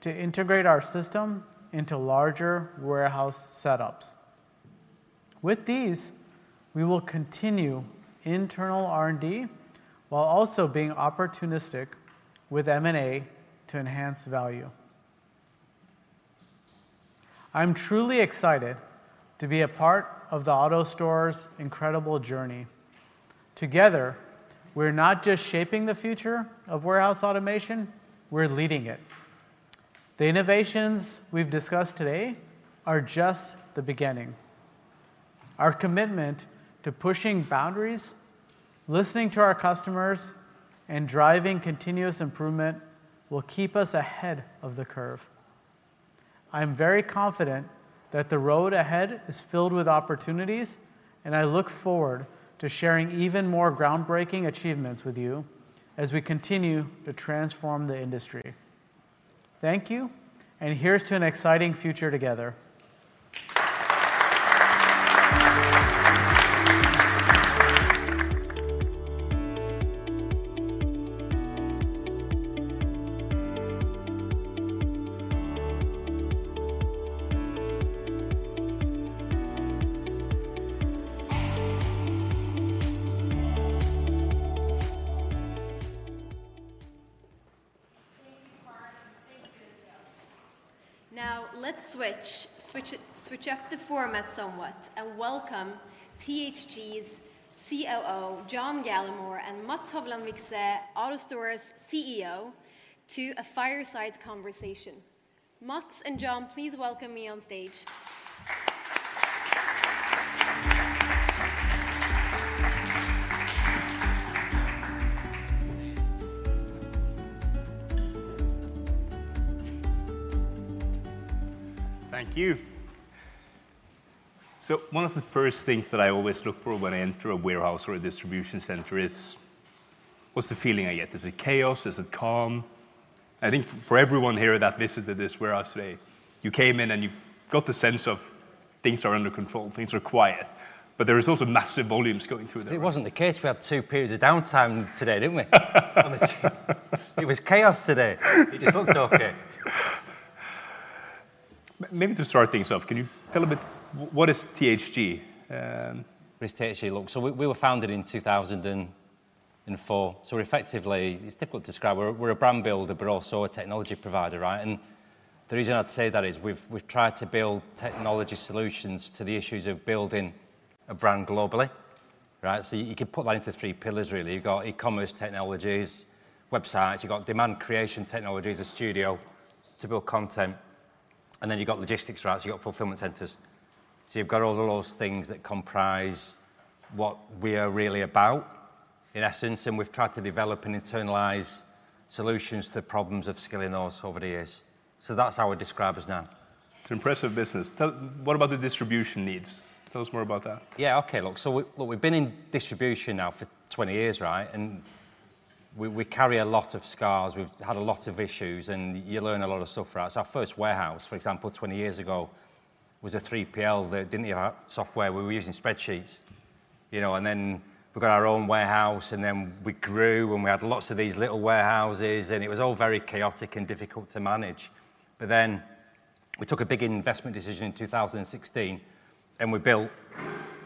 Speaker 17: to integrate our system into larger warehouse setups. With these, we will continue internal R&D, while also being opportunistic with M&A to enhance value. I'm truly excited to be a part of the AutoStore's incredible journey. Together, we're not just shaping the future of warehouse automation, we're leading it. The innovations we've discussed today are just the beginning. Our commitment to pushing boundaries, listening to our customers, and driving continuous improvement will keep us ahead of the curve. I'm very confident that the road ahead is filled with opportunities, and I look forward to sharing even more groundbreaking achievements with you as we continue to transform the industry. Thank you, and here's to an exciting future together.
Speaker 1: Thank you, Martin, and thank you to the team. Now, let's switch up the format somewhat, and welcome THG's COO, John Gallemore, and Mats Hovland Vikse, AutoStore's CEO, to a fireside conversation. Mats and John, please welcome me on stage.
Speaker 2: Thank you. So one of the first things that I always look for when I enter a warehouse or a distribution center is: What's the feeling I get? Is it chaos? Is it calm? I think for everyone here that visited this warehouse today, you came in, and you got the sense of things are under control, things are quiet, but there is also massive volumes going through the warehouse.
Speaker 18: It wasn't the case. We had two periods of downtime today, didn't we? It was chaos today. It just looked okay.
Speaker 2: Maybe to start things off, can you tell a bit what is THG?
Speaker 18: What is THG? Look, so we were founded in 2004. It's difficult to describe. We're a brand builder, but also a technology provider, right? And the reason I'd say that is we've tried to build technology solutions to the issues of building a brand globally, right? So you could put that into three pillars, really. You've got e-commerce technologies, websites. You've got demand creation technologies, a studio to build content. And then you've got logistics, right? So you've got fulfillment centers. So you've got all of those things that comprise what we are really about, in essence, and we've tried to develop and internalize solutions to problems of scaling those over the years. So that's how I'd describe us now.
Speaker 2: It's an impressive business. What about the distribution needs? Tell us more about that.
Speaker 18: Yeah, okay. Look, so look, we've been in distribution now for 20 years, right? And we carry a lot of scars. We've had a lot of issues, and you learn a lot of stuff from that. So our first warehouse, for example, 20 years ago, was a 3PL that didn't have software. We were using spreadsheets, you know, and then we got our own warehouse, and then we grew, and we had lots of these little warehouses, and it was all very chaotic and difficult to manage. But then we took a big investment decision in 2016, and we built,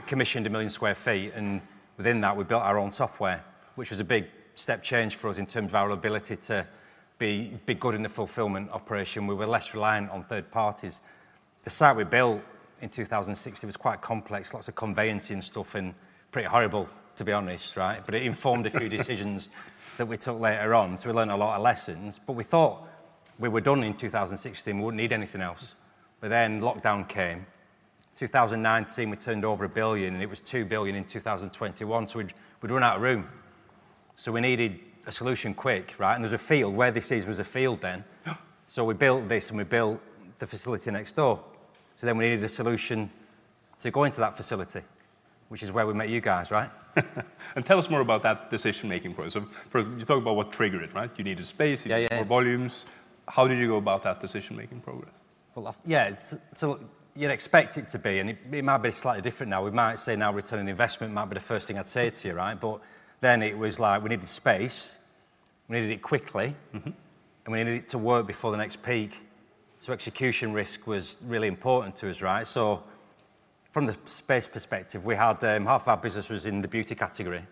Speaker 18: commissioned 1 million sq ft, and within that, we built our own software, which was a big step change for us in terms of our ability to be good in the fulfillment operation. We were less reliant on third parties. The site we built in 2016 was quite complex, lots of conveyors stuff and pretty horrible, to be honest, right? But it informed a few decisions that we took later on, so we learned a lot of lessons. But we thought we were done in 2016. We wouldn't need anything else. But then lockdown came. In 2019, we turned over a billion, and it was two billion in 2021, so we'd run out of room. So we needed a solution quick, right? And there was a field where this is. It was a field then.
Speaker 2: Yeah.
Speaker 18: So we built this, and we built the facility next door. So then we needed a solution to go into that facility, which is where we met you guys, right?
Speaker 2: And tell us more about that decision-making process. So first, you talk about what triggered it, right? You needed space more volumes. How did you go about that decision-making process?
Speaker 18: Yeah, so you'd expect it to be, and it might be slightly different now. We might say now return on investment might be the first thing I'd say to you, right? But then it was like we needed space, we needed it quickly. And we needed it to work before the next peak. So execution risk was really important to us, right? So from the space perspective, we had, half of our business was in the beauty category,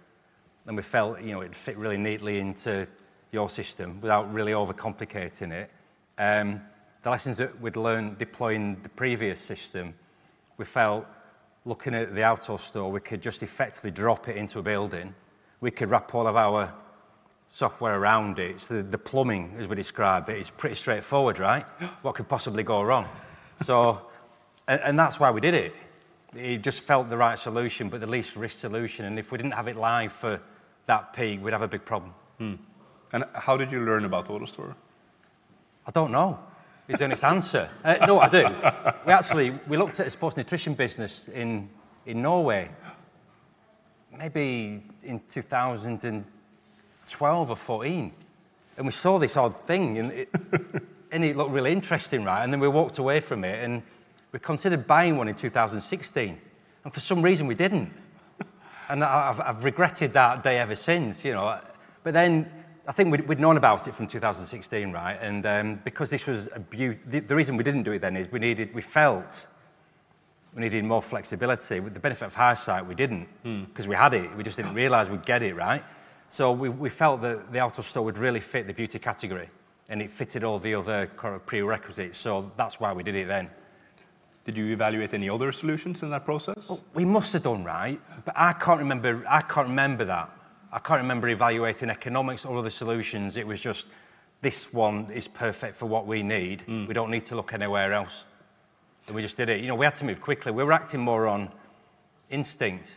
Speaker 18: and we felt, you know, it fit really neatly into your system without really overcomplicating it. The lessons that we'd learned deploying the previous system, we felt looking at the AutoStore we could just effectively drop it into a building. We could wrap all of our software around it. So the plumbing, as we describe it, is pretty straightforward, right? What could possibly go wrong? And that's why we did it. It just felt the right solution, but the least risk solution, and if we didn't have it live for that peak, we'd have a big problem.
Speaker 2: And how did you learn about AutoStore?
Speaker 18: I don't know. Is the honest answer. No, I do. We actually, we looked at a sports nutrition business in Norway maybe in 2012 or 2014, and we saw this odd thing, and it looked really interesting, right? And then we walked away from it, and we considered buying one in 2016, and for some reason we didn't. And I, I've regretted that day ever since, you know. But then I think we'd known about it from 2016, right? And because the reason we didn't do it then is we needed, we felt we needed more flexibility. With the benefit of hindsight, we didn't. Cause we had it, we just didn't realize we'd get it, right? So we felt that the AutoStore would really fit the beauty category, and it fit all the other core prerequisites. So that's why we did it then.
Speaker 2: Did you evaluate any other solutions in that process?
Speaker 18: We must have done, right? But I can't remember, I can't remember that. I can't remember evaluating economics or other solutions. It was just this one is perfect for what we need. We don't need to look anywhere else, and we just did it. You know, we had to move quickly. We were acting more on instinct.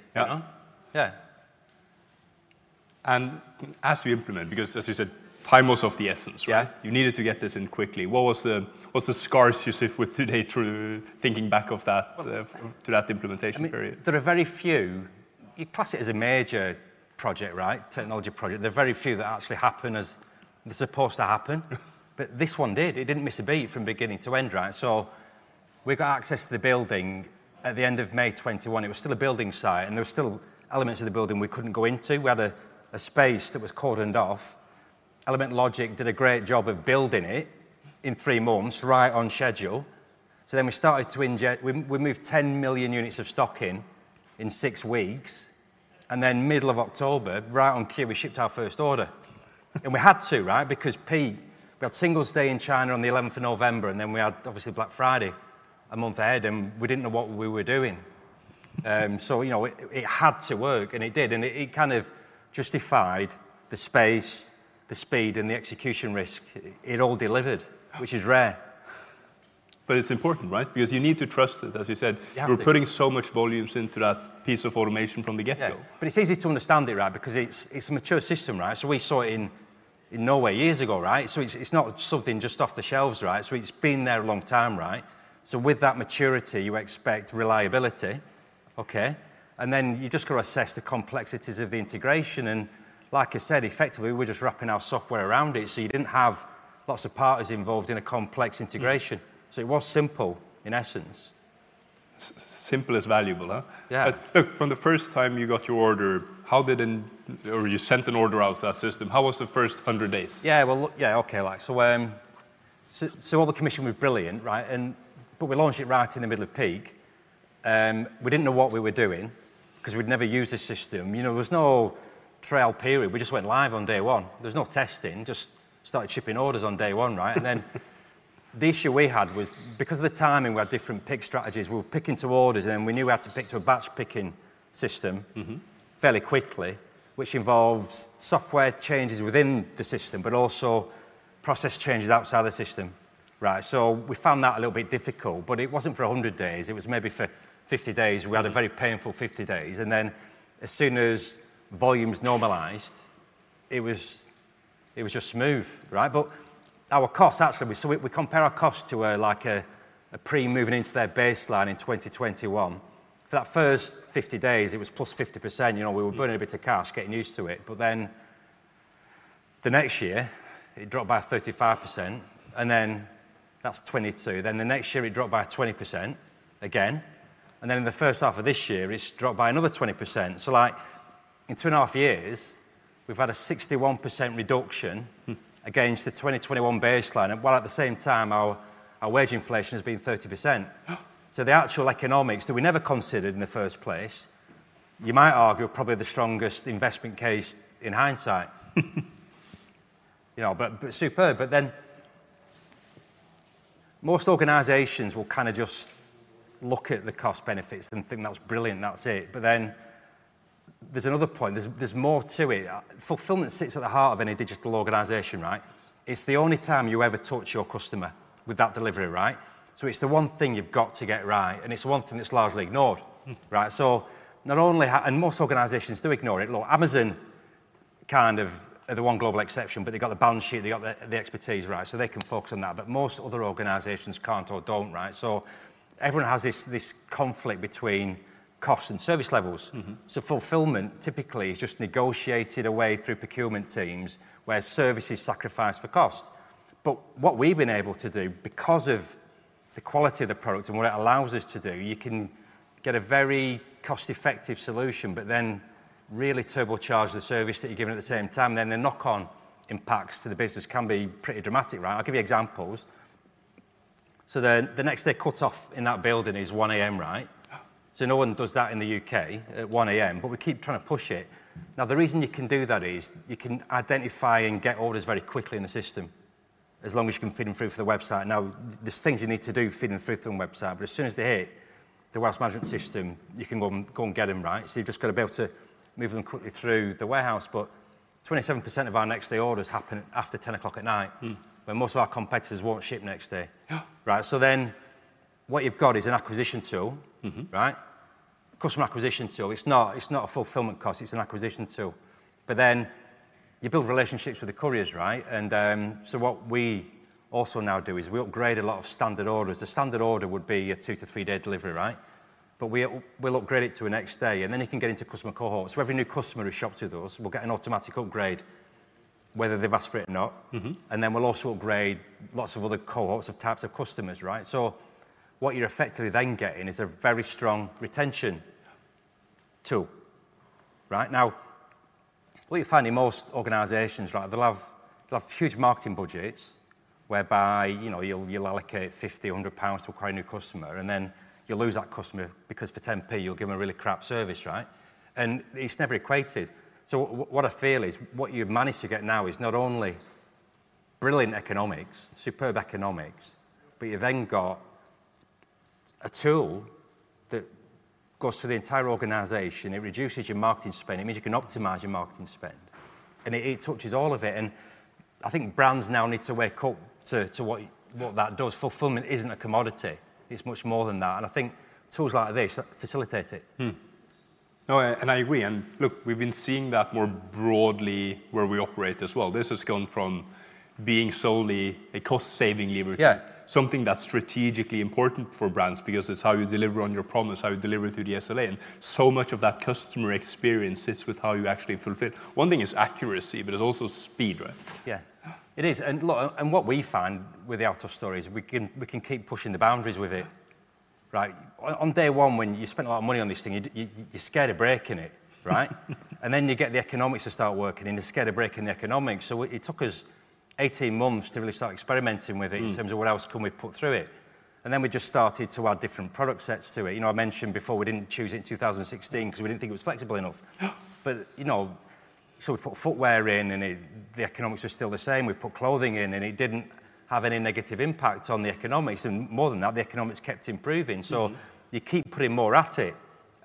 Speaker 18: You know? Yeah.
Speaker 2: As you implement, because as you said, time was of the essence, right. You needed to get this in quickly. What's the scars you sit with today through thinking back of that, through that implementation period?
Speaker 18: I mean, you class it as a major project, right? Technology project. There are very few that actually happen as they're supposed to happen. But this one did. It didn't miss a beat from beginning to end, right? So we got access to the building at the end of May 2021. It was still a building site, and there were still elements of the building we couldn't go into. We had a space that was cordoned off. Element Logic did a great job of building it in three months, right on schedule. So then we started to inject.. We moved 10 million units of stock in six weeks, and then middle of October, right on cue, we shipped our first order. And we had to, right? Because peak, we had Singles Day in China on the 11th of November, and then we had, obviously, Black Friday a month ahead, and we didn't know what we were doing. So you know, it had to work, and it did. And it kind of justified the space, the speed, and the execution risk. It all delivered. Which is rare.
Speaker 2: But it's important, right? Because you need to trust it. As you said you're putting so much volumes into that piece of automation from the get-go.
Speaker 18: You have to yeah, but it's easy to understand it, right? Because it's a mature system, right? So we saw it in Norway years ago, right? So it's not something just off the shelves, right? So it's been there a long time, right? So with that maturity, you expect reliability. Okay, and then you just got to assess the complexities of the integration, and like I said, effectively, we're just wrapping our software around it. So you didn't have lots of parties involved in a complex integration. So it was simple, in essence.
Speaker 2: Simple is valuable, huh? From the first time you got your order, how did or you sent an order out to that system, how was the first 100 days?
Speaker 18: Yeah, well, yeah, okay, like so, so all the commission was brilliant, right? And but we launched it right in the middle of peak, we didn't know what we were doing 'cause we'd never used this system. You know, there was no trial period. We just went live on day one. There was no testing, just started shipping orders on day one, right? And then the issue we had was because of the timing, we had different pick strategies. We were picking to orders, and then we knew we had to pick to a batch picking system fairly quickly, which involves software changes within the system, but also process changes outside the system, right? So we found that a little bit difficult, but it wasn't for a hundred days, it was maybe for fifty days. We had a very painful 50 days, and then as soon as volumes normalized, it was just smooth, right? But our costs, actually, so we compare our costs to a, like a pre-moving into their baseline in 2021. For that first 50 days, it was +50%. You know, we were burning a bit of cash, getting used to it. But then the next year it dropped by 35%, and then that's 2022. Then the next year it dropped by 20% again, and then in the first half of this year, it's dropped by another 20%. So like, in two and a half years, we've had a 61% reduction against the 2021 baseline. And while at the same time, our wage inflation has been 30%. So the actual economics that we never considered in the first place, you might argue, are probably the strongest investment case in hindsight. You know, but, but superb. But then, Most organizations will kind of just look at the cost benefits and think, "That's brilliant, that's it." But then there's another point, there's, there's more to it. Fulfillment sits at the heart of any digital organization, right? It's the only time you ever touch your customer with that delivery, right? So it's the one thing you've got to get right, and it's one thing that's largely ignored. Right, so not only and most organizations do ignore it. Look, Amazon kind of are the one global exception, but they've got the balance sheet, they've got the expertise, right, so they can focus on that. But most other organizations can't or don't, right? So everyone has this, this conflict between cost and service levels. So fulfillment typically is just negotiated away through procurement teams, where service is sacrificed for cost. But what we've been able to do, because of the quality of the product and what it allows us to do, you can get a very cost-effective solution but then really turbocharge the service that you're giving at the same time. Then the knock-on impacts to the business can be pretty dramatic, right? I'll give you examples. So the next-day cut-off in that building is 1:00 A.M., right? So no one does that in the U.K. at 1:00 A.M., but we keep trying to push it. Now, the reason you can do that is you can identify and get orders very quickly in the system, as long as you can feed them through from the website. Now, there's things you need to do to feed them through from the website, but as soon as they hit the warehouse management system, you can go and, go and get them, right? So you've just got to be able to move them quickly through the warehouse. But 27% of our next-day orders happen after 10 o'clock at night. When most of our competitors won't ship next day. Right, so then what you've got is an acquisition tool. Right? Customer acquisition tool. It's not, it's not a fulfillment cost, it's an acquisition tool. But then you build relationships with the couriers, right? And, so what we also now do is we upgrade a lot of standard orders. The standard order would be a two- to three-day delivery, right? But we'll, we'll upgrade it to a next day, and then it can get into customer cohorts. So every new customer who shops with us will get an automatic upgrade, whether they've asked for it or not. And then we'll also upgrade lots of other cohorts of types of customers, right? So what you're effectively then getting is a very strong retention tool, right? Now, what you'll find in most organizations, right, they'll have, they'll have huge marketing budgets whereby, you know, you'll, you'll allocate 50-100 pounds to acquire a new customer, and then you'll lose that customer because for 0.10 you'll give them a really crap service, right? And it's never equated. So what I feel is, what you've managed to get now is not only brilliant economics, superb economics, but you've then got a tool that goes through the entire organization. It reduces your marketing spend. It means you can optimize your marketing spend, and it, it touches all of it. And I think brands now need to wake up to what that does. Fulfillment isn't a commodity, it's much more than that, and I think tools like this facilitate it.
Speaker 2: No, and I agree, and look, we've been seeing that more broadly where we operate as well. This has gone from being solely a cost-saving lever something that's strategically important for brands. Because it's how you deliver on your promise, how you deliver through the SLA, and so much of that customer experience sits with how you actually fulfill. One thing is accuracy, but it's also speed, right?
Speaker 18: Yeah. It is. And look, and what we find with the AutoStore is we can keep pushing the boundaries with it, right? On day one, when you spent a lot of money on this thing, you're scared of breaking it, right? And then you get the economics to start working, and you're scared of breaking the economics. So it took us 18 months to really start experimenting with it in terms of what else can we put through it, and then we just started to add different product sets to it. You know, I mentioned before we didn't choose it in 2016 because we didn't think it was flexible enough. So we put footwear in, and it, the economics were still the same. We put clothing in, and it didn't have any negative impact on the economics, and more than that, the economics kept improving. So you keep putting more at it,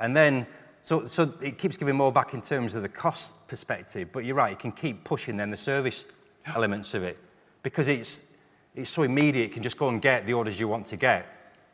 Speaker 18: and then, so it keeps giving more back in terms of the cost perspective. But you're right, it can keep pushing then the service elements of it because it's so immediate, it can just go and get the orders you want to get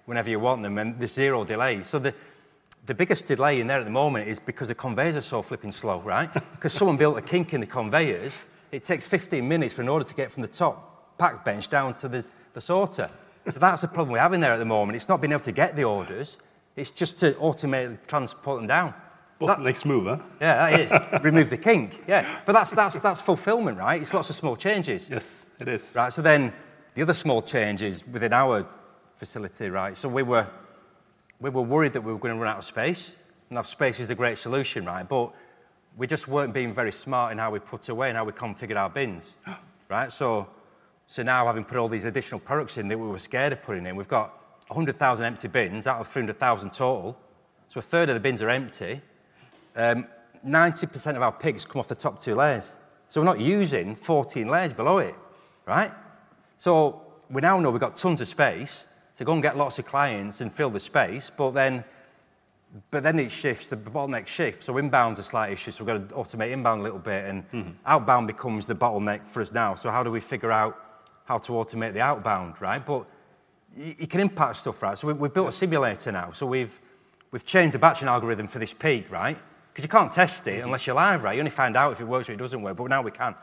Speaker 18: whenever you want them, and there's zero delay. So the biggest delay in there at the moment is because the conveyors are so flipping slow, right? 'Cause someone built a kink in the conveyors, it takes 15 minutes for an order to get from the top pack bench down to the sorter. So that's the problem we have in there at the moment. It's not being able to get the orders, it's just to automate and transport them down. That-
Speaker 2: Bottleneck's smooth, huh?
Speaker 18: Yeah, it is. Remove the kink. Yeah. But that's fulfillment, right? It's lots of small changes.
Speaker 2: Yes, it is.
Speaker 18: Right, so then the other small changes within our facility, right? So we were worried that we were gonna run out of space, and now space is a great solution, right? But we just weren't being very smart in how we put away and how we configured our bins, right? So, so now, having put all these additional products in that we were scared of putting in, we've got 100,000 empty bins out of 300,000 total. So a third of the bins are empty. 90% of our picks come off the top two layers, so we're not using 14 layers below it, right? So we now know we've got tons of space to go and get lots of clients and fill the space, but then, but then it shifts, the bottleneck shifts. So inbounds are slightly issues, so we've got to automate inbound a little bit and outbound becomes the bottleneck for us now. So how do we figure out how to automate the outbound, right? But you can impact stuff, right? So we've built a simulator now. So we've changed the batching algorithm for this peak, right? 'Cause you can't test it unless you're live, right? You only find out if it works or it doesn't work, but now we can.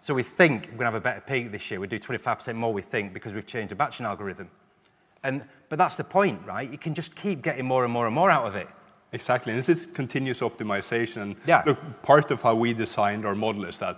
Speaker 18: So we think we're gonna have a better peak this year. We'll do 25% more, we think, because we've changed the batching algorithm. And but that's the point, right? You can just keep getting more and more and more out of it.
Speaker 2: Exactly, and this is continuous optimization. Look, part of how we designed our model is that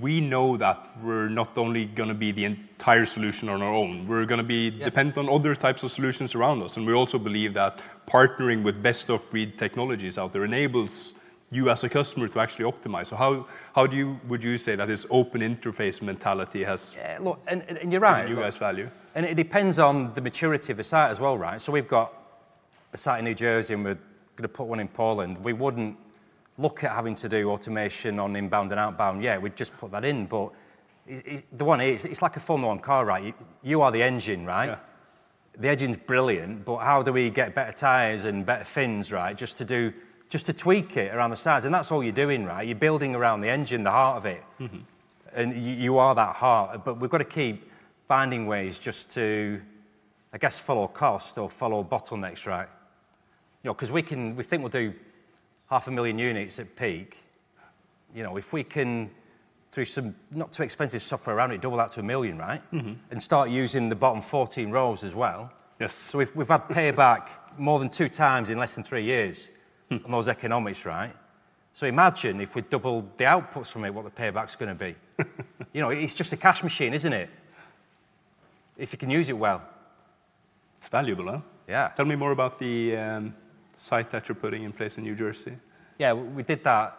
Speaker 2: we know that we're not only gonna be the entire solution on our own, we're gonna be dependent on other types of solutions around us. And we also believe that partnering with best-of-breed technologies out there enables you as a customer to actually optimize. So how, how do you- would you say that this open interface mentality has given you guys value?
Speaker 18: Yeah, look, and you're right. And it depends on the maturity of the site as well, right? So we've got a site in New Jersey, and we're gonna put one in Poland. We wouldn't look at having to do automation on inbound and outbound. Yeah, we'd just put that in, but it. The one is, it's like a Formula One car, right? You are the engine, right? The engine's brilliant, but how do we get better tires and better fins, right, just to tweak it around the sides, and that's all you're doing, right? You're building around the engine, the heart of it. You, you are that heart, but we've got to keep finding ways just to, I guess, follow cost or follow bottlenecks, right? You know, 'cause we think we'll do 500,000 units at peak. You know, if we can, through some not too expensive software around it, double that to 1 million, right? Start using the bottom fourteen rows as well.
Speaker 2: Yes.
Speaker 18: So we've had payback more than 2x in less than three years. On those economics, right? So imagine if we double the outputs from it, what the payback's gonna be. You know, it's just a cash machine, isn't it? If you can use it well.
Speaker 2: It's valuable, huh? Tell me more about the site that you're putting in place in New Jersey?
Speaker 18: Yeah, we did that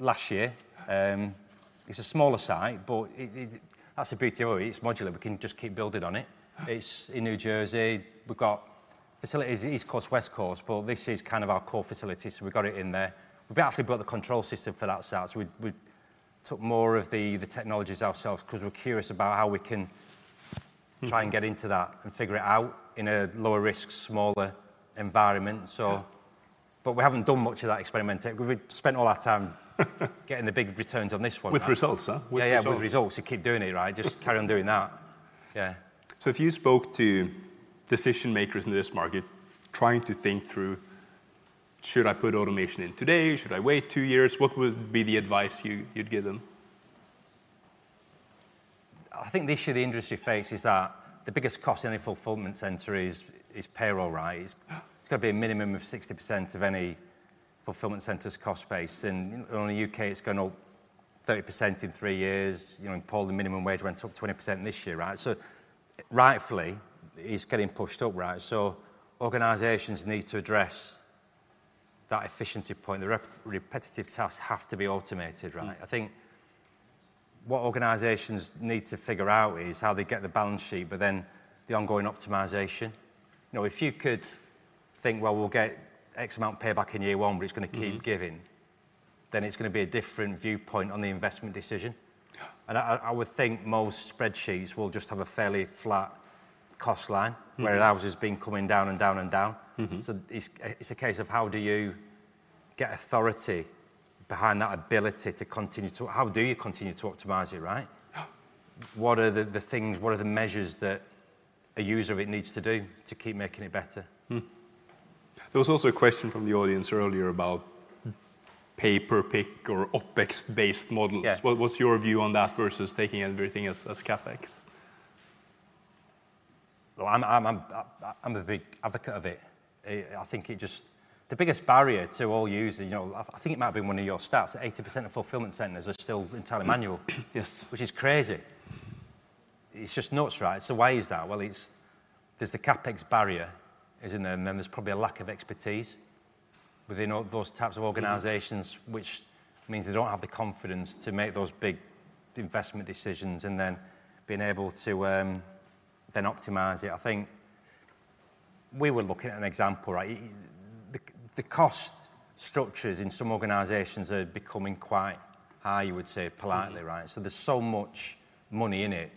Speaker 18: last year. It's a smaller site, but that's the beauty of it. It's modular. We can just keep building on it. It's in New Jersey. We've got facilities East Coast, West Coast, but this is kind of our core facility, so we've got it in there. We've actually built the control system for that site, so we took more of the technologies ourselves 'cause we're curious about how we can try and get into that and figure it out in a lower risk, smaller environment, so. But we haven't done much of that experimenting. We've spent all our time getting the big returns on this one now.
Speaker 2: With results, huh? With results.
Speaker 18: Yeah, yeah, with results. You keep doing it, right? Just carry on doing that. Yeah.
Speaker 2: So if you spoke to decision makers in this market, trying to think through, "Should I put automation in today? Should I wait two years?" What would be the advice you'd give them?
Speaker 18: I think the issue the industry faces are the biggest cost in a fulfillment center is payroll, right? It's gotta be a minimum of 60% of any fulfillment center's cost base. And in the U.K., it's gone up 30% in three years. You know, in Poland, the minimum wage went up 20% this year, right? So rightfully, it's getting pushed up, right? So organizations need to address that efficiency point. The repetitive tasks have to be automated, right? I think what organizations need to figure out is how they get the balance sheet, but then the ongoing optimization. You know, if you could think, well, we'll get X amount payback in year one, but it's gonna keep giving then it's gonna be a different viewpoint on the investment decision. I would think most spreadsheets will just have a fairly flat cost line. Where it has just been coming down and down and down. So it's a case of how do you get authority behind that ability to continue to. How do you continue to optimize it, right? What are the things, what are the measures that a user of it needs to do to keep making it better?
Speaker 2: There was also a question from the audience earlier about pay-per-pick or OpEx-based models. What's your view on that versus taking everything as CapEx?
Speaker 18: I'm a big advocate of it. The biggest barrier to all users, you know, I think it might have been one of your stats, that 80% of fulfillment centers are still entirely manual which is crazy. It's just nuts, right? So why is that? Well, it's, there's the CapEx barrier is in there, and then there's probably a lack of expertise within all those types of organizations. Which means they don't have the confidence to make those big investment decisions and then being able to, then optimize it. I think we were looking at an example, right? The cost structures in some organizations are becoming quite high, you would say politely, right? So there's so much money in it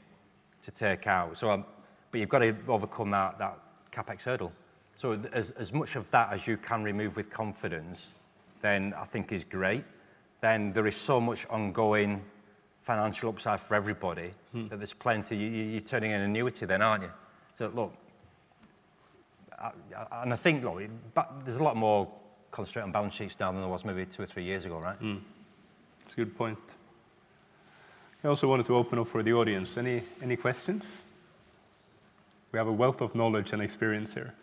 Speaker 18: to take out, so, but you've got to overcome that CapEx hurdle. So as much of that as you can remove with confidence, then I think is great. Then there is so much ongoing financial upside for everybody that there's plenty. You, you're turning an annuity then, aren't you? So look, and I think, though, but there's a lot more constraint on balance sheets now than there was maybe two or three years ago, right?
Speaker 2: It's a good point. I also wanted to open up for the audience. Any questions? We have a wealth of knowledge and experience here.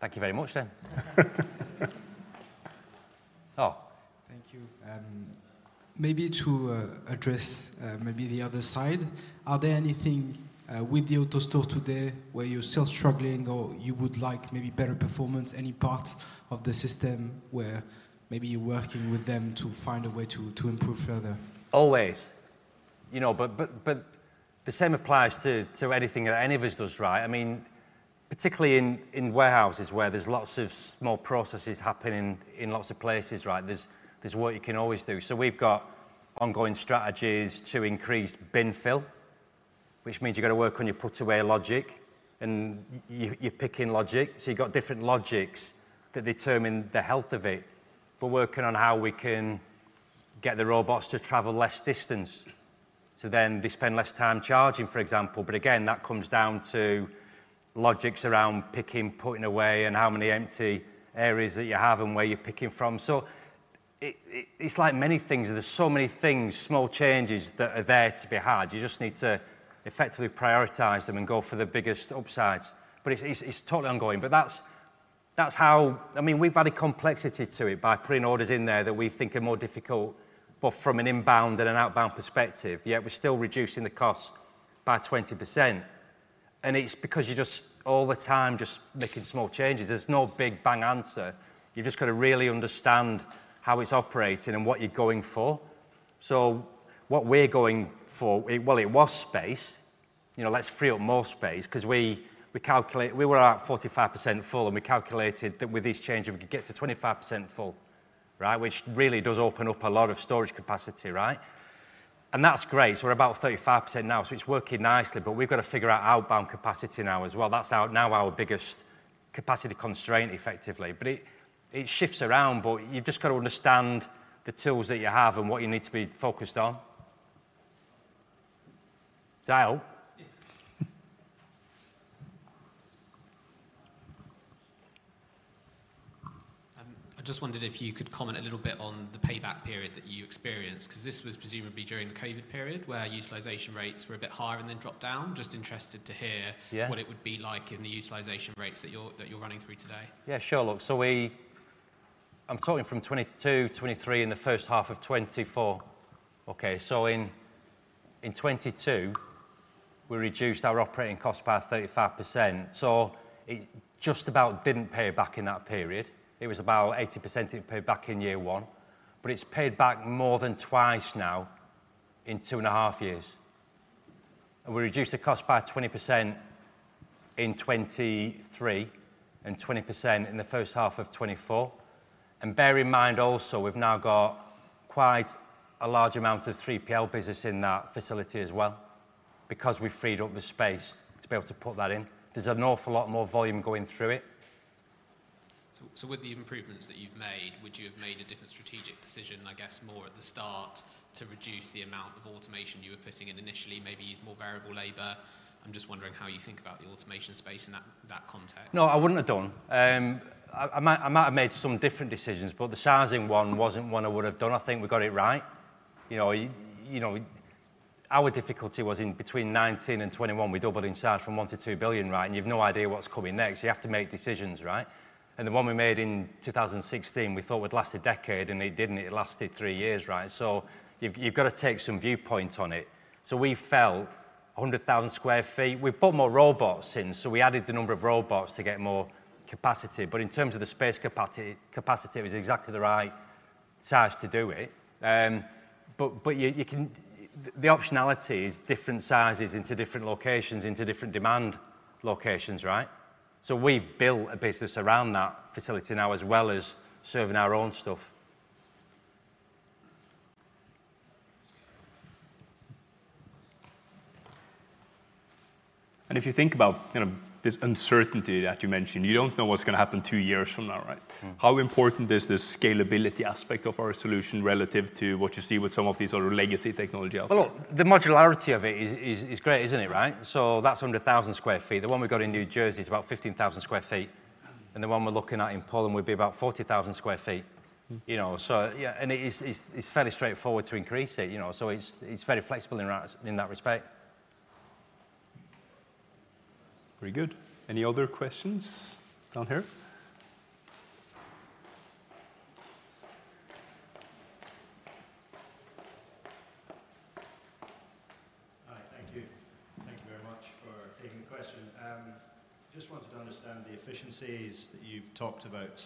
Speaker 18: Thank you very much then.
Speaker 12: Oh. Thank you. Maybe to address maybe the other side, are there anything with the AutoStore today where you're still struggling or you would like maybe better performance, any part of the system where maybe you're working with them to find a way to improve further?
Speaker 18: Always, you know, but the same applies to anything that any of us does, right? I mean, particularly in warehouses, where there's lots of small processes happening in lots of places, right? There's work you can always do. So we've got ongoing strategies to increase bin fill, which means you've got to work on your put away logic and your picking logic. So you've got different logics that determine the health of it. We're working on how we can get the robots to travel less distance, so then they spend less time charging, for example. But again, that comes down to logics around picking, putting away, and how many empty areas that you have and where you're picking from. So it's like many things. There's so many things, small changes, that are there to be had. You just need to effectively prioritize them and go for the biggest upsides. But it's totally ongoing. But that's how. I mean, we've added complexity to it by putting orders in there that we think are more difficult, but from an inbound and an outbound perspective, yet we're still reducing the cost by 20% and it's because you're just all the time just making small changes. There's no big bang answer. You've just got to really understand how it's operating and what you're going for. So what we're going for, it, well, it was space. You know, let's free up more space because we calculate. We were at 45% full, and we calculated that with this change, we could get to 25% full, right? Which really does open up a lot of storage capacity, right? And that's great. So we're about 35% now, so it's working nicely, but we've got to figure out outbound capacity now as well. That's our, now our biggest capacity constraint, effectively. But it shifts around, but you've just got to understand the tools that you have and what you need to be focused on. Is that all?
Speaker 3: I just wondered if you could comment a little bit on the payback period that you experienced, 'cause this was presumably during the COVID period, where utilization rates were a bit higher and then dropped down. Just interested to hear what it would be like in the utilization rates that you're running through today.
Speaker 18: Yeah, sure, look. So we--I'm talking from 2022, 2023, and the first half of 2024. Okay, so in 2022, we reduced our operating cost by 35%, so it just about didn't pay back in that period. It was about 80% it paid back in year one, but it's paid back more than twice now in two and a half years. And we reduced the cost by 20% in 2023 and 20% in the first half of 2024. And bear in mind also, we've now got quite a large amount of 3PL business in that facility as well because we freed up the space to be able to put that in. There's an awful lot more volume going through it.
Speaker 3: With the improvements that you've made, would you have made a different strategic decision, I guess, more at the start to reduce the amount of automation you were putting in initially, maybe use more variable labor? I'm just wondering how you think about the automation space in that context.
Speaker 18: No, I wouldn't have done. I might have made some different decisions, but the sizing one wasn't one I would have done. I think we got it right. You know, our difficulty was between 2019 and 2021, we doubled in size from $1 billion to $2 billion, right? You have no idea what's coming next. You have to make decisions, right? The one we made in 2016, we thought would last a decade, and it didn't. It lasted three years, right? So you've got to take some viewpoint on it. So we felt 100,000 sq ft. We've put more robots in, so we added the number of robots to get more capacity. But in terms of the space capacity, it was exactly the right size to do it. The optionality is different sizes into different locations, into different demand locations, right? So we've built a business around that facility now, as well as serving our own stuff.
Speaker 2: And if you think about, you know, this uncertainty that you mentioned, you don't know what's going to happen two years from now, right? How important is the scalability aspect of our solution relative to what you see with some of these other legacy technology out there?
Speaker 18: Look, the modularity of it is great, isn't it, right? That's under 1,000 sq ft. The one we got in New Jersey is about 15,000 sq ft, and the one we're looking at in Poland would be about 40,000 sq ft. You know, so, yeah, and it's fairly straightforward to increase it, you know. It's very flexible in that respect.
Speaker 2: Very good. Any other questions down here?
Speaker 19: Hi, thank you. Thank you very much for taking the question. Just wanted to understand the efficiencies that you've talked about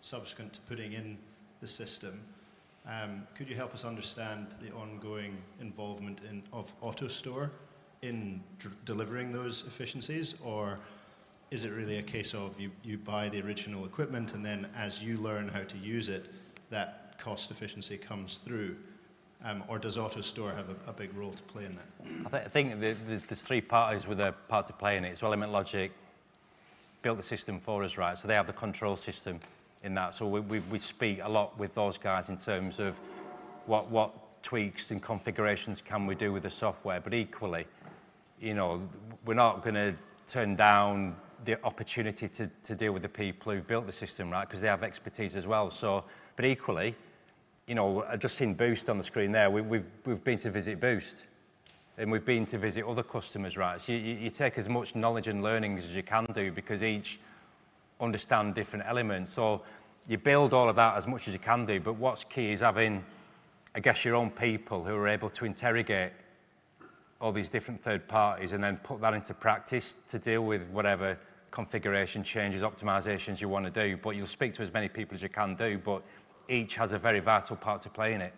Speaker 19: subsequent to putting in the system. Could you help us understand the ongoing involvement of AutoStore in delivering those efficiencies? Or is it really a case of you buy the original equipment and then, as you learn how to use it, that cost efficiency comes through, or does AutoStore have a big role to play in that?
Speaker 18: I think there's three parties with a part to play in it. So Element Logic built the system for us, right? So they have the control system in that. So we speak a lot with those guys in terms of what tweaks and configurations can we do with the software. But equally, you know, we're not gonna turn down the opportunity to deal with the people who've built the system, right? Because they have expertise as well, so. But equally, you know, I've just seen Boozt on the screen there. We've been to visit Boozt, and we've been to visit other customers, right? So you take as much knowledge and learnings as you can do because each understand different elements. So you build all of that as much as you can do. But what's key is having, I guess, your own people who are able to interrogate all these different third parties and then put that into practice to deal with whatever configuration changes, optimizations you want to do. But you'll speak to as many people as you can do, but each has a very vital part to play in it.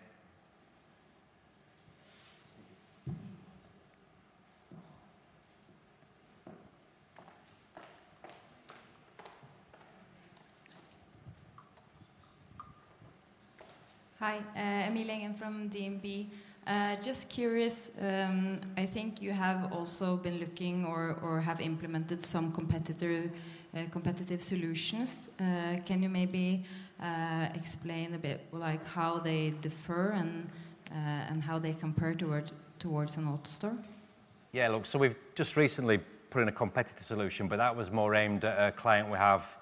Speaker 5: Hi, Emilie Engen from DNB Markets. Just curious, I think you have also been looking or have implemented some competitive solutions. Can you maybe explain a bit like how they differ and how they compare towards an AutoStore?
Speaker 18: Yeah, look, so we've just recently put in a competitive solution, but that was more aimed at a client we have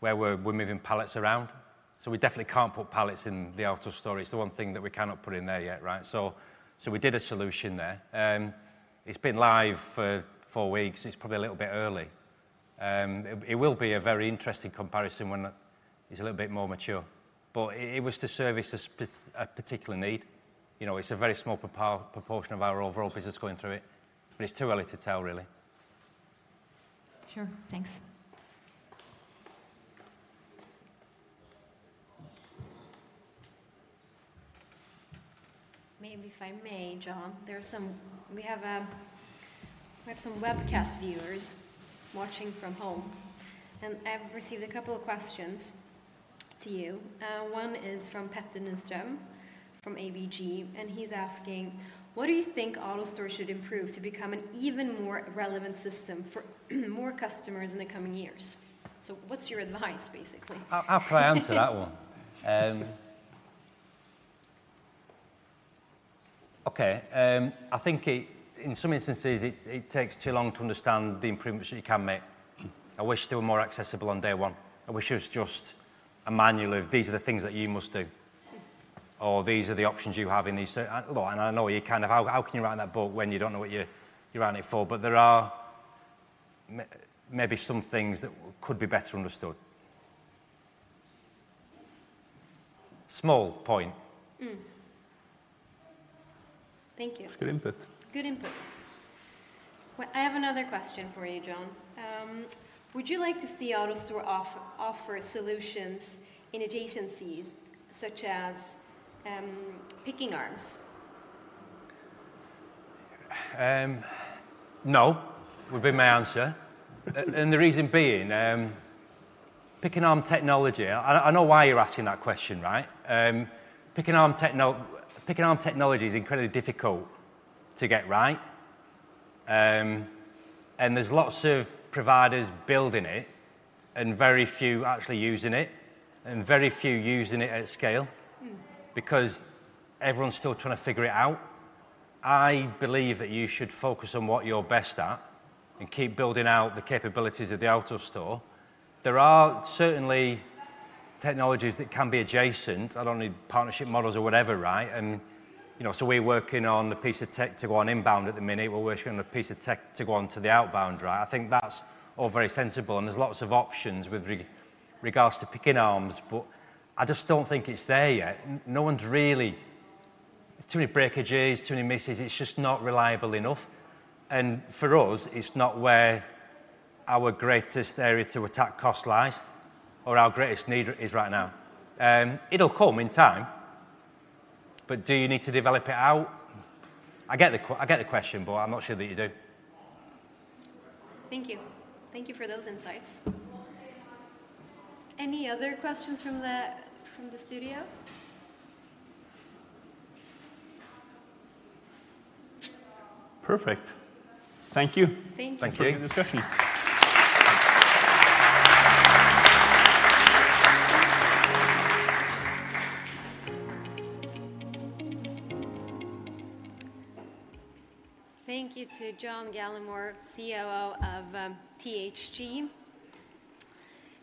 Speaker 18: where we're moving pallets around. So we definitely can't put pallets in the AutoStore. It's the one thing that we cannot put in there yet, right? So we did a solution there. It's been live for four weeks. It's probably a little bit early. It will be a very interesting comparison when it's a little bit more mature. But it was to service a particular need. You know, it's a very small proportion of our overall business going through it, but it's too early to tell, really.
Speaker 1: Sure. Thanks. Maybe if I may, John, we have some webcast viewers watching from home, and I've received a couple of questions to you. One is from Petter Nystrøm, from ABG, and he's asking: What do you think AutoStore should improve to become an even more relevant system for more customers in the coming years? So what's your advice, basically?
Speaker 18: I'll try to answer that one. Okay, I think in some instances it takes too long to understand the improvements that you can make. I wish they were more accessible on day one. I wish it was just a manual of, "These are the things that you must do," or, "These are the options you have in these" Look, and how can you write that book when you don't know what you're writing it for? But there are maybe some things that could be better understood. Small point.
Speaker 1: Mm. Thank you.
Speaker 18: It's good input.
Speaker 1: Good input. I have another question for you, John. Would you like to see AutoStore offer solutions in adjacencies such as picking arms?
Speaker 18: No, would be my answer. And the reason being, picking arm technology. I know why you're asking that question, right? Picking arm technology is incredibly difficult to get right. And there's lots of providers building it and very few actually using it, and very few using it at scale because everyone's still trying to figure it out. I believe that you should focus on what you're best at and keep building out the capabilities of the AutoStore. There are certainly technologies that can be adjacent, and only partnership models or whatever, right? And, you know, so we're working on the piece of tech to go on inbound at the minute. We're working on a piece of tech to go onto the outbound, right? I think that's all very sensible, and there's lots of options with regards to picking arms, but I just don't think it's there yet. Too many breakages, too many misses. It's just not reliable enough, and for us, it's not where our greatest area to attack cost lies or our greatest need is right now. It'll come in time, but do you need to develop it out? I get the question, but I'm not sure that you do.
Speaker 1: Thank you. Thank you for those insights. Any other questions from the studio?
Speaker 18: Perfect. Thank you.
Speaker 1: Thank you.
Speaker 18: Thank you for the discussion.
Speaker 1: Thank you to John Gallemore, COO of THG.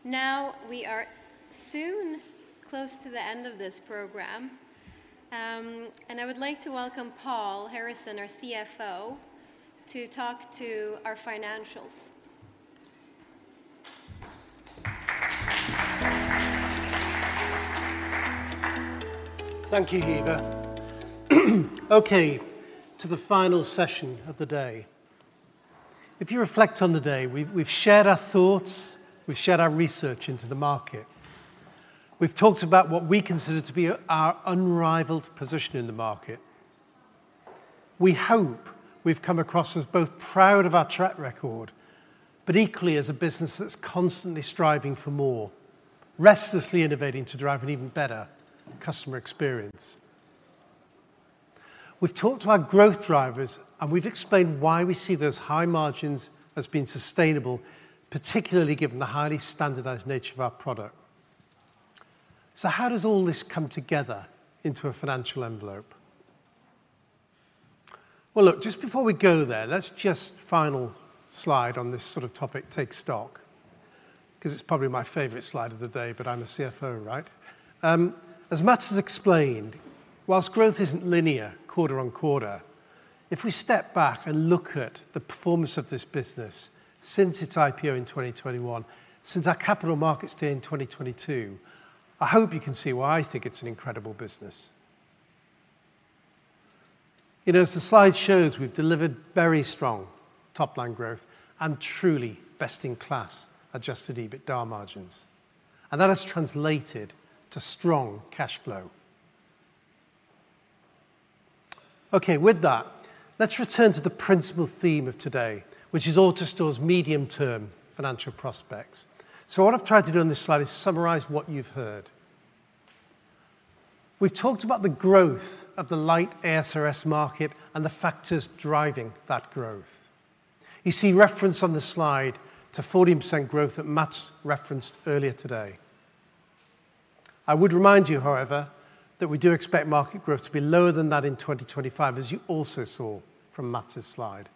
Speaker 1: Now, we are soon close to the end of this program, and I would like to welcome Paul Harrison, our CFO, to talk to our financials.
Speaker 4: Thank you, Hiva. Okay, to the final session of the day. If you reflect on the day, we've shared our thoughts, we've shared our research into the market. We've talked about what we consider to be our unrivaled position in the market. We hope we've come across as both proud of our track record, but equally as a business that's constantly striving for more, restlessly innovating to drive an even better customer experience. We've talked to our growth drivers, and we've explained why we see those high margins as being sustainable, particularly given the highly standardized nature of our product. So how does all this come together into a financial envelope? Well, look, just before we go there, let's just final slide on this sort of topic, take stock, 'cause it's probably my favorite slide of the day, but I'm a CFO, right? As Mats has explained, while growth isn't linear quarter on quarter, if we step back and look at the performance of this business since its IPO in 2021, since our Capital Markets Day in 2022, I hope you can see why I think it's an incredible business. You know, as the slide shows, we've delivered very strong top-line growth and truly best-in-class adjusted EBITDA margins, and that has translated to strong cash flow. Okay, with that, let's return to the principal theme of today, which is AutoStore's medium-term financial prospects. So what I've tried to do on this slide is summarize what you've heard. We've talked about the growth of the light ASRS market and the factors driving that growth. You see reference on the slide to 14% growth that Mats referenced earlier today. I would remind you, however, that we do expect market growth to be lower than that in 2025, as you also saw from Mats' slide.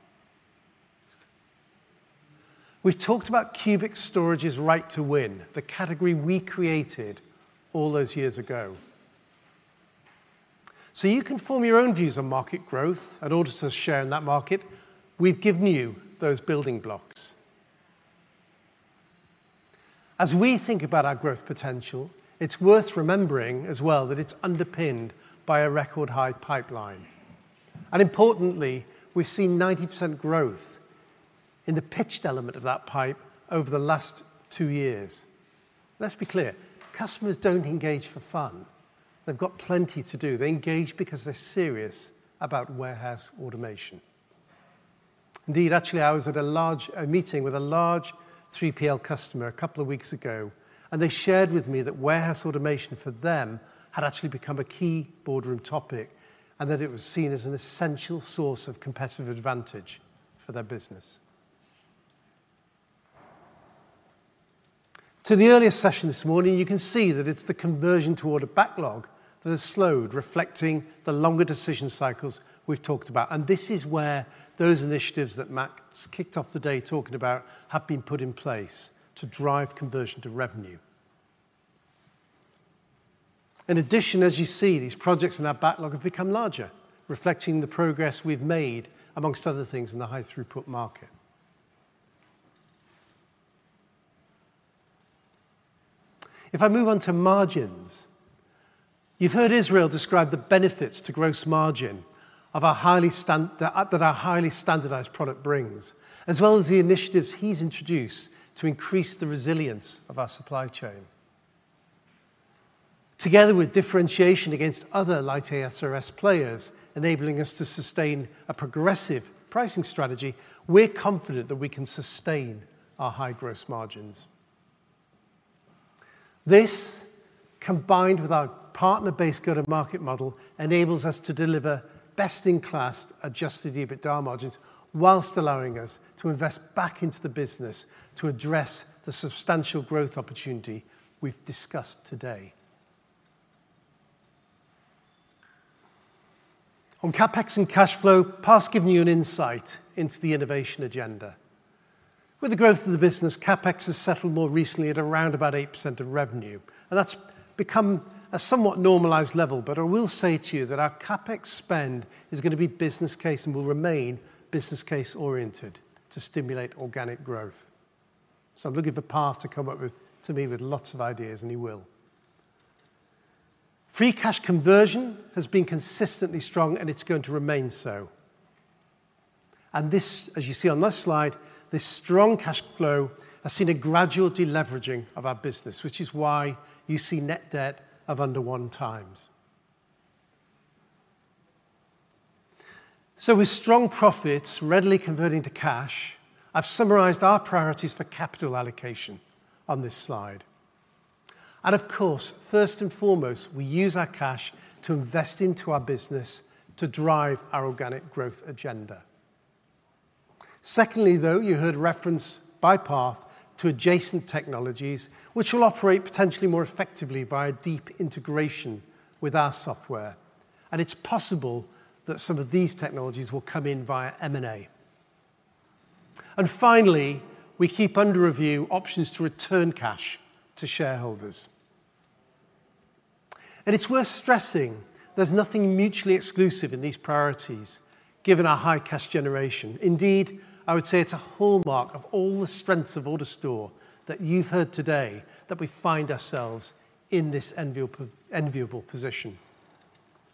Speaker 4: We've talked about Cubic Storage's right to win, the category we created all those years ago. So you can form your own views on market growth and AutoStore's share in that market. We've given you those building blocks. As we think about our growth potential, it's worth remembering as well that it's underpinned by a record-high pipeline. And importantly, we've seen 90% growth in the pitched element of that pipe over the last two years. Let's be clear, customers don't engage for fun. They've got plenty to do. They engage because they're serious about warehouse automation. Indeed, actually, I was at a meeting with a large 3PL customer a couple of weeks ago, and they shared with me that warehouse automation for them had actually become a key boardroom topic, and that it was seen as an essential source of competitive advantage for their business. To the earlier session this morning, you can see that it's the conversion toward a backlog that has slowed, reflecting the longer decision cycles we've talked about, and this is where those initiatives that Mats' kicked off the day talking about have been put in place to drive conversion to revenue. In addition, as you see, these projects in our backlog have become larger, reflecting the progress we've made, among other things, in the high-throughput market. If I move on to margins, you've heard Israel describe the benefits to gross margin of our highly standardized product brings, as well as the initiatives he's introduced to increase the resilience of our supply chain. Together with differentiation against other light ASRS players, enabling us to sustain a progressive pricing strategy, we're confident that we can sustain our high gross margins. This, combined with our partner-based go-to-market model, enables us to deliver best-in-class adjusted EBITDA margins while allowing us to invest back into the business to address the substantial growth opportunity we've discussed today. On CapEx and cash flow, Parth's given you an insight into the innovation agenda. With the growth of the business, CapEx has settled more recently at around about 8% of revenue, and that's become a somewhat normalized level. But I will say to you that our CapEx spend is gonna be business case and will remain business case-oriented to stimulate organic growth. So I'm looking for Parth to come up with, to me with lots of ideas, and he will. Free cash conversion has been consistently strong, and it's going to remain so. And this, as you see on this slide, this strong cash flow has seen a gradual deleveraging of our business, which is why you see net debt of under 1x. So with strong profits readily converting to cash, I've summarized our priorities for capital allocation on this slide. And of course, first and foremost, we use our cash to invest into our business to drive our organic growth agenda. Secondly, though, you heard reference by Parth to adjacent technologies, which will operate potentially more effectively via deep integration with our software, and it's possible that some of these technologies will come in via M&A. And finally, we keep under review options to return cash to shareholders. And it's worth stressing there's nothing mutually exclusive in these priorities, given our high cash generation. Indeed, I would say it's a hallmark of all the strengths of AutoStore that you've heard today, that we find ourselves in this enviable position.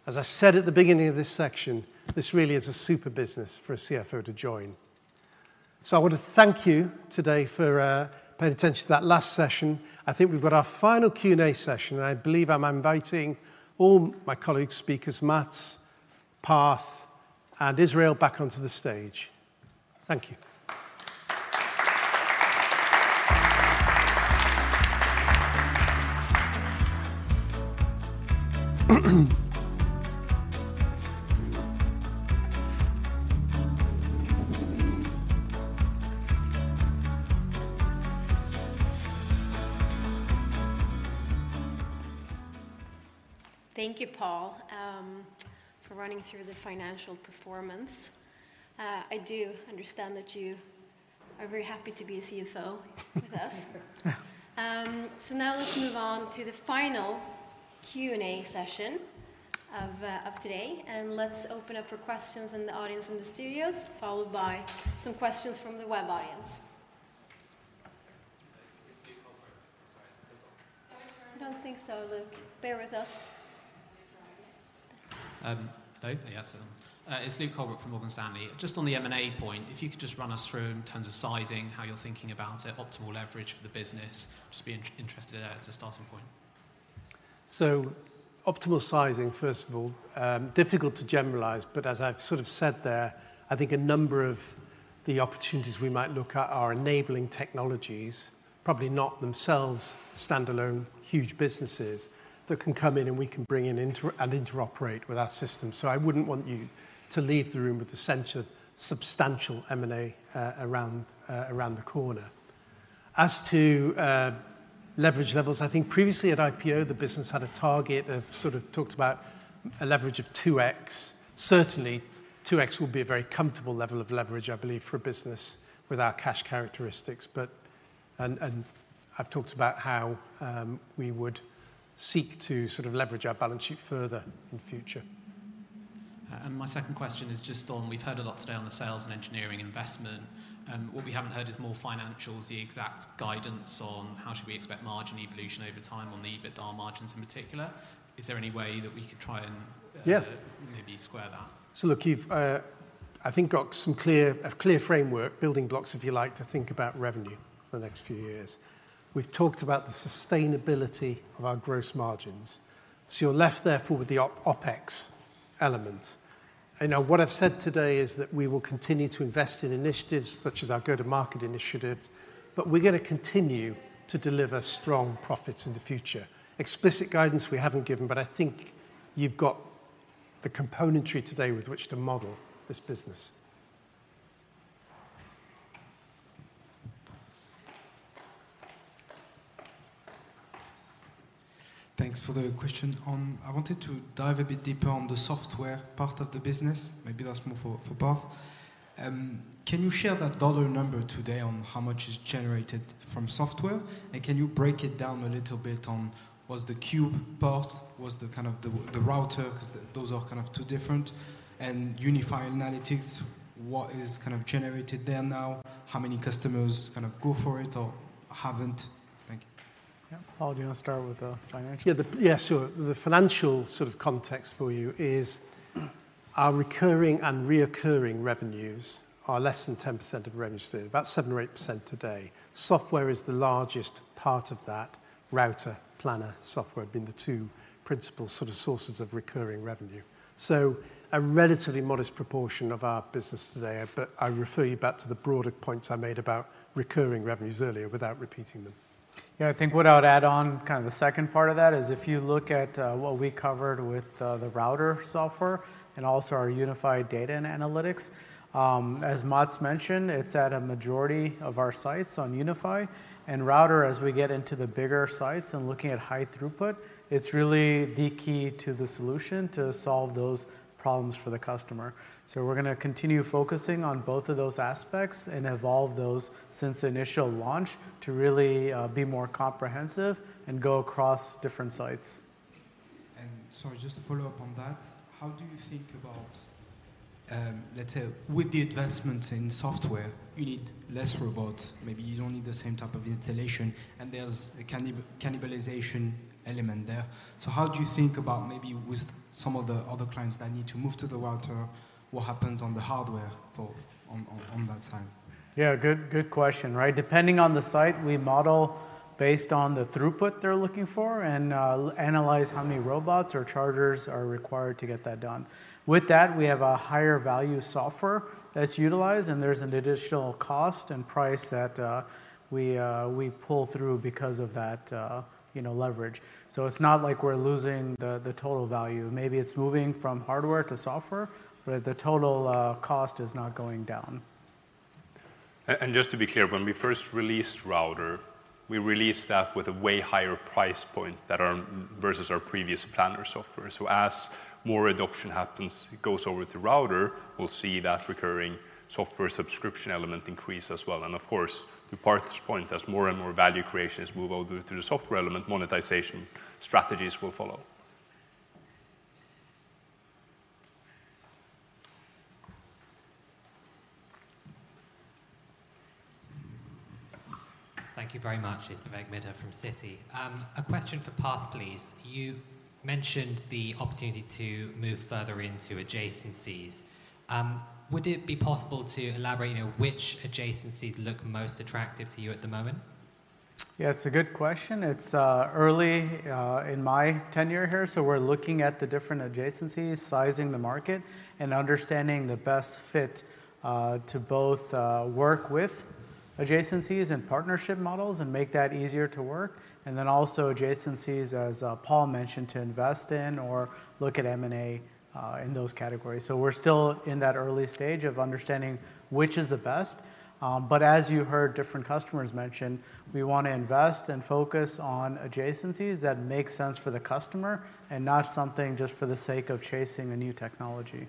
Speaker 4: As I said at the beginning of this section, this really is a super business for a CFO to join. So I want to thank you today for paying attention to that last session. I think we've got our final Q&A session, and I believe I'm inviting all my colleague speakers, Mats, Parth, and Israel, back onto the stage. Thank you.
Speaker 1: Thank you, Paul, for running through the financial performance. I do understand that you are very happy to be a CFO with us. So now let's move on to the final Q&A session of today, and let's open up for questions in the audience in the studios, followed by some questions from the web audience. I don't think so, Luke. Bear with us.
Speaker 3: Hello. It's Luke Holbrook from Morgan Stanley. Just on the M&A point, if you could just run us through in terms of sizing, how you're thinking about it, optimal leverage for the business. Just be interested as a starting point.
Speaker 4: Optimal sizing, first of all, difficult to generalize, but as I've sort of said there, I think a number of the opportunities we might look at are enabling technologies, probably not themselves standalone, huge businesses, that can come in and we can bring in into and interoperate with our system. So I wouldn't want you to leave the room with the sense of substantial M&A around the corner. As to leverage levels, I think previously at IPO, the business had a target of sort of talked about a leverage of 2x. Certainly, 2x will be a very comfortable level of leverage, I believe, for a business with our cash characteristics, but. And I've talked about how we would seek to sort of leverage our balance sheet further in future.
Speaker 3: My second question is just on, we've heard a lot today on the sales and engineering investment. What we haven't heard is more financials, the exact guidance on how should we expect margin evolution over time on the EBITDA margins in particular. Is there any way that we could try and
Speaker 4: Yeah
Speaker 3: Maybe square that?
Speaker 4: So look, you've, I think, got a clear framework, building blocks, if you like, to think about revenue for the next few years. We've talked about the sustainability of our gross margins. So you're left therefore with the OpEx element. And now, what I've said today is that we will continue to invest in initiatives such as our go-to-market initiative, but we're gonna continue to deliver strong profits in the future. Explicit guidance we haven't given, but I think you've got the components today with which to model this business.
Speaker 12: Thanks for the question. I wanted to dive a bit deeper on the software part of the business. Maybe that's more for Parth. Can you share that dollar number today on how much is generated from software? And can you break it down a little bit on what's the Cube part, what's the kind of the Router? 'Cause those are kind of two different. And Unify Analytics, what is kind of generated there now? How many customers kind of go for it or haven't? Thank you.
Speaker 17: Yeah. Paul, do you want to start with the financial?
Speaker 4: Yeah, sure. The financial sort of context for you is, our recurring and reoccurring revenues are less than 10% of revenue today, about 7% or 8% today. Software is the largest part of that, Router, Planner software being the two principal sort of sources of recurring revenue. So a relatively modest proportion of our business today, but I refer you back to the broader points I made about recurring revenues earlier without repeating them.
Speaker 17: Yeah, I think what I'd add on, kind of the second part of that, is if you look at what we covered with the Router software and also our Unify Analytics, as Mats mentioned, it's at a majority of our sites on Unify. And Router, as we get into the bigger sites and looking at high throughput, it's really the key to the solution to solve those problems for the customer. So we're gonna continue focusing on both of those aspects and evolve those since initial launch to really be more comprehensive and go across different sites.
Speaker 12: Sorry, just to follow up on that, let's say with the advancement in software, you need less robot, maybe you don't need the same type of installation, and there's a cannibalization element there. So how do you think about maybe with some of the other clients that need to move to the Router, what happens on the hardware for on that side?
Speaker 17: Yeah, good, good question, right? Depending on the site, we model based on the throughput they're looking for and analyze how many robots or chargers are required to get that done. With that, we have a higher value software that's utilized, and there's an additional cost and price that we pull through because of that, you know, leverage. So it's not like we're losing the total value. Maybe it's moving from hardware to software, but the total cost is not going down.
Speaker 2: Just to be clear, when we first released Router, we released that with a way higher price point than ours versus our previous Planner software, so as more adoption happens, it goes over to Router, we'll see that recurring software subscription element increase as well, and of course, to Parth's point, as more and more value creation is moved over to the software element, monetization strategies will follow.
Speaker 20: Thank you very much. It's Vivek Midha from Citi. A question for Parth, please. Would it be possible to elaborate, you know, which adjacencies look most attractive to you at the moment?
Speaker 17: Yeah, it's a good question. It's early in my tenure here, so we're looking at the different adjacencies, sizing the market, and understanding the best fit to both work with adjacencies and partnership models and make that easier to work, and then also adjacencies, as Paul mentioned, to invest in or look at M&A in those categories, so we're still in that early stage of understanding which is the best, but as you heard different customers mention, we want to invest and focus on adjacencies that make sense for the customer, and not something just for the sake of chasing a new technology.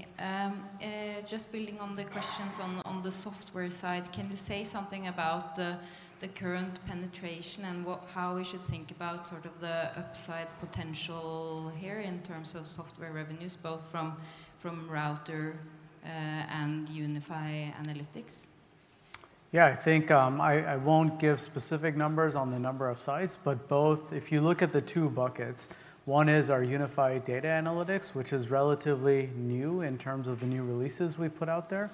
Speaker 5: Hi, Emilie Engen from DNB. Just building on the questions on the software side, can you say something about the current penetration and how we should think about sort of the upside potential here in terms of software revenues, both from Router and Unify Analytics?
Speaker 17: Yeah, I think, I won't give specific numbers on the number of sites, but both. If you look at the two buckets, one is our Unify Analytics, which is relatively new in terms of the new releases we've put out there.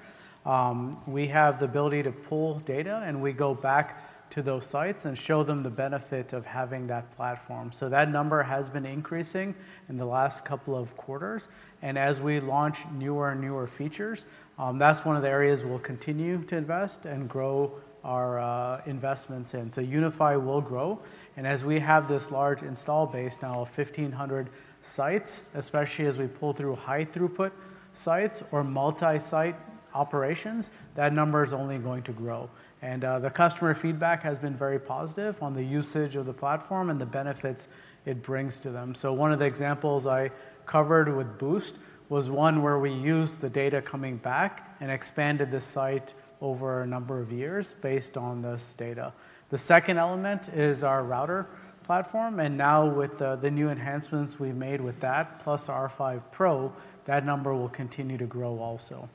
Speaker 17: We have the ability to pull data, and we go back to those sites and show them the benefit of having that platform. So that number has been increasing in the last couple of quarters. And as we launch newer and newer features, that's one of the areas we'll continue to invest and grow our investments in. So Unify will grow, and as we have this large installed base now of 1,500 sites, especially as we pull through high-throughput sites or multi-site operations, that number is only going to grow. The customer feedback has been very positive on the usage of the platform and the benefits it brings to them. One of the examples I covered with Boozt was one where we used the data coming back and expanded the site over a number of years based on this data. The second element is our Router platform, and now with the new enhancements we made with that, plus R5 Pro, that number will continue to grow also.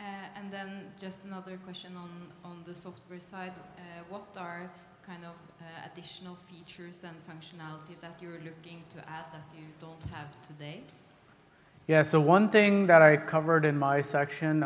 Speaker 5: And then just another question on the software side. What are kind of additional features and functionality that you're looking to add that you don't have today?
Speaker 17: Yeah, so one thing that I covered in my section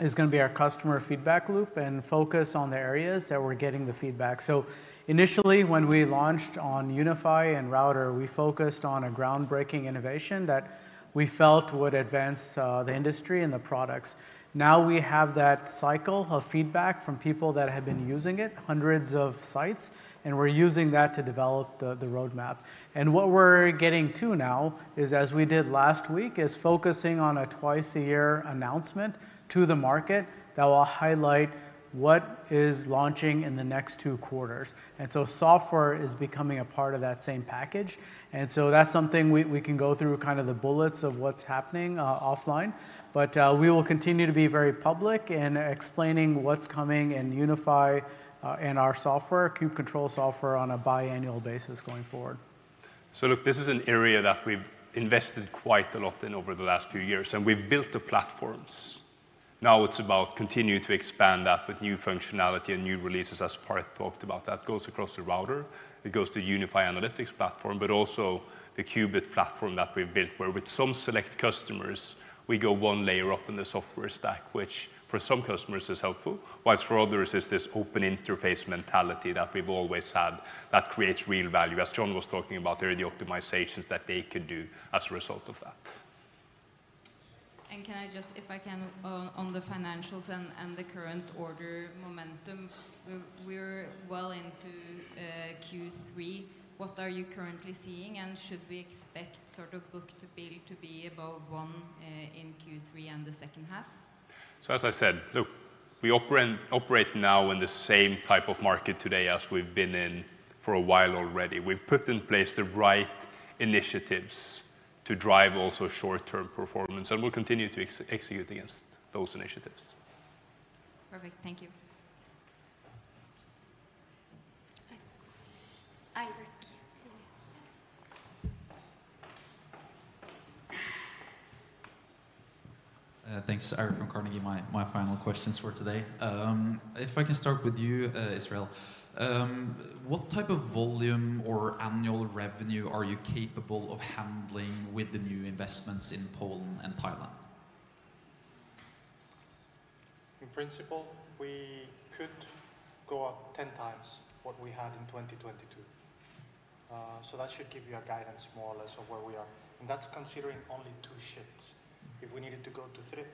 Speaker 17: is gonna be our customer feedback loop and focus on the areas that we're getting the feedback. So initially, when we launched on Unify and Router, we focused on a groundbreaking innovation that we felt would advance the industry and the products. Now, we have that cycle of feedback from people that have been using it, hundreds of sites, and we're using that to develop the roadmap. And what we're getting to now is, as we did last week, is focusing on a twice-a-year announcement to the market that will highlight what is launching in the next two quarters. And so software is becoming a part of that same package, and so that's something we can go through kind of the bullets of what's happening offline. But, we will continue to be very public in explaining what's coming in Unify, and our software, Cube Control software, on a biannual basis going forward.
Speaker 2: So look, this is an area that we've invested quite a lot in over the last few years, and we've built the platforms. Now, it's about continuing to expand that with new functionality and new releases, as Parth talked about. That goes across the Router, it goes to Unify Analytics platform, but also the Qubit platform that we've built, where with some select customers, we go one layer up in the software stack, which for some customers is helpful, whilst for others, it's this open interface mentality that we've always had that creates real value, as John was talking about there, the optimizations that they could do as a result of that.
Speaker 5: Can I just, if I can, on the financials and the current order momentum, we're well into Q3. What are you currently seeing, and should we expect sort of book-to-bill to be above one in Q3 and the second half?
Speaker 2: So as I said, look, we operate now in the same type of market today as we've been in for a while already. We've put in place the right initiatives to drive also short-term performance, and we'll continue to execute against those initiatives.
Speaker 5: Perfect. Thank you.
Speaker 1: Eirik.
Speaker 9: Thanks. Eirik from Carnegie. My final questions for today. If I can start with you, Israel, what type of volume or annual revenue are you capable of handling with the new investments in Poland and Thailand?
Speaker 16: In principle, we could go up 10x what we had in 2022. So that should give you a guidance more or less of where we are, and that's considering only two shifts. If we needed to go to three,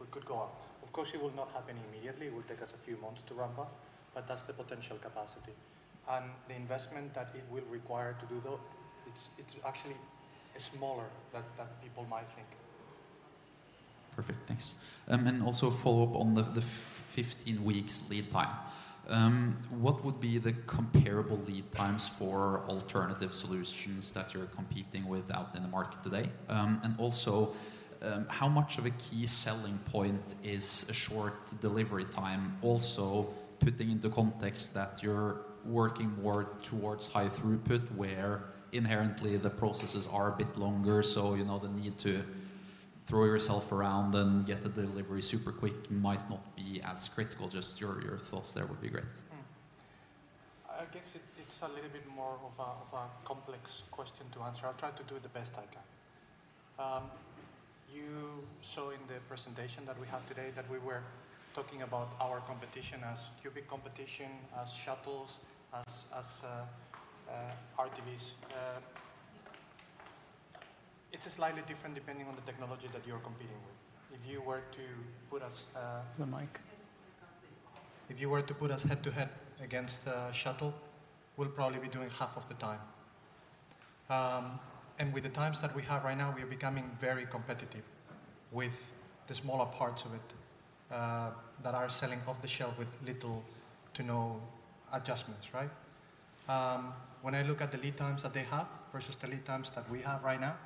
Speaker 16: we could go up. Of course, it will not happen immediately. It will take us a few months to ramp up, but that's the potential capacity. And the investment that it will require to do, though, it's actually smaller than people might think.
Speaker 9: Perfect. Thanks. And also a follow-up on the 15 weeks lead time. What would be the comparable lead times for alternative solutions that you're competing with out in the market today? And also, how much of a key selling point is a short delivery time, also putting into context that you're working more towards high throughput, where inherently the processes are a bit longer, so, you know, the need to throw yourself around and get the delivery super quick might not be as critical. Just your thoughts there would be great.
Speaker 16: I guess it's a little bit more of a complex question to answer. I'll try to do the best I can. You saw in the presentation that we have today that we were talking about our competition as Cube competition, as shuttles, as AMRs. It's slightly different depending on the technology that you're competing with. If you were to put us, If you were to put us head-to-head against a shuttle, we'll probably be doing half of the time. And with the times that we have right now, we are becoming very competitive with the smaller parts of it, that are selling off the shelf with little to no adjustments, right? When I look at the lead times that they have versus the lead times that we have right now,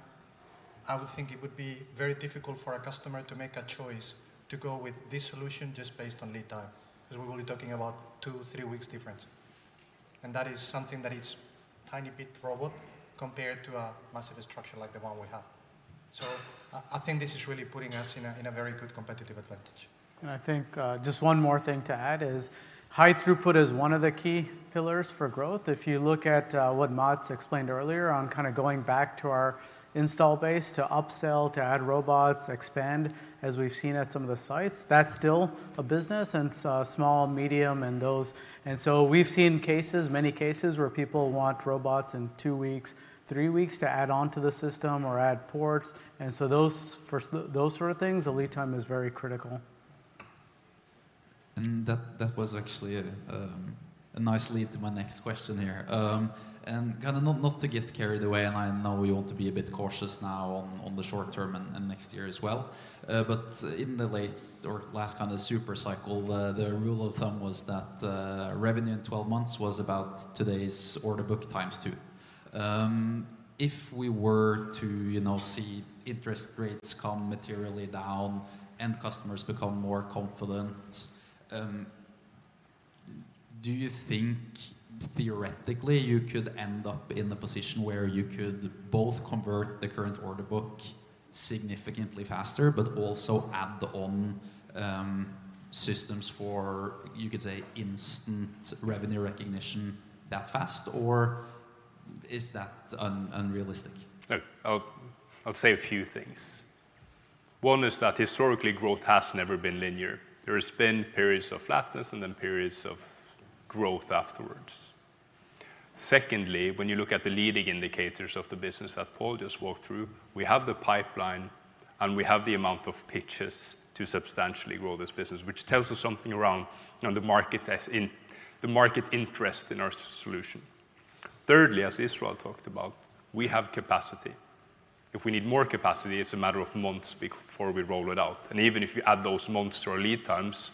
Speaker 16: I would think it would be very difficult for a customer to make a choice to go with this solution just based on lead time, 'cause we're only talking about two, three weeks difference. And that is something that is a tiny bit probable compared to a massive structure like the one we have. So I, I think this is really putting us in a, in a very good competitive advantage.
Speaker 17: I think, just one more thing to add is high throughput is one of the key pillars for growth. If you look at what Mats explained earlier on kind of going back to our install base to upsell, to add robots, expand, as we've seen at some of the sites, that's still a business and so small, medium, and so we've seen cases, many cases, where people want robots in two weeks, three weeks to add on to the system or add ports. And so those, those sort of things, the lead time is very critical.
Speaker 14: And that was actually a nice lead to my next question here. And kind of not to get carried away, and I know we want to be a bit cautious now on the short term and next year as well. But in the late or last kind of super cycle, the rule of thumb was that revenue in twelve months was about today's order book x2. If we were to, you know, see interest rates come materially down and customers become more confident. Do you think theoretically you could end up in the position where you could both convert the current order book significantly faster, but also add on systems for, you could say, instant revenue recognition that fast, or is that unrealistic?
Speaker 2: Look, I'll say a few things. One is that historically, growth has never been linear. There has been periods of flatness and then periods of growth afterwards. Secondly, when you look at the leading indicators of the business that Paul just walked through, we have the pipeline, and we have the amount of pitches to substantially grow this business, which tells us something around, you know, the market as in, the market interest in our solution. Thirdly, as Israel talked about, we have capacity. If we need more capacity, it's a matter of months before we roll it out, and even if you add those months to our lead times,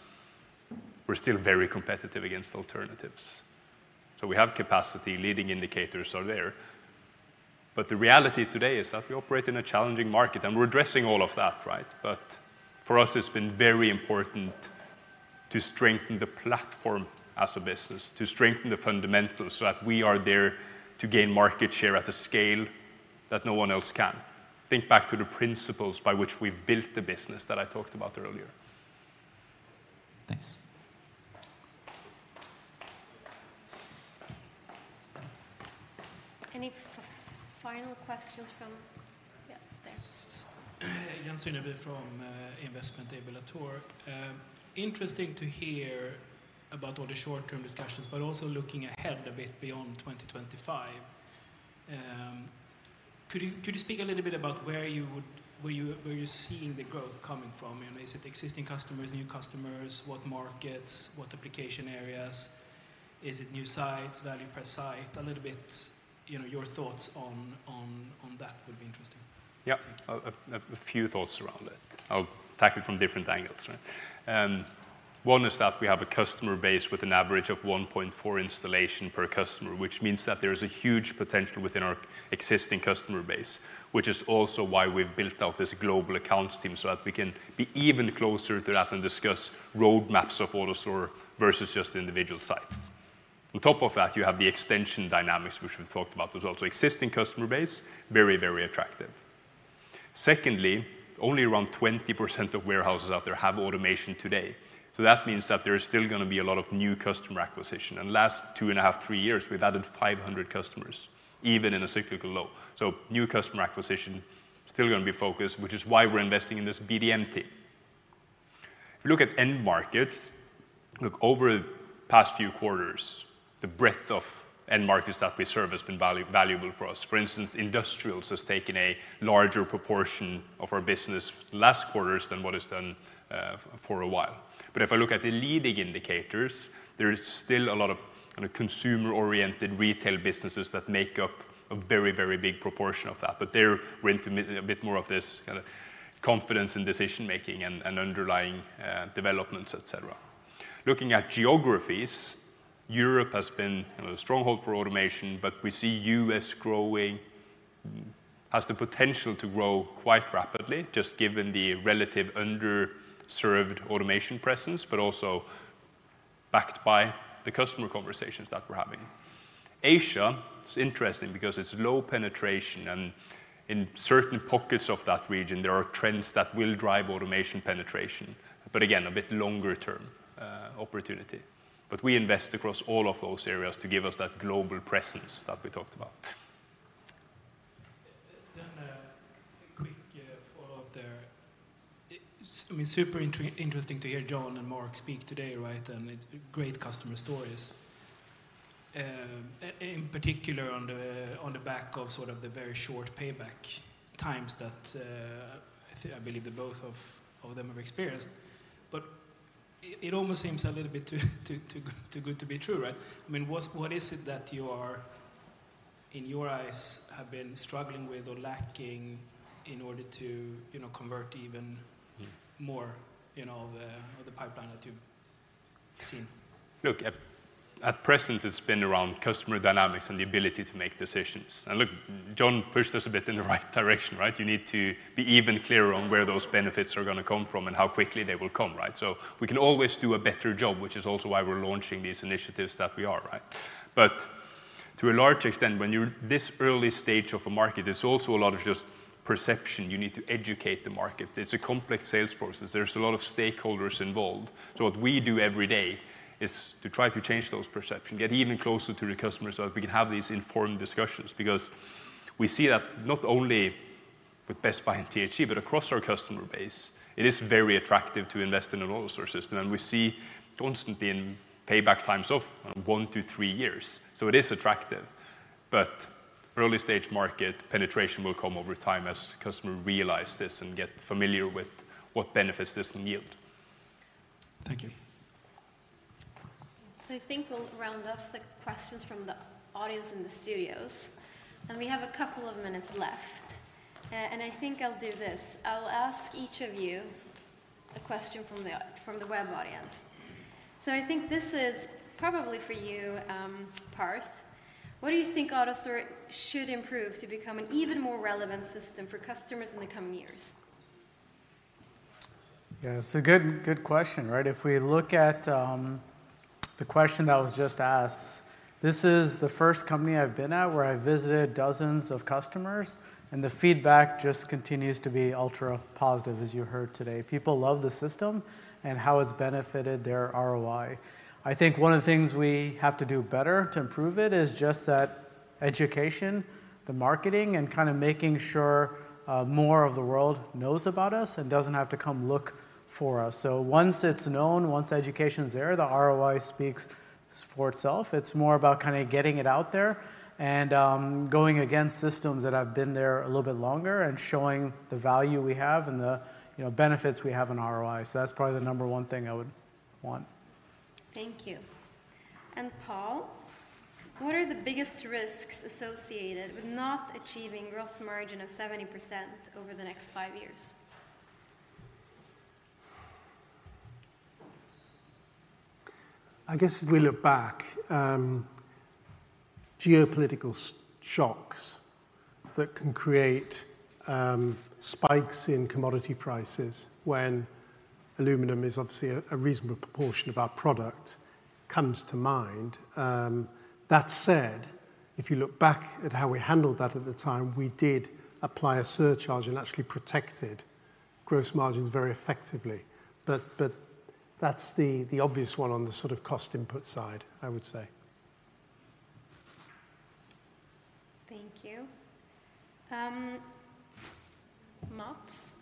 Speaker 2: we're still very competitive against alternatives. So we have capacity, leading indicators are there. But the reality today is that we operate in a challenging market, and we're addressing all of that, right? But for us, it's been very important to strengthen the platform as a business, to strengthen the fundamentals so that we are there to gain market share at a scale that no one else can. Think back to the principles by which we've built the business that I talked about earlier.
Speaker 14: Thanks.
Speaker 1: Any final questions from there.
Speaker 21: Jens Uneberg from Investment AB Latour. Interesting to hear about all the short-term discussions, but also looking ahead a bit beyond 2025. Could you speak a little bit about where you're seeing the growth coming from? You know, is it existing customers, new customers? What markets? What application areas? Is it new sites, value per site? A little bit, you know, your thoughts on that would be interesting.
Speaker 2: Yeah. A few thoughts around it. I'll attack it from different angles, right? One is that we have a customer base with an average of 1.4 installations per customer, which means that there is a huge potential within our existing customer base, which is also why we've built out this global accounts team, so that we can be even closer to that and discuss roadmaps of AutoStore versus just individual sites. On top of that, you have the extension dynamics, which we've talked about. There's also existing customer base, very, very attractive. Secondly, only around 20% of warehouses out there have automation today, so that means that there is still gonna be a lot of new customer acquisition. Last 2.5-3 years, we've added 500 customers, even in a cyclical low. So new customer acquisition, still gonna be focused, which is why we're investing in this BDM team. If you look at end markets, look, over the past few quarters, the breadth of end markets that we serve has been valuable for us. For instance, industrials has taken a larger proportion of our business last quarters than what it's done for a while. But if I look at the leading indicators, there is still a lot of kind of consumer-oriented retail businesses that make up a very, very big proportion of that. But there, we're into a bit more of this kind of confidence in decision-making and underlying developments, et cetera. Looking at geographies, Europe has been, you know, a stronghold for automation, but we see the U.S. growing, has the potential to grow quite rapidly, just given the relative underserved automation presence, but also backed by the customer conversations that we're having. Asia is interesting because it's low penetration, and in certain pockets of that region, there are trends that will drive automation penetration, but again, a bit longer-term, opportunity. But we invest across all of those areas to give us that global presence that we talked about.
Speaker 21: Then, a quick follow-up there. I mean, super interesting to hear John and Mark speak today, right? And it's great customer stories in particular on the back of sort of the very short payback times that I believe the both of them have experienced. But it almost seems a little bit too good to be true, right? I mean, what is it that you are, in your eyes, have been struggling with or lacking in order to, you know, convert even more, you know, the pipeline that you've seen?
Speaker 2: Look, at present, it's been around customer dynamics and the ability to make decisions. And look, John pushed us a bit in the right direction, right? You need to be even clearer on where those benefits are gonna come from and how quickly they will come, right? So we can always do a better job, which is also why we're launching these initiatives that we are, right? But to a large extent, when you're this early stage of a market, there's also a lot of just perception. You need to educate the market. It's a complex sales process. There's a lot of stakeholders involved. What we do every day is to try to change those perceptions, get even closer to the customer so that we can have these informed discussions, because we see that not only with Best Buy and THG, but across our customer base, it is very attractive to invest in an AutoStore system. We see constantly in payback times of one to three years, so it is attractive. Early stage market penetration will come over time as customers realize this and get familiar with what benefits this can yield.
Speaker 21: Thank you.
Speaker 1: So I think we'll round off the questions from the audience in the studios, and we have a couple of minutes left. And I think I'll do this: I'll ask each of you a question from the web audience. So I think this is probably for you, Parth. What do you think AutoStore should improve to become an even more relevant system for customers in the coming years?
Speaker 17: Yeah, it's a good, good question, right? If we look at the question that was just asked, this is the first company I've been at where I visited dozens of customers, and the feedback just continues to be ultra positive, as you heard today. People love the system and how it's benefited their ROI. I think one of the things we have to do better to improve it is just that education, the marketing, and kind of making sure more of the world knows about us and doesn't have to come look for us. So once it's known, once education's there, the ROI speaks for itself. It's more about kind of getting it out there and going against systems that have been there a little bit longer and showing the value we have and the, you know, benefits we have in ROI. So that's probably the number one thing I would want.
Speaker 1: Thank you. And Paul, what are the biggest risks associated with not achieving gross margin of 70% over the next five years?
Speaker 4: I guess if we look back, geopolitical shocks that can create spikes in commodity prices when aluminum is obviously a reasonable proportion of our product, comes to mind. That said, if you look back at how we handled that at the time, we did apply a surcharge and actually protected gross margins very effectively. But that's the obvious one on the sort of cost input side, I would say.
Speaker 1: Thank you. Mats,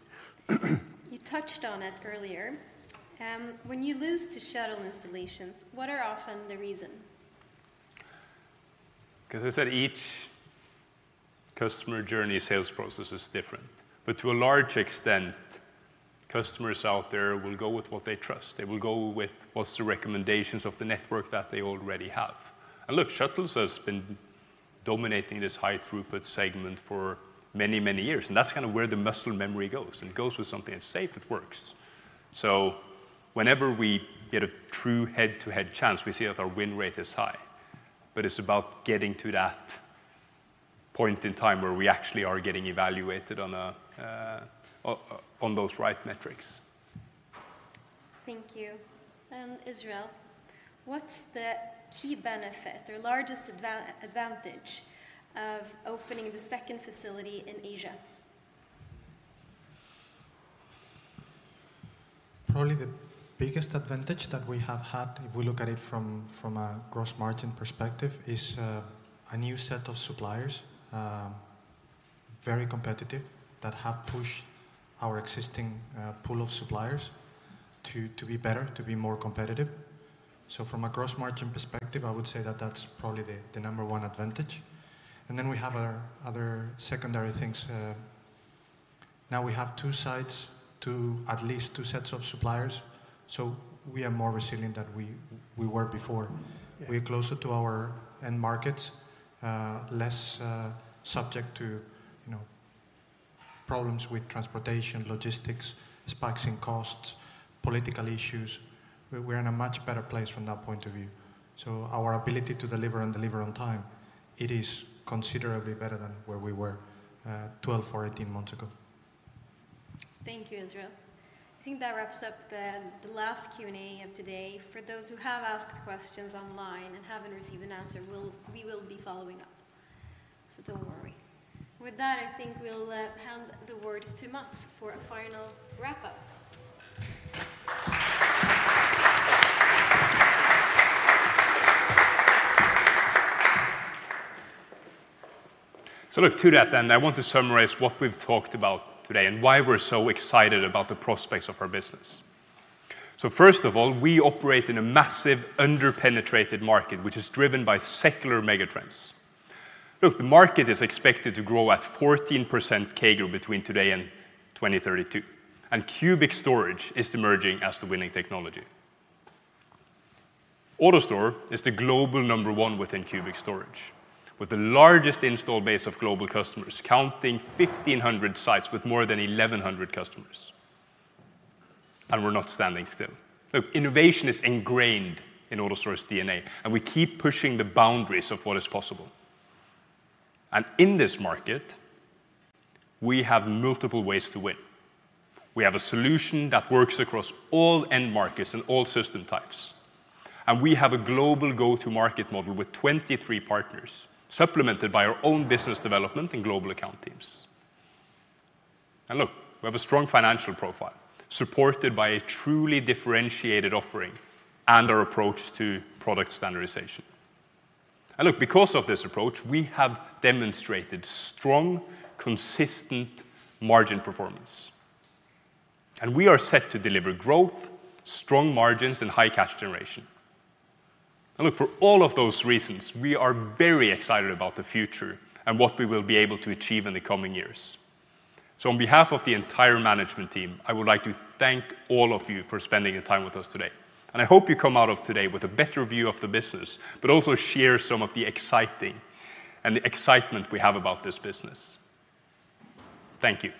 Speaker 1: you touched on it earlier. When you lose to shuttle installations, what are often the reason?
Speaker 2: 'Cause I said each customer journey sales process is different, but to a large extent, customers out there will go with what they trust. They will go with what's the recommendations of the network that they already have. And look, shuttles has been dominating this high throughput segment for many, many years, and that's kind of where the muscle memory goes. It goes with something that's safe, it works. So whenever we get a true head-to-head chance, we see that our win rate is high. But it's about getting to that point in time where we actually are getting evaluated on those right metrics.
Speaker 1: Thank you. And Israel, what's the key benefit or largest advantage of opening the second facility in Asia?
Speaker 16: Probably the biggest advantage that we have had, if we look at it from a gross margin perspective, is a new set of suppliers, very competitive, that have pushed our existing pool of suppliers to be better, to be more competitive. So from a gross margin perspective, I would say that that's probably the number one advantage. And then we have our other secondary things. Now we have two sites, at least two sets of suppliers, so we are more resilient than we were before.
Speaker 2: Yeah.
Speaker 16: We're closer to our end markets, less subject to, you know, problems with transportation, logistics, spikes in costs, political issues. We're in a much better place from that point of view. So our ability to deliver and deliver on time, it is considerably better than where we were, 12 or 18 months ago.
Speaker 1: Thank you, Israel. I think that wraps up the last Q&A of today. For those who have asked questions online and haven't received an answer, we will be following up, so don't worry. With that, I think we'll hand the word to Mats for a final wrap-up.
Speaker 2: Look, to that end, I want to summarize what we've talked about today and why we're so excited about the prospects of our business. First of all, we operate in a massive underpenetrated market, which is driven by secular megatrends. Look, the market is expected to grow at 14% CAGR between today and 2032, and cubic storage is emerging as the winning technology. AutoStore is the global number one within cubic storage, with the largest install base of global customers, counting 1,500 sites with more than 1,100 customers. We're not standing still. Look, innovation is ingrained in AutoStore's DNA, and we keep pushing the boundaries of what is possible. In this market, we have multiple ways to win. We have a solution that works across all end markets and all system types, and we have a global go-to-market model with 23 partners, supplemented by our own business development and global account teams, and look, we have a strong financial profile, supported by a truly differentiated offering and our approach to product standardization, and look, because of this approach, we have demonstrated strong, consistent margin performance, and we are set to deliver growth, strong margins, and high cash generation, and look, for all of those reasons, we are very excited about the future and what we will be able to achieve in the coming years, so on behalf of the entire management team, I would like to thank all of you for spending the time with us today. I hope you come out of today with a better view of the business, but also share some of the exciting and the excitement we have about this business. Thank you.